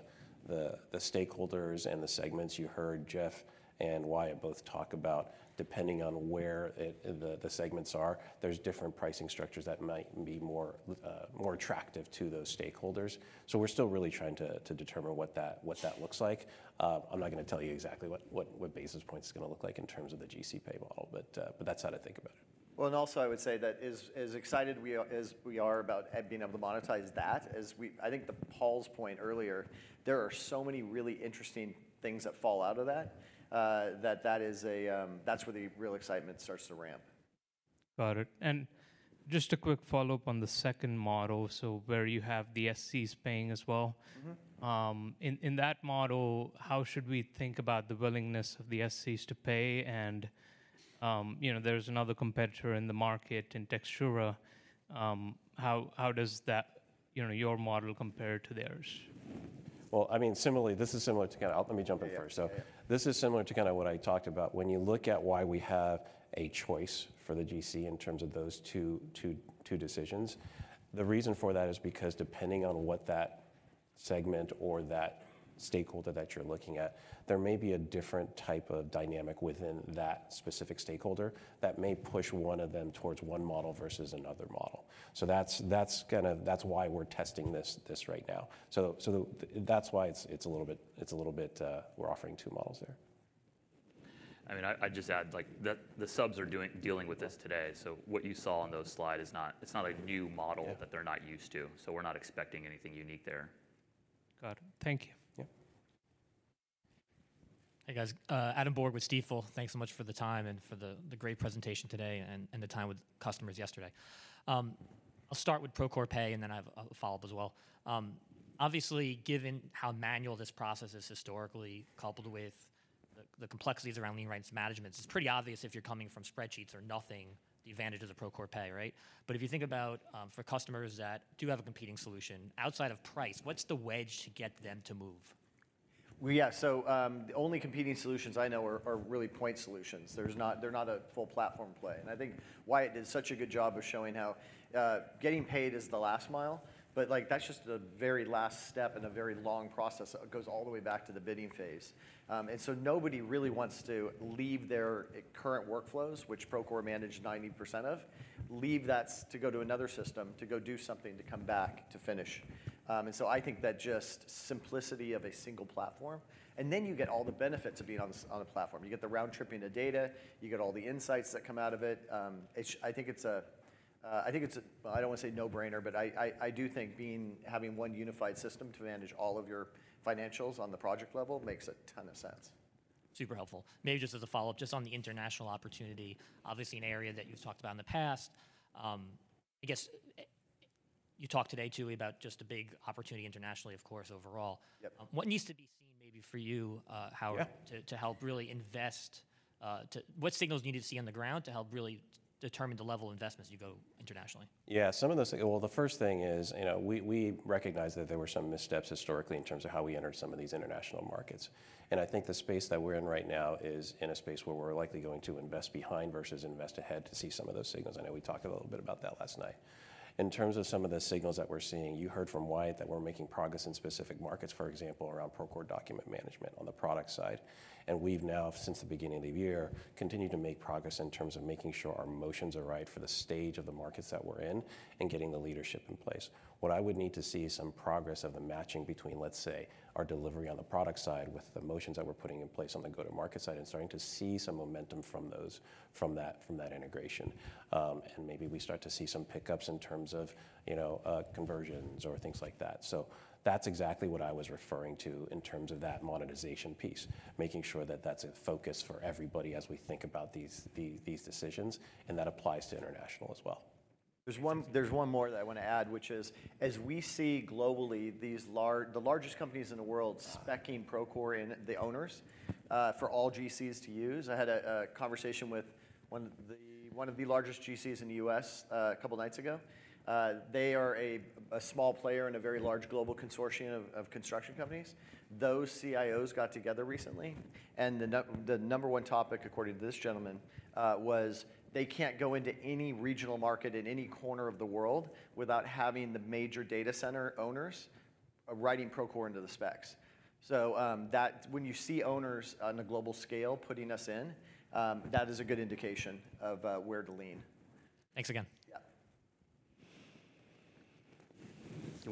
stakeholders and the segments. You heard Jeff and Wyatt both talk about depending on where the segments are, there's different pricing structures that might be more attractive to those stakeholders. So we're still really trying to determine what that looks like. I'm not gonna tell you exactly what basis points is gonna look like in terms of the GC pay model, but that's how to think about it. ... Well, and also I would say that as excited as we are about being able to monetize that. I think that Paul's point earlier, there are so many really interesting things that fall out of that, that that is where the real excitement starts to ramp. Got it. And just a quick follow-up on the second model, so where you have the SCs paying as well. Mm-hmm. In that model, how should we think about the willingness of the SCs to pay? And, you know, there's another competitor in the market in Textura. How does that, you know, your model compare to theirs? Well, I mean, similarly, this is similar to. Let me jump in first. Yeah, yeah. So this is similar to kinda what I talked about. When you look at why we have a choice for the GC in terms of those two decisions, the reason for that is because depending on what that segment or that stakeholder that you're looking at, there may be a different type of dynamic within that specific stakeholder that may push one of them towards one model versus another model. So that's kinda why we're testing this right now. So that's why it's a little bit we're offering two models there. I mean, I'd just add, like, the subs are dealing with this today, so what you saw on those slide is not... It's not a new model- Yeah... that they're not used to, so we're not expecting anything unique there. Got it. Thank you. Yeah. Hey, guys. Adam Borg with Stifel. Thanks so much for the time and for the great presentation today and the time with customers yesterday. I'll start with Procore Pay, and then I have a follow-up as well. Obviously, given how manual this process is historically, coupled with the complexities around lien rights management, it's pretty obvious if you're coming from spreadsheets or nothing, the advantage of the Procore Pay, right? But if you think about, for customers that do have a competing solution, outside of price, what's the wedge to get them to move? Well, yeah. So, the only competing solutions I know are really point solutions. They're not a full platform play. And I think Wyatt did such a good job of showing how getting paid is the last mile, but, like, that's just the very last step in a very long process. It goes all the way back to the bidding phase. And so nobody really wants to leave their current workflows, which Procore manage 90% of, leave that to go to another system, to go do something, to come back to finish. And so I think that just simplicity of a single platform, and then you get all the benefits of being on the platform. You get the round-tripping of data, you get all the insights that come out of it. I think it's a, well, I don't wanna say no-brainer, but I do think having one unified system to manage all of your financials on the project level makes a ton of sense. Super helpful. Maybe just as a follow-up, just on the international opportunity, obviously an area that you've talked about in the past. I guess you talked today, too, about just a big opportunity internationally, of course, overall. Yep. What needs to be seen maybe for you, Howard- Yeah... to help really invest, what signals do you need to see on the ground to help really determine the level of investments you go internationally? Yeah, some of those, well, the first thing is, you know, we recognize that there were some missteps historically in terms of how we entered some of these international markets. I think the space that we're in right now is in a space where we're likely going to invest behind versus invest ahead to see some of those signals. I know we talked a little bit about that last night. In terms of some of the signals that we're seeing, you heard from Wyatt that we're making progress in specific markets, for example, around Procore Document Management on the product side. We've now, since the beginning of the year, continued to make progress in terms of making sure our motions are right for the stage of the markets that we're in, and getting the leadership in place. What I would need to see is some progress of the matching between, let's say, our delivery on the product side with the motions that we're putting in place on the go-to-market side, and starting to see some momentum from those, from that, from that integration. And maybe we start to see some pickups in terms of, you know, conversions or things like that. So that's exactly what I was referring to in terms of that monetization piece, making sure that that's a focus for everybody as we think about these decisions, and that applies to international as well. There's one, there's one more that I wanna add, which is, as we see globally, these large- the largest companies in the world speccing Procore in the owners, for all GCs to use. I had a, a conversation with one of the, one of the largest GCs in the U.S., a couple of nights ago. They are a small player in a very large global consortium of construction companies. Those CIOs got together recently, and the number one topic, according to this gentleman, was they can't go into any regional market in any corner of the world without having the major data center owners writing Procore into the specs. So, that, when you see owners on a global scale putting us in, that is a good indication of, where to lean. Thanks again.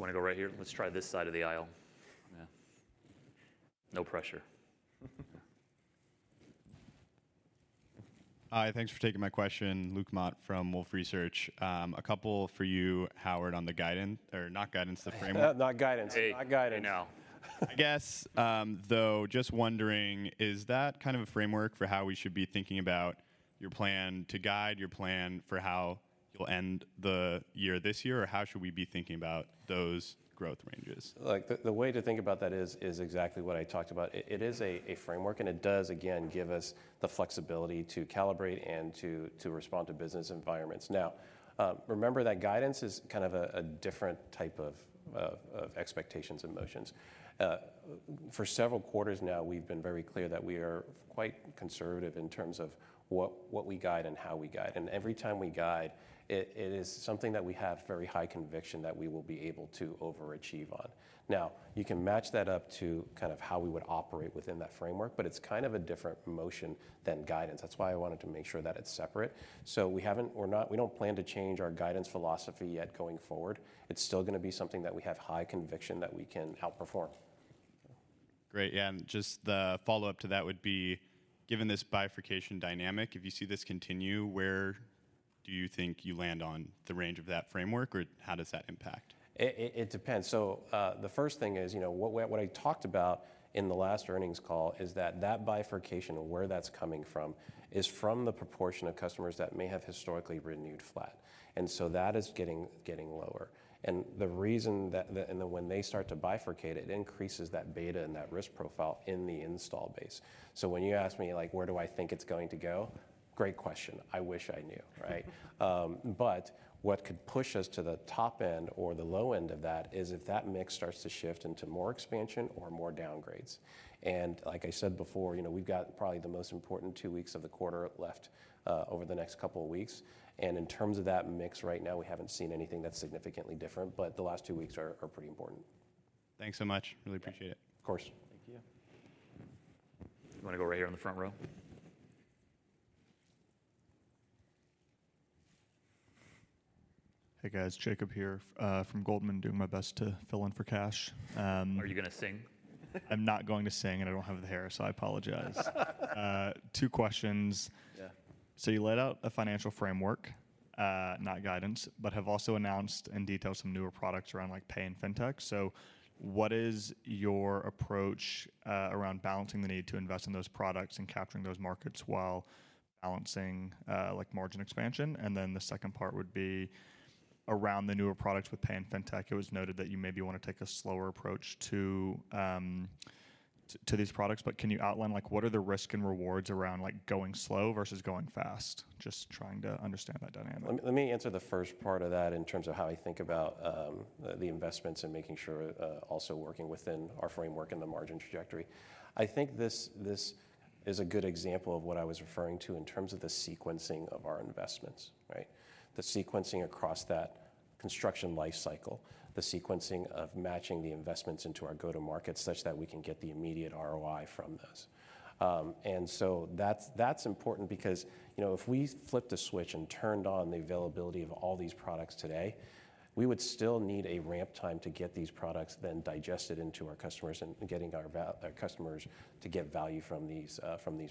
Yeah. You wanna go right here? Let's try this side of the aisle. Yeah. No pressure. Hi, thanks for taking my question. Luke Mott from Wolfe Research. A couple for you, Howard, on the guidance, or not guidance, the framework. Not guidance. Hey- Not guidance... I know. I guess, though, just wondering, is that kind of a framework for how we should be thinking about your plan, to guide your plan for how you'll end the year this year? Or how should we be thinking about those growth ranges? Like, the way to think about that is exactly what I talked about. It is a framework, and it does, again, give us the flexibility to calibrate and to respond to business environments. Now, remember that guidance is kind of a different type of expectations and motions. For several quarters now, we've been very clear that we are quite conservative in terms of what we guide and how we guide. And every time we guide, it is something that we have very high conviction that we will be able to overachieve on. Now, you can match that up to kind of how we would operate within that framework, but it's kind of a different motion than guidance. That's why I wanted to make sure that it's separate. We haven't, we're not, we don't plan to change our guidance philosophy yet going forward. It's still gonna be something that we have high conviction that we can outperform.... Great, yeah, and just the follow-up to that would be, given this bifurcation dynamic, if you see this continue, where do you think you land on the range of that framework, or how does that impact? It depends. So, the first thing is, you know, what I talked about in the last earnings call is that that bifurcation and where that's coming from is from the proportion of customers that may have historically renewed flat, and so that is getting lower. And the reason that and then when they start to bifurcate, it increases that beta and that risk profile in the install base. So when you ask me, like, where do I think it's going to go? Great question. I wish I knew, right? But what could push us to the top end or the low end of that is if that mix starts to shift into more expansion or more downgrades. And like I said before, you know, we've got probably the most important two weeks of the quarter left, over the next couple of weeks. In terms of that mix, right now, we haven't seen anything that's significantly different, but the last two weeks are pretty important. Thanks so much. Really appreciate it. Of course. Thank you. You want to go right here in the front row? Hey, guys. Jacob here, from Goldman. Doing my best to fill in for Kash. Are you going to sing? I'm not going to sing, and I don't have the hair, so I apologize. Two questions. Yeah. So you laid out a financial framework, not guidance, but have also announced and detailed some newer products around, like, pay and fintech. So what is your approach, around balancing the need to invest in those products and capturing those markets while balancing, like, margin expansion? And then the second part would be around the newer products with pay and fintech. It was noted that you maybe want to take a slower approach to these products, but can you outline, like, what are the risk and rewards around, like, going slow versus going fast? Just trying to understand that dynamic. Let me answer the first part of that in terms of how I think about the investments and making sure also working within our framework and the margin trajectory. I think this is a good example of what I was referring to in terms of the sequencing of our investments, right? The sequencing across that construction life cycle, the sequencing of matching the investments into our go-to market, such that we can get the immediate ROI from this. And so that's important because, you know, if we flipped a switch and turned on the availability of all these products today, we would still need a ramp time to get these products then digested into our customers and getting our customers to get value from these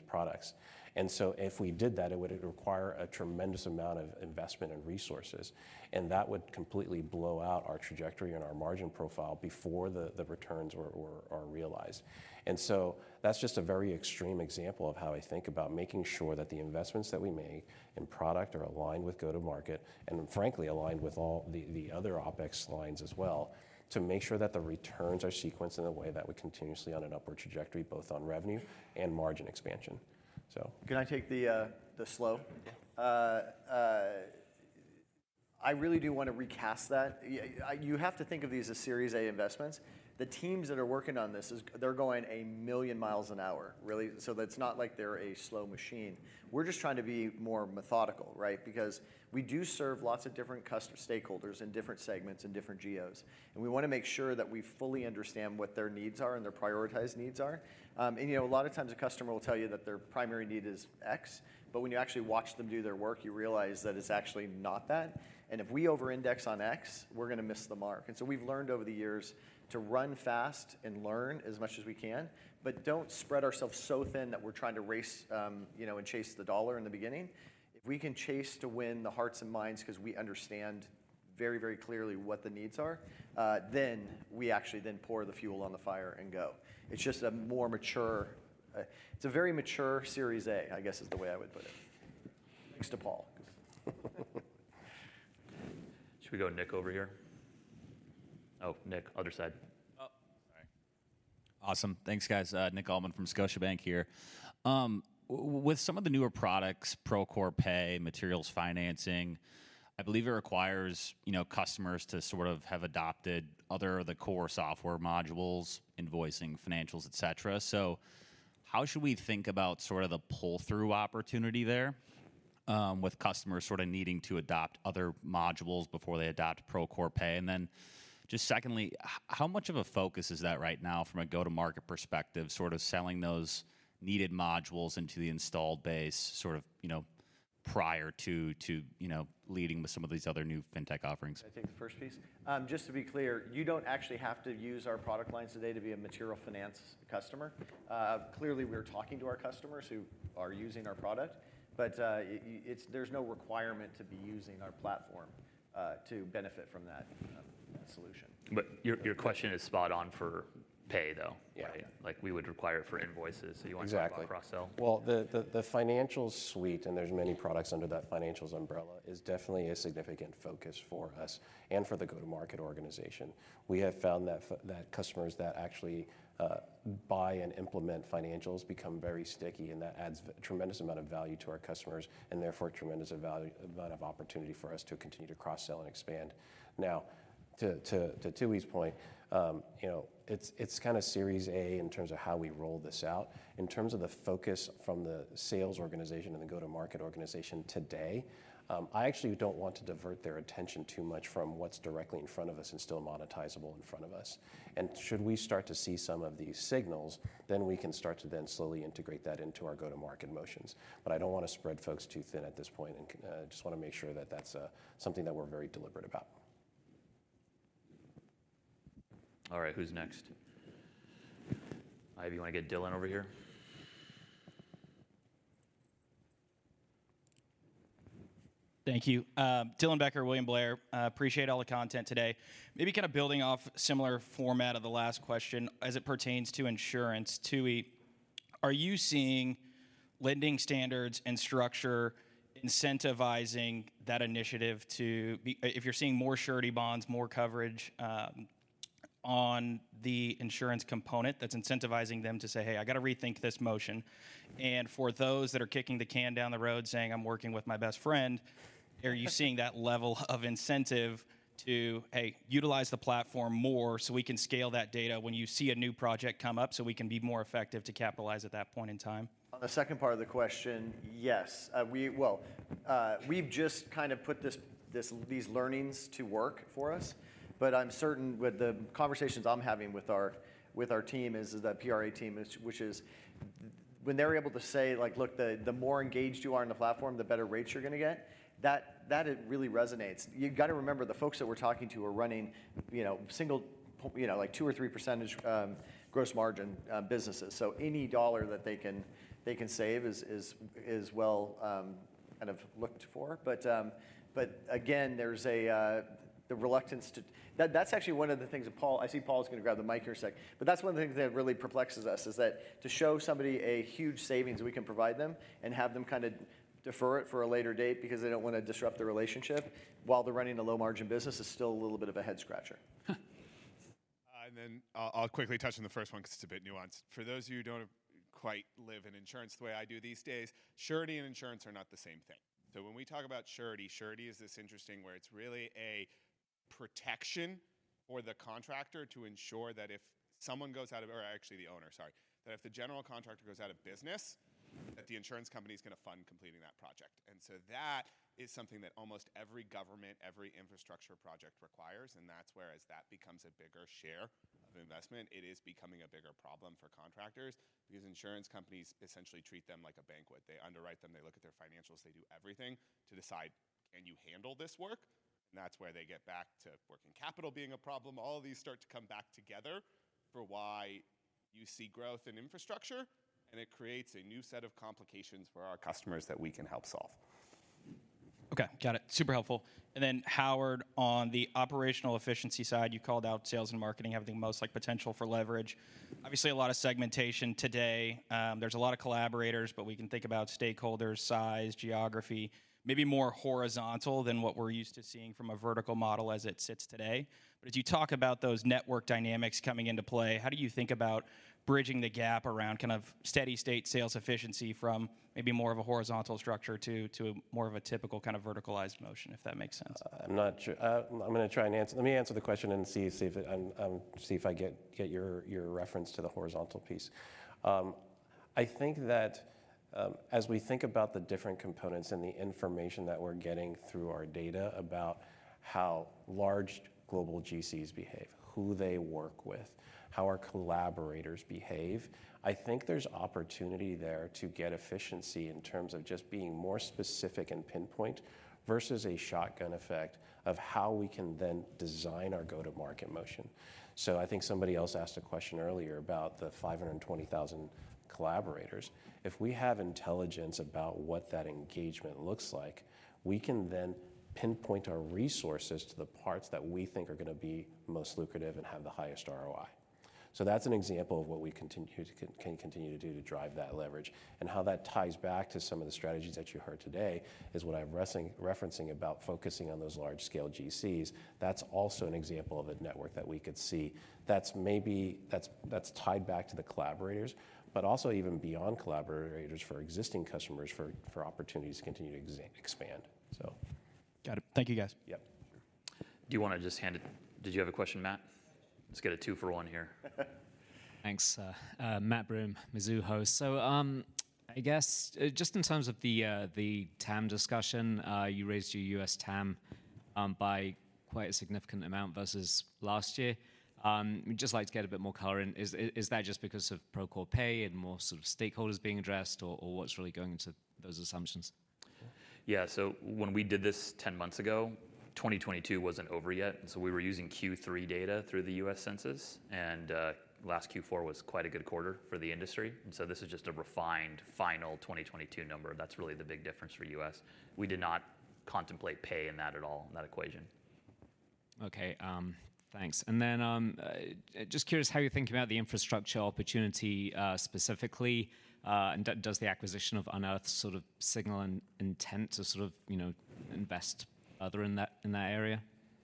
products. And so if we did that, it would require a tremendous amount of investment and resources, and that would completely blow out our trajectory and our margin profile before the returns are realized. And so, that's just a very extreme example of how I think about making sure that the investments that we make in product are aligned with go-to-market, and frankly, aligned with all the other OpEx lines as well, to make sure that the returns are sequenced in a way that we're continuously on an upward trajectory, both on revenue and margin expansion. So... Can I take the slow? Yeah. I really do want to recast that. Yeah, you have to think of these as Series A investments. The teams that are working on this, they're going a million miles an hour, really, so it's not like they're a slow machine. We're just trying to be more methodical, right? Because we do serve lots of different customer stakeholders in different segments and different geos, and we wanna make sure that we fully understand what their needs are and their prioritized needs are. And you know, a lot of times a customer will tell you that their primary need is X, but when you actually watch them do their work, you realize that it's actually not that, and if we over-index on X, we're gonna miss the mark. And so we've learned over the years to run fast and learn as much as we can, but don't spread ourselves so thin that we're trying to race, you know, and chase the dollar in the beginning. If we can chase to win the hearts and minds 'cause we understand very, very clearly what the needs are, then we actually then pour the fuel on the fire and go. It's just a more mature... It's a very mature Series A, I guess, is the way I would put it. Thanks to Paul. Should we go, Nick, over here? Oh, Nick, other side. Oh, sorry. Awesome. Thanks, guys. Nick Altman from Scotiabank here. With some of the newer products, Procore Pay, Materials Financing, I believe it requires, you know, customers to sort of have adopted other of the core software modules, invoicing, financials, et cetera. So how should we think about sort of the pull-through opportunity there, with customers sort of needing to adopt other modules before they adopt Procore Pay? And then just secondly, how much of a focus is that right now from a go-to-market perspective, sort of selling those needed modules into the installed base, sort of, you know, prior to, you know, leading with some of these other new fintech offerings? Can I take the first piece? Just to be clear, you don't actually have to use our product lines today to be a material finance customer. Clearly, we're talking to our customers who are using our product, but there's no requirement to be using our platform to benefit from that solution. But your question is spot on for pay, though. Yeah. Like, we would require it for invoices- Exactly... so you want to talk about cross-sell? Well, the Financials suite, and there's many products under that Financials umbrella, is definitely a significant focus for us and for the go-to-market organization. We have found that customers that actually buy and implement Financials become very sticky, and that adds a tremendous amount of value to our customers, and therefore, a tremendous amount of opportunity for us to continue to cross-sell and expand. Now, to Tooey's point, you know, it's kind of Series A in terms of how we roll this out. In terms of the focus from the sales organization and the go-to-market organization today, I actually don't want to divert their attention too much from what's directly in front of us and still monetizable in front of us. And should we start to see some of these signals, then we can start to then slowly integrate that into our go-to-market motions. But I don't wanna spread folks too thin at this point, and just wanna make sure that that's something that we're very deliberate about.... All right, who's next? Ivy, you wanna get Dylan over here? Thank you. Dylan Becker, William Blair. Appreciate all the content today. Maybe kind of building off similar format of the last question, as it pertains to insurance, Tooey, are you seeing lending standards and structure incentivizing that initiative to be if you're seeing more surety bonds, more coverage, on the insurance component, that's incentivizing them to say, "Hey, I've got to rethink this motion." And for those that are kicking the can down the road, saying, "I'm working with my best friend," are you seeing that level of incentive to, hey, utilize the platform more so we can scale that data when you see a new project come up, so we can be more effective to capitalize at that point in time? On the second part of the question, yes. Well, we've just kind of put these learnings to work for us, but I'm certain with the conversations I'm having with our team, the PRA team, which is. When they're able to say, like: "Look, the more engaged you are on the platform, the better rates you're gonna get," that really resonates. You've got to remember, the folks that we're talking to are running, you know, single, you know, like 2%-3% gross margin businesses. So any dollar that they can save is well kind of looked for. But again, there's the reluctance to. That's actually one of the things that Paul. I see Paul's gonna grab the mic here in a sec. But that's one of the things that really perplexes us, is that to show somebody a huge savings we can provide them and have them kind of defer it for a later date because they don't want to disrupt the relationship while they're running a low-margin business, is still a little bit of a head-scratcher. And then I'll quickly touch on the first one because it's a bit nuanced. For those of you who don't quite live in insurance the way I do these days, surety and insurance are not the same thing. So when we talk about surety, surety is this interesting, where it's really a protection for the contractor to ensure that if someone goes out of... Or actually, the owner, sorry. That if the general contractor goes out of business, that the insurance company's gonna fund completing that project. And so that is something that almost every government, every infrastructure project requires, and that's where as that becomes a bigger share of investment, it is becoming a bigger problem for contractors because insurance companies essentially treat them like a banquet. They underwrite them, they look at their financials, they do everything to decide, "Can you handle this work?" That's where they get back to working capital being a problem. All of these start to come back together for why you see growth in infrastructure, and it creates a new set of complications for our customers that we can help solve. Okay, got it. Super helpful. And then, Howard, on the operational efficiency side, you called out sales and marketing, having the most, like, potential for leverage. Obviously, a lot of segmentation today. There's a lot of collaborators, but we can think about stakeholders, size, geography, maybe more horizontal than what we're used to seeing from a vertical model as it sits today. But as you talk about those network dynamics coming into play, how do you think about bridging the gap around kind of steady state sales efficiency from maybe more of a horizontal structure to, to more of a typical kind of verticalized motion, if that makes sense? I'm not sure. I'm gonna try and answer. Let me answer the question and see if I get your reference to the horizontal piece. I think that as we think about the different components and the information that we're getting through our data about how large global GCs behave, who they work with, how our collaborators behave, I think there's opportunity there to get efficiency in terms of just being more specific and pinpoint versus a shotgun effect of how we can then design our go-to-market motion. So I think somebody else asked a question earlier about the 520,000 collaborators. If we have intelligence about what that engagement looks like, we can then pinpoint our resources to the parts that we think are gonna be most lucrative and have the highest ROI. So that's an example of what we can continue to do to drive that leverage. And how that ties back to some of the strategies that you heard today is what I'm referencing about focusing on those large-scale GCs. That's also an example of a network that we could see. That's maybe that's tied back to the collaborators, but also even beyond collaborators, for existing customers, for opportunities to continue to expand, so. Got it. Thank you, guys. Yep. Do you wanna just hand it... Did you have a question, Matt? Let's get a two-for-one here. Thanks. Matt Broome, Mizuho. So, I guess, just in terms of the TAM discussion, you raised your U.S. TAM by quite a significant amount versus last year. We'd just like to get a bit more color in. Is that just because of Procore Pay and more sort of stakeholders being addressed, or what's really going into those assumptions? Yeah. So when we did this 10 months ago, 2022 wasn't over yet, and so we were using Q3 data through the U.S. Census, and last Q4 was quite a good quarter for the industry, and so this is just a refined, final 2022 number. That's really the big difference for U.S. We did not contemplate pay in that at all, in that equation. Okay. Thanks. And then, just curious how you're thinking about the infrastructure opportunity, specifically, and does the acquisition of Unearth sort of signal an intent to sort of, you know, invest further in that, in that area?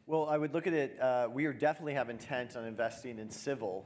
Well, I would look at it, we definitely have intent on investing in civil,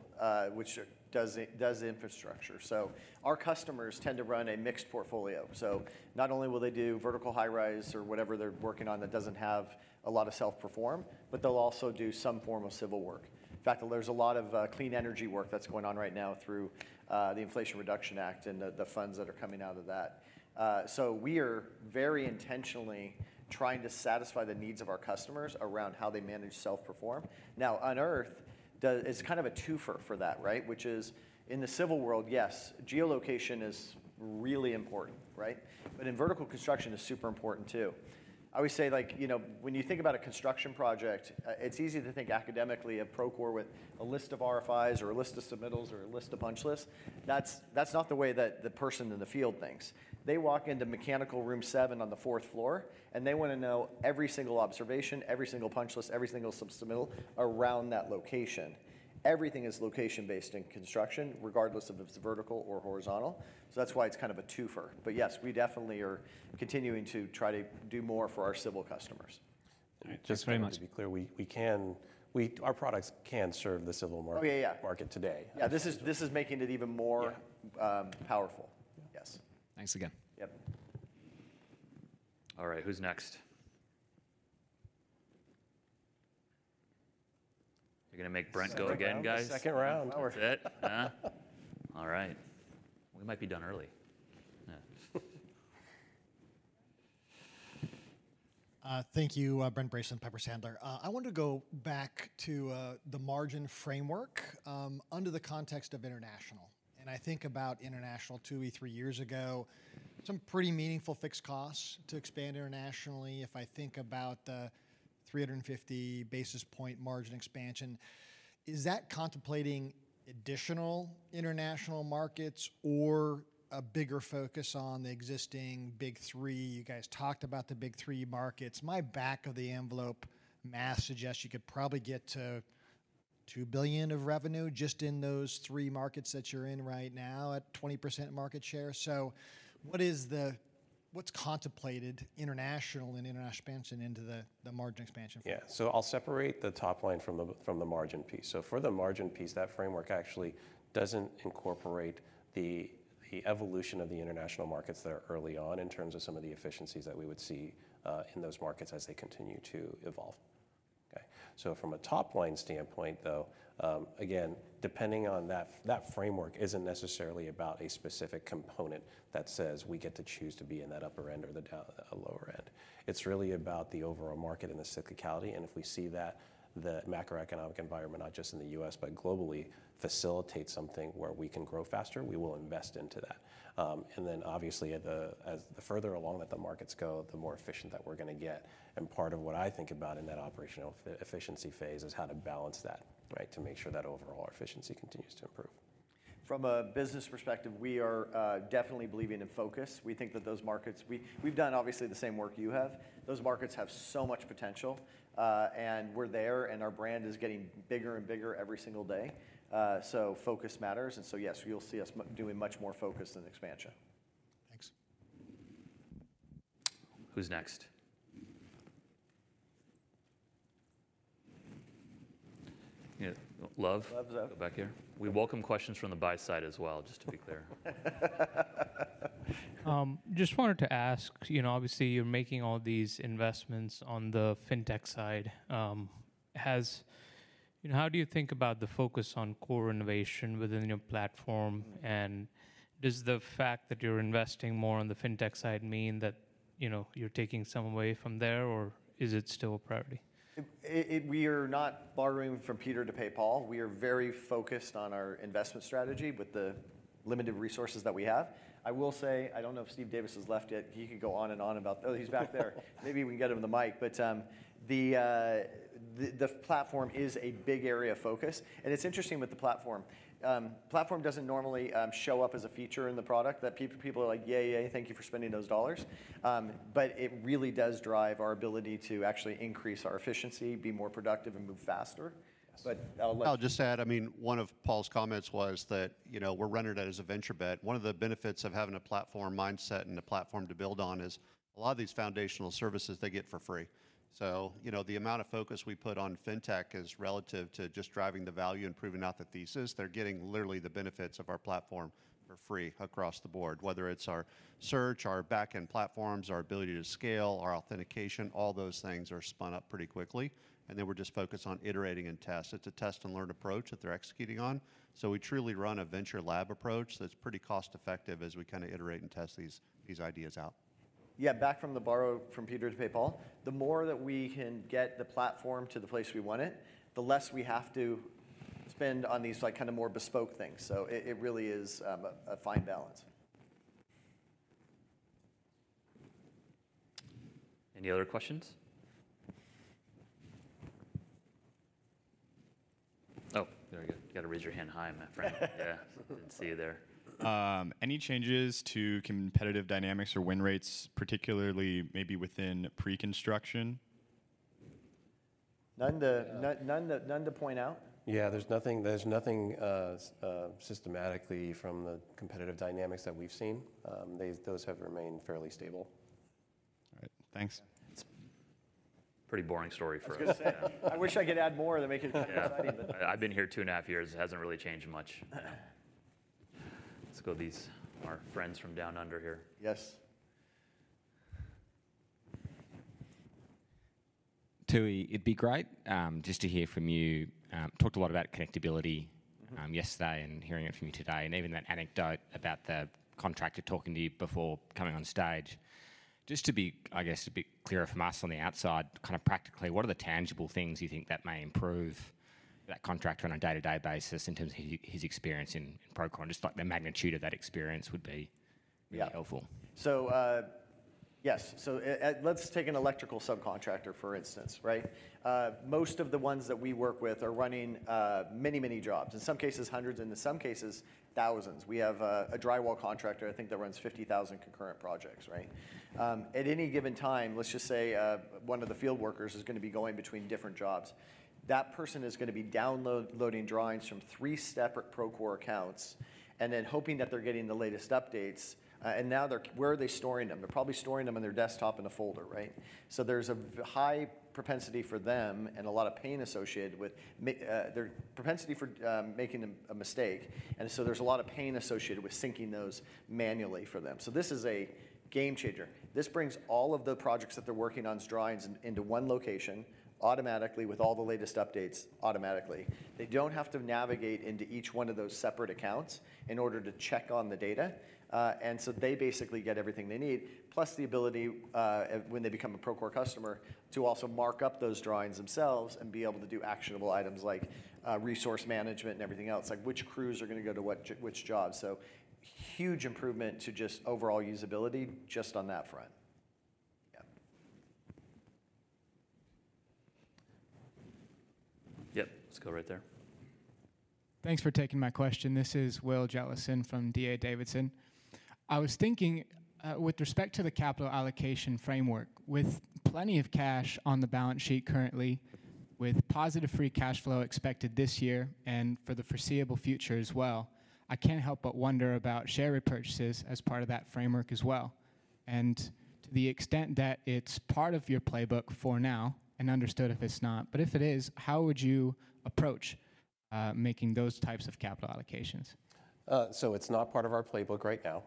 which does infrastructure. So our customers tend to run a mixed portfolio. So not only will they do vertical high-rise or whatever they're working on that doesn't have a lot of self-perform, but they'll also do some form of civil work. In fact, there's a lot of clean energy work that's going on right now through the Inflation Reduction Act and the funds that are coming out of that. So we are very intentionally trying to satisfy the needs of our customers around how they manage self-perform. Now, Unearth, it's kind of a twofer for that, right? Which is, in the civil world, yes, geolocation is really important, right? But in vertical construction, it's super important, too. I always say, like, you know, when you think about a construction project, it's easy to think academically of Procore with a list of RFIs or a list of submittals or a list of punch lists. That's, that's not the way that the person in the field thinks. They walk into mechanical room seven on the fourth floor, and they wanna know every single observation, every single punch list, every single submittal around that location. Everything is location-based in construction, regardless of if it's vertical or horizontal, so that's why it's kind of a twofer. But yes, we definitely are continuing to try to do more for our civil customers. All right. Thanks very much. Just to be clear, we can... Our products can serve the civil market- Oh, yeah, yeah.... market today. Yeah, this is making it even more- Yeah Powerful. Yes. Thanks again. Yep. All right, who's next? You're gonna make Brent go again, guys? Second round. That's it, huh? All right. We might be done early. Yeah. Thank you. Brent Bracelin, Piper Sandler. I wanted to go back to the margin framework under the context of international, and I think about international 2-3 years ago. Some pretty meaningful fixed costs to expand internationally. If I think about the 350 basis points margin expansion, is that contemplating additional international markets or a bigger focus on the existing big three? You guys talked about the big three markets. My back of the envelope math suggests you could probably get to $2 billion of revenue just in those three markets that you're in right now at 20% market share. So what's contemplated international and international expansion into the margin expansion? Yeah. So I'll separate the top line from the margin piece. So for the margin piece, that framework actually doesn't incorporate the evolution of the international markets that are early on in terms of some of the efficiencies that we would see in those markets as they continue to evolve. Okay, so from a top-line standpoint, though, again, depending on that, that framework isn't necessarily about a specific component that says we get to choose to be in that upper end or the lower end. It's really about the overall market and the cyclicality, and if we see that the macroeconomic environment, not just in the U.S., but globally, facilitates something where we can grow faster, we will invest into that. And then obviously, as the further along that the markets go, the more efficient that we're gonna get. Part of what I think about in that operational efficiency phase is how to balance that, right? To make sure that overall our efficiency continues to improve. From a business perspective, we are definitely believing in focus. We think that those markets... We've done obviously the same work you have. Those markets have so much potential, and we're there, and our brand is getting bigger and bigger every single day. So focus matters, and so yes, you'll see us doing much more focus than expansion. Thanks. Who's next? Yeah, Luv. Luv's up. Back here. We welcome questions from the buy side as well, just to be clear. Just wanted to ask, you know, obviously, you're making all these investments on the fintech side. How do you think about the focus on core innovation within your platform? Does the fact that you're investing more on the fintech side mean that, you know, you're taking some away from there, or is it still a priority? We are not borrowing from Peter to pay Paul. We are very focused on our investment strategy with the limited resources that we have. I will say, I don't know if Steve Davis has left yet. He could go on and on about... Oh, he's back there. Maybe we can get him the mic. But the platform is a big area of focus, and it's interesting with the platform. Platform doesn't normally show up as a feature in the product that people are like, "Yay, yay, thank you for spending those dollars." But it really does drive our ability to actually increase our efficiency, be more productive, and move faster. Yes. But I'll let- I'll just add, I mean, one of Paul's comments was that, you know, we're rendered as a venture bet. One of the benefits of having a platform mindset and a platform to build on is, a lot of these foundational services, they get for free. So, you know, the amount of focus we put on fintech is relative to just driving the value and proving out the thesis. They're getting literally the benefits of our platform for free across the board, whether it's our search, our back-end platforms, our ability to scale, our authentication, all those things are spun up pretty quickly, and then we're just focused on iterating and test. It's a test-and-learn approach that they're executing on, so we truly run a venture lab approach that's pretty cost-effective as we kind of iterate and test these, these ideas out. Yeah, back from the borrow from Peter to pay Paul, the more that we can get the platform to the place we want it, the less we have to spend on these, like, kind of more bespoke things. So it really is a fine balance. Any other questions? Oh, there we go. You gotta raise your hand high, my friend. Yeah. Didn't see you there. Any changes to competitive dynamics or win rates, particularly maybe within pre-construction? None to point out. Yeah, there's nothing, there's nothing systematically from the competitive dynamics that we've seen. They, those have remained fairly stable. All right, thanks. It's pretty boring story for us. I was gonna say, I wish I could add more to make it- Yeah.... exciting, but. I've been here two and a half years. It hasn't really changed much. Let's go these, our friends from down under here. Yes. Tooey, it'd be great just to hear from you. Talked a lot about connectability yesterday and hearing it from you today, and even that anecdote about the contractor talking to you before coming on stage. Just to be, I guess, a bit clearer from us on the outside, kind of practically, what are the tangible things you think that may improve that contractor on a day-to-day basis in terms of his, his experience in Procore? Just, like, the magnitude of that experience would be- Yeah... really helpful. So, yes. So at, let's take an electrical subcontractor, for instance, right? Most of the ones that we work with are running many, many jobs, in some cases hundreds, and in some cases, thousands. We have a drywall contractor, I think, that runs 50,000 concurrent projects, right? At any given time, let's just say, one of the field workers is gonna be going between different jobs. That person is gonna be downloading drawings from 3 separate Procore accounts, and then hoping that they're getting the latest updates. And now they're... Where are they storing them? They're probably storing them on their desktop in a folder, right? So there's a very high propensity for them and a lot of pain associated with their propensity for making a mistake, and so there's a lot of pain associated with syncing those manually for them. So this is a game changer. This brings all of the projects that they're working on, drawings, into one location automatically, with all the latest updates automatically. They don't have to navigate into each one of those separate accounts in order to check on the data, and so they basically get everything they need, plus the ability, when they become a Procore customer, to also mark up those drawings themselves and be able to do actionable items like resource management and everything else, like which crews are gonna go to which jobs. So huge improvement to just overall usability, just on that front. Yeah. Yep, let's go right there. Thanks for taking my question. This is Will Jellison from D.A. Davidson. I was thinking, with respect to the capital allocation framework, with plenty of cash on the balance sheet currently, with positive free cash flow expected this year and for the foreseeable future as well, I can't help but wonder about share repurchases as part of that framework as well. And to the extent that it's part of your playbook for now, and understood if it's not, but if it is, how would you approach, making those types of capital allocations? So it's not part of our playbook right now.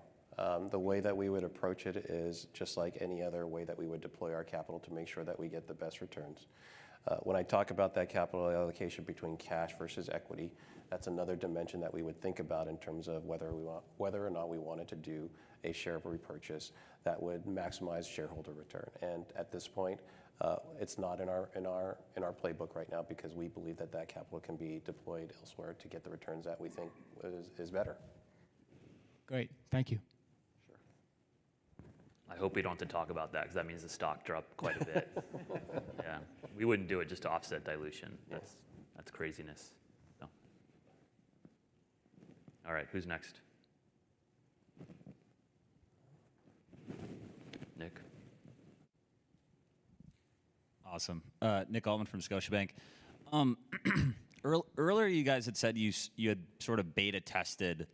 The way that we would approach it is just like any other way that we would deploy our capital to make sure that we get the best returns. When I talk about that capital allocation between cash versus equity, that's another dimension that we would think about in terms of whether we want- whether or not we wanted to do a share repurchase that would maximize shareholder return. And at this point, it's not in our playbook right now because we believe that that capital can be deployed elsewhere to get the returns that we think is better. Great. Thank you. Sure. I hope we don't have to talk about that, 'cause that means the stock dropped quite a bit. Yeah. We wouldn't do it just to offset dilution. Yes. That's craziness. No. All right, who's next? Nick? Awesome. Nick Altman from Scotiabank. Earlier, you guys had said you had sort of beta tested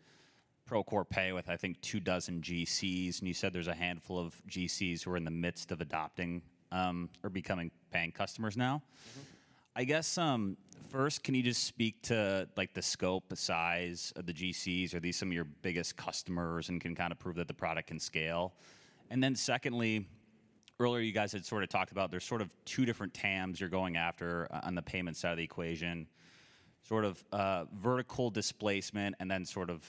Procore Pay with, I think, 24 GCs, and you said there's a handful of GCs who are in the midst of adopting or becoming paying customers now. Mm-hmm. I guess, first, can you just speak to, like, the scope, the size of the GCs? Are these some of your biggest customers and can kind of prove that the product can scale? And then secondly, earlier you guys had sort of talked about there's sort of two different TAMs you're going after on the payment side of the equation, sort of, vertical displacement and then sort of,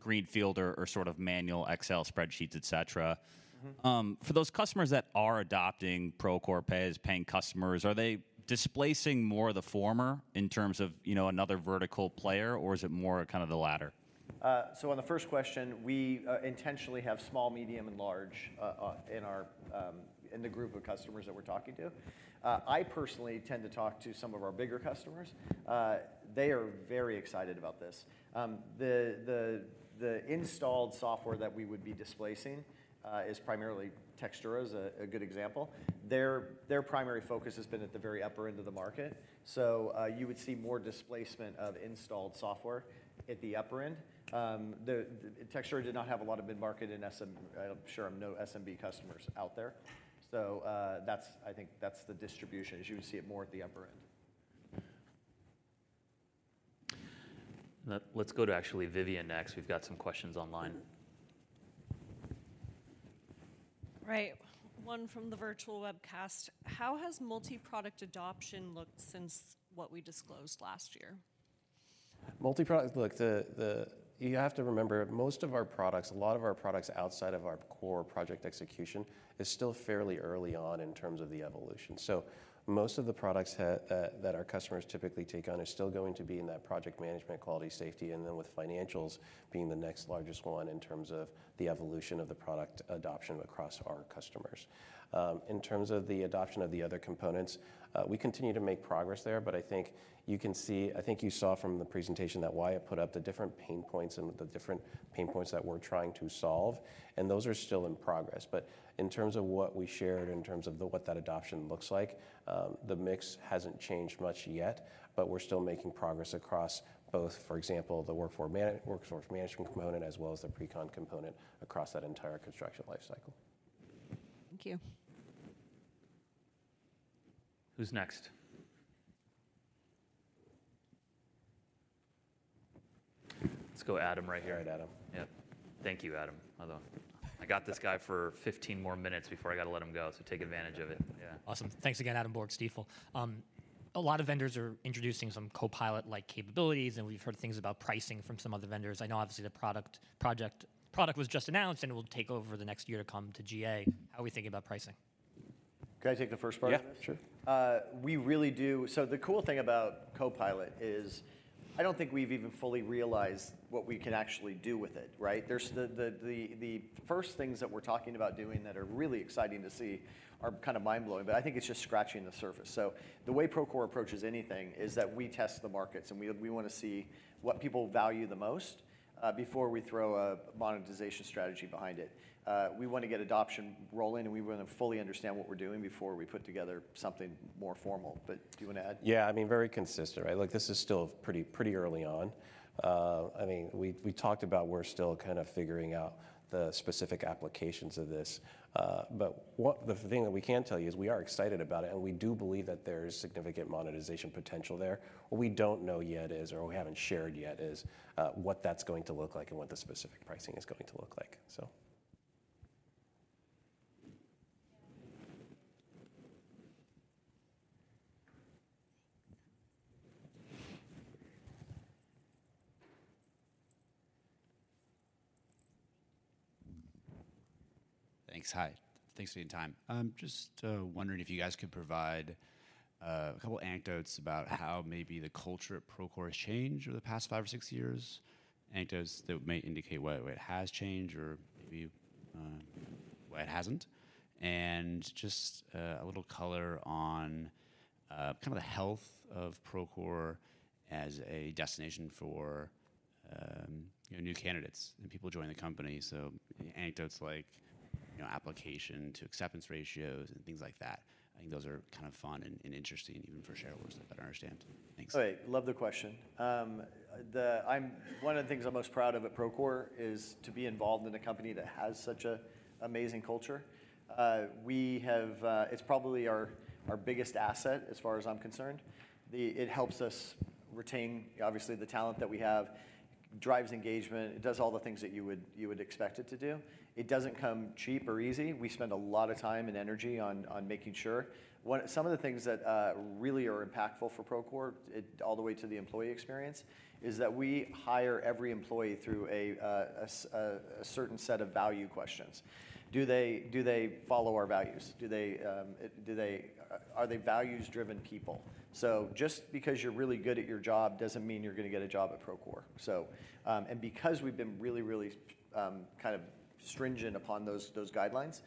greenfield or sort of manual Excel spreadsheets, et cetera. Mm-hmm. For those customers that are adopting Procore Pay as paying customers, are they displacing more of the former in terms of, you know, another vertical player, or is it more kind of the latter? So on the first question, we intentionally have small, medium, and large in the group of customers that we're talking to. I personally tend to talk to some of our bigger customers. They are very excited about this. The installed software that we would be displacing is primarily Textura is a good example. Their primary focus has been at the very upper end of the market, so you would see more displacement of installed software at the upper end. Textura did not have a lot of mid-market and SMB customers out there. So that's, I think, the distribution, is you would see it more at the upper end. Let's go to actually Vivian next. We've got some questions online. Mm-hmm. Right, one from the virtual webcast. How has multi-product adoption looked since what we disclosed last year? Multi-product, look, You have to remember, most of our products, a lot of our products outside of our core project execution, is still fairly early on in terms of the evolution. So most of the products that our customers typically take on are still going to be in that Project Management, Quality, Safety, and then with financials being the next largest one in terms of the evolution of the product adoption across our customers. In terms of the adoption of the other components, we continue to make progress there, but I think you can see. I think you saw from the presentation that Wyatt put up, the different pain points and the different pain points that we're trying to solve, and those are still in progress. But in terms of what we shared, in terms of the what that adoption looks like, the mix hasn't changed much yet, but we're still making progress across both, for example, the Workforce Management component, as well as the Precon component across that entire construction lifecycle. Thank you. Who's next?... Let's go, Adam, right here. All right, Adam. Yep. Thank you, Adam. Although, I got this guy for 15 more minutes before I gotta let him go, so take advantage of it. Yeah. Awesome. Thanks again, Adam Borg. A lot of vendors are introducing some Copilot-like capabilities, and we've heard things about pricing from some other vendors. I know obviously the product was just announced, and it will take over the next year to come to GA. How are we thinking about pricing? Can I take the first part of that? Yeah, sure. We really do. So the cool thing about Copilot is, I don't think we've even fully realized what we can actually do with it, right? There's the first things that we're talking about doing that are really exciting to see are kind of mind-blowing, but I think it's just scratching the surface. So the way Procore approaches anything is that we test the markets, and we wanna see what people value the most before we throw a monetization strategy behind it. We wanna get adoption rolling, and we wanna fully understand what we're doing before we put together something more formal. But do you wanna add? Yeah, I mean, very consistent, right? Look, this is still pretty, pretty early on. I mean, we talked about we're still kind of figuring out the specific applications of this. But the thing that we can tell you is we are excited about it, and we do believe that there's significant monetization potential there. What we don't know yet is, or we haven't shared yet, is what that's going to look like and what the specific pricing is going to look like, so. Thanks. Hi, thanks for your time. Just, wondering if you guys could provide, a couple anecdotes about how maybe the culture at Procore has changed over the past five or six years. Anecdotes that may indicate why it has changed or maybe, why it hasn't. And just, a little color on, kind of the health of Procore as a destination for, you know, new candidates and people joining the company. So anecdotes like, you know, application to acceptance ratios and things like that. I think those are kind of fun and, and interesting, even for shareholders to better understand. Thanks. Great. Love the question. I'm one of the things I'm most proud of at Procore is to be involved in a company that has such an amazing culture. We have, it's probably our biggest asset, as far as I'm concerned. It helps us retain, obviously, the talent that we have, drives engagement, it does all the things that you would expect it to do. It doesn't come cheap or easy. We spend a lot of time and energy on making sure. Some of the things that really are impactful for Procore, all the way to the employee experience, is that we hire every employee through a certain set of value questions. Do they follow our values? Do they, are they values-driven people? So just because you're really good at your job, doesn't mean you're gonna get a job at Procore. So, and because we've been really, really, kind of stringent upon those, those guidelines,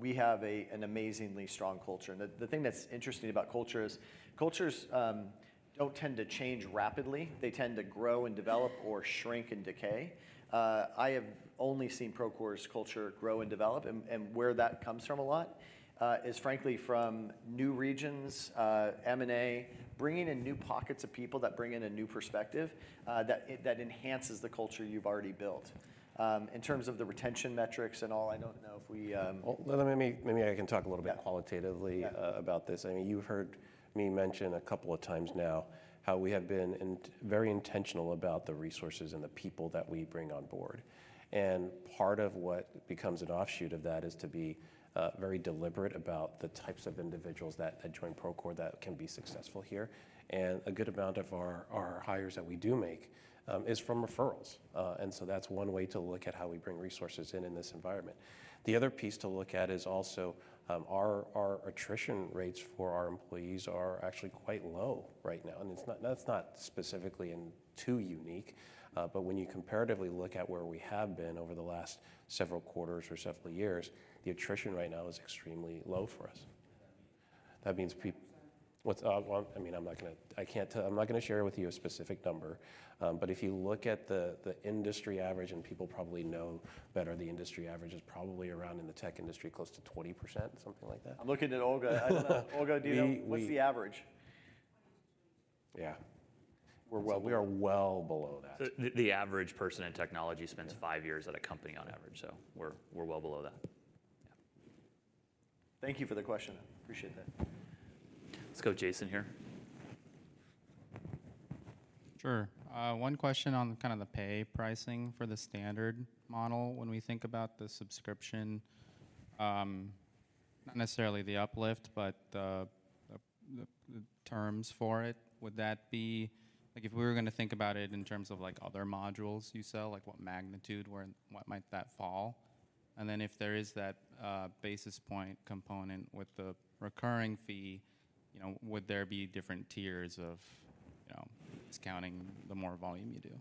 we have an amazingly strong culture. And the thing that's interesting about culture is, cultures don't tend to change rapidly. They tend to grow and develop or shrink and decay. I have only seen Procore's culture grow and develop, and where that comes from a lot is frankly from new regions, M&A, bringing in new pockets of people that bring in a new perspective that enhances the culture you've already built. In terms of the retention metrics and all, I don't know if we, Well, let me, maybe I can talk a little bit- Yeah... qualitatively, about this. I mean, you've heard me mention a couple of times now how we have been very intentional about the resources and the people that we bring on board. And part of what becomes an offshoot of that is to be, very deliberate about the types of individuals that join Procore that can be successful here. And a good amount of our, our hires that we do make, is from referrals. And so that's one way to look at how we bring resources in, in this environment. The other piece to look at is also, our, our attrition rates for our employees are actually quite low right now. It's not, that's not specifically and too unique, but when you comparatively look at where we have been over the last several quarters or several years, the attrition right now is extremely low for us. That means people- That means... What's... Well, I mean, I'm not gonna- I can't tell, I'm not gonna share with you a specific number, but if you look at the industry average, and people probably know better, the industry average is probably around in the tech industry, close to 20%, something like that. I'm looking at Olga. I don't know. Olga, do you know- We, we- What's the average? Yeah. We are well below that. The average person in technology- Yeah... spends 5 years at a company on average, so we're, we're well below that. Yeah. Thank you for the question. Appreciate that. Let's go, Jason here. Sure. One question on kind of the pay pricing for the standard model. When we think about the subscription, not necessarily the uplift, but the terms for it, would that be... Like if we were gonna think about it in terms of like other modules you sell, like what magnitude, where and what might that fall? And then if there is that basis point component with the recurring fee, you know, would there be different tiers of, you know, discounting the more volume you do?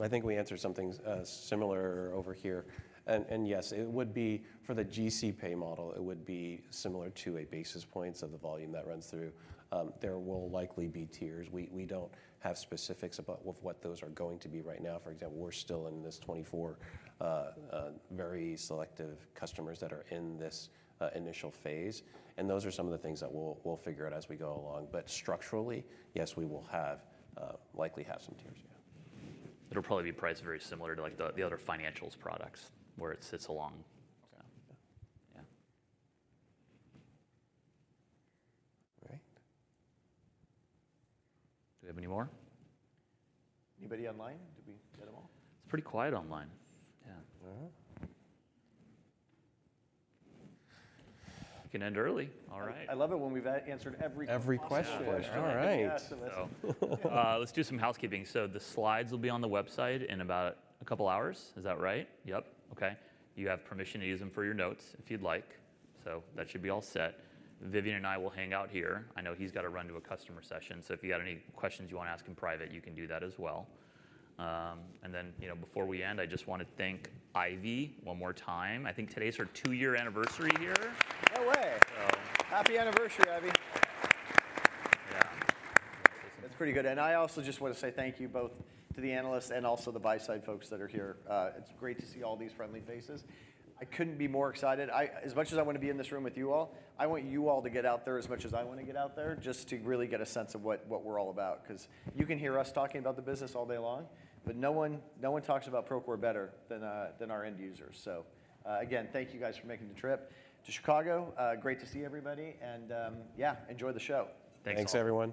I think we answered something similar over here. And yes, it would be, for the GC pay model, it would be similar to a basis points of the volume that runs through. There will likely be tiers. We don't have specifics about what those are going to be right now. For example, we're still in this 24 very selective customers that are in this initial phase, and those are some of the things that we'll figure out as we go along. But structurally, yes, we will likely have some tiers. Yeah. It'll probably be priced very similar to, like, the other Financials products, where it sits along. Okay. Yeah. All right. Do we have any more? Anybody online? Did we get them all? It's pretty quiet online. Yeah. Uh-huh. We can end early. All right. I love it when we've answered every question. Every question. Yeah. All right. Let's do some housekeeping. So the slides will be on the website in about a couple hours. Is that right? Yep. Okay. You have permission to use them for your notes if you'd like, so that should be all set. Vivian and I will hang out here. I know he's got to run to a customer session, so if you got any questions you want to ask him private, you can do that as well. And then, you know, before we end, I just want to thank Ivy one more time. I think today is her two-year anniversary here. No way! So... Happy anniversary, Ivy. Yeah. That's pretty good. I also just want to say thank you both to the analysts and also the buy side folks that are here. It's great to see all these friendly faces. I couldn't be more excited. As much as I want to be in this room with you all, I want you all to get out there as much as I want to get out there, just to really get a sense of what we're all about. 'Cause you can hear us talking about the business all day long, but no one, no one talks about Procore better than our end users. Again, thank you guys for making the trip to Chicago. Great to see everybody, and yeah, enjoy the show. Thanks, all. Thanks, everyone.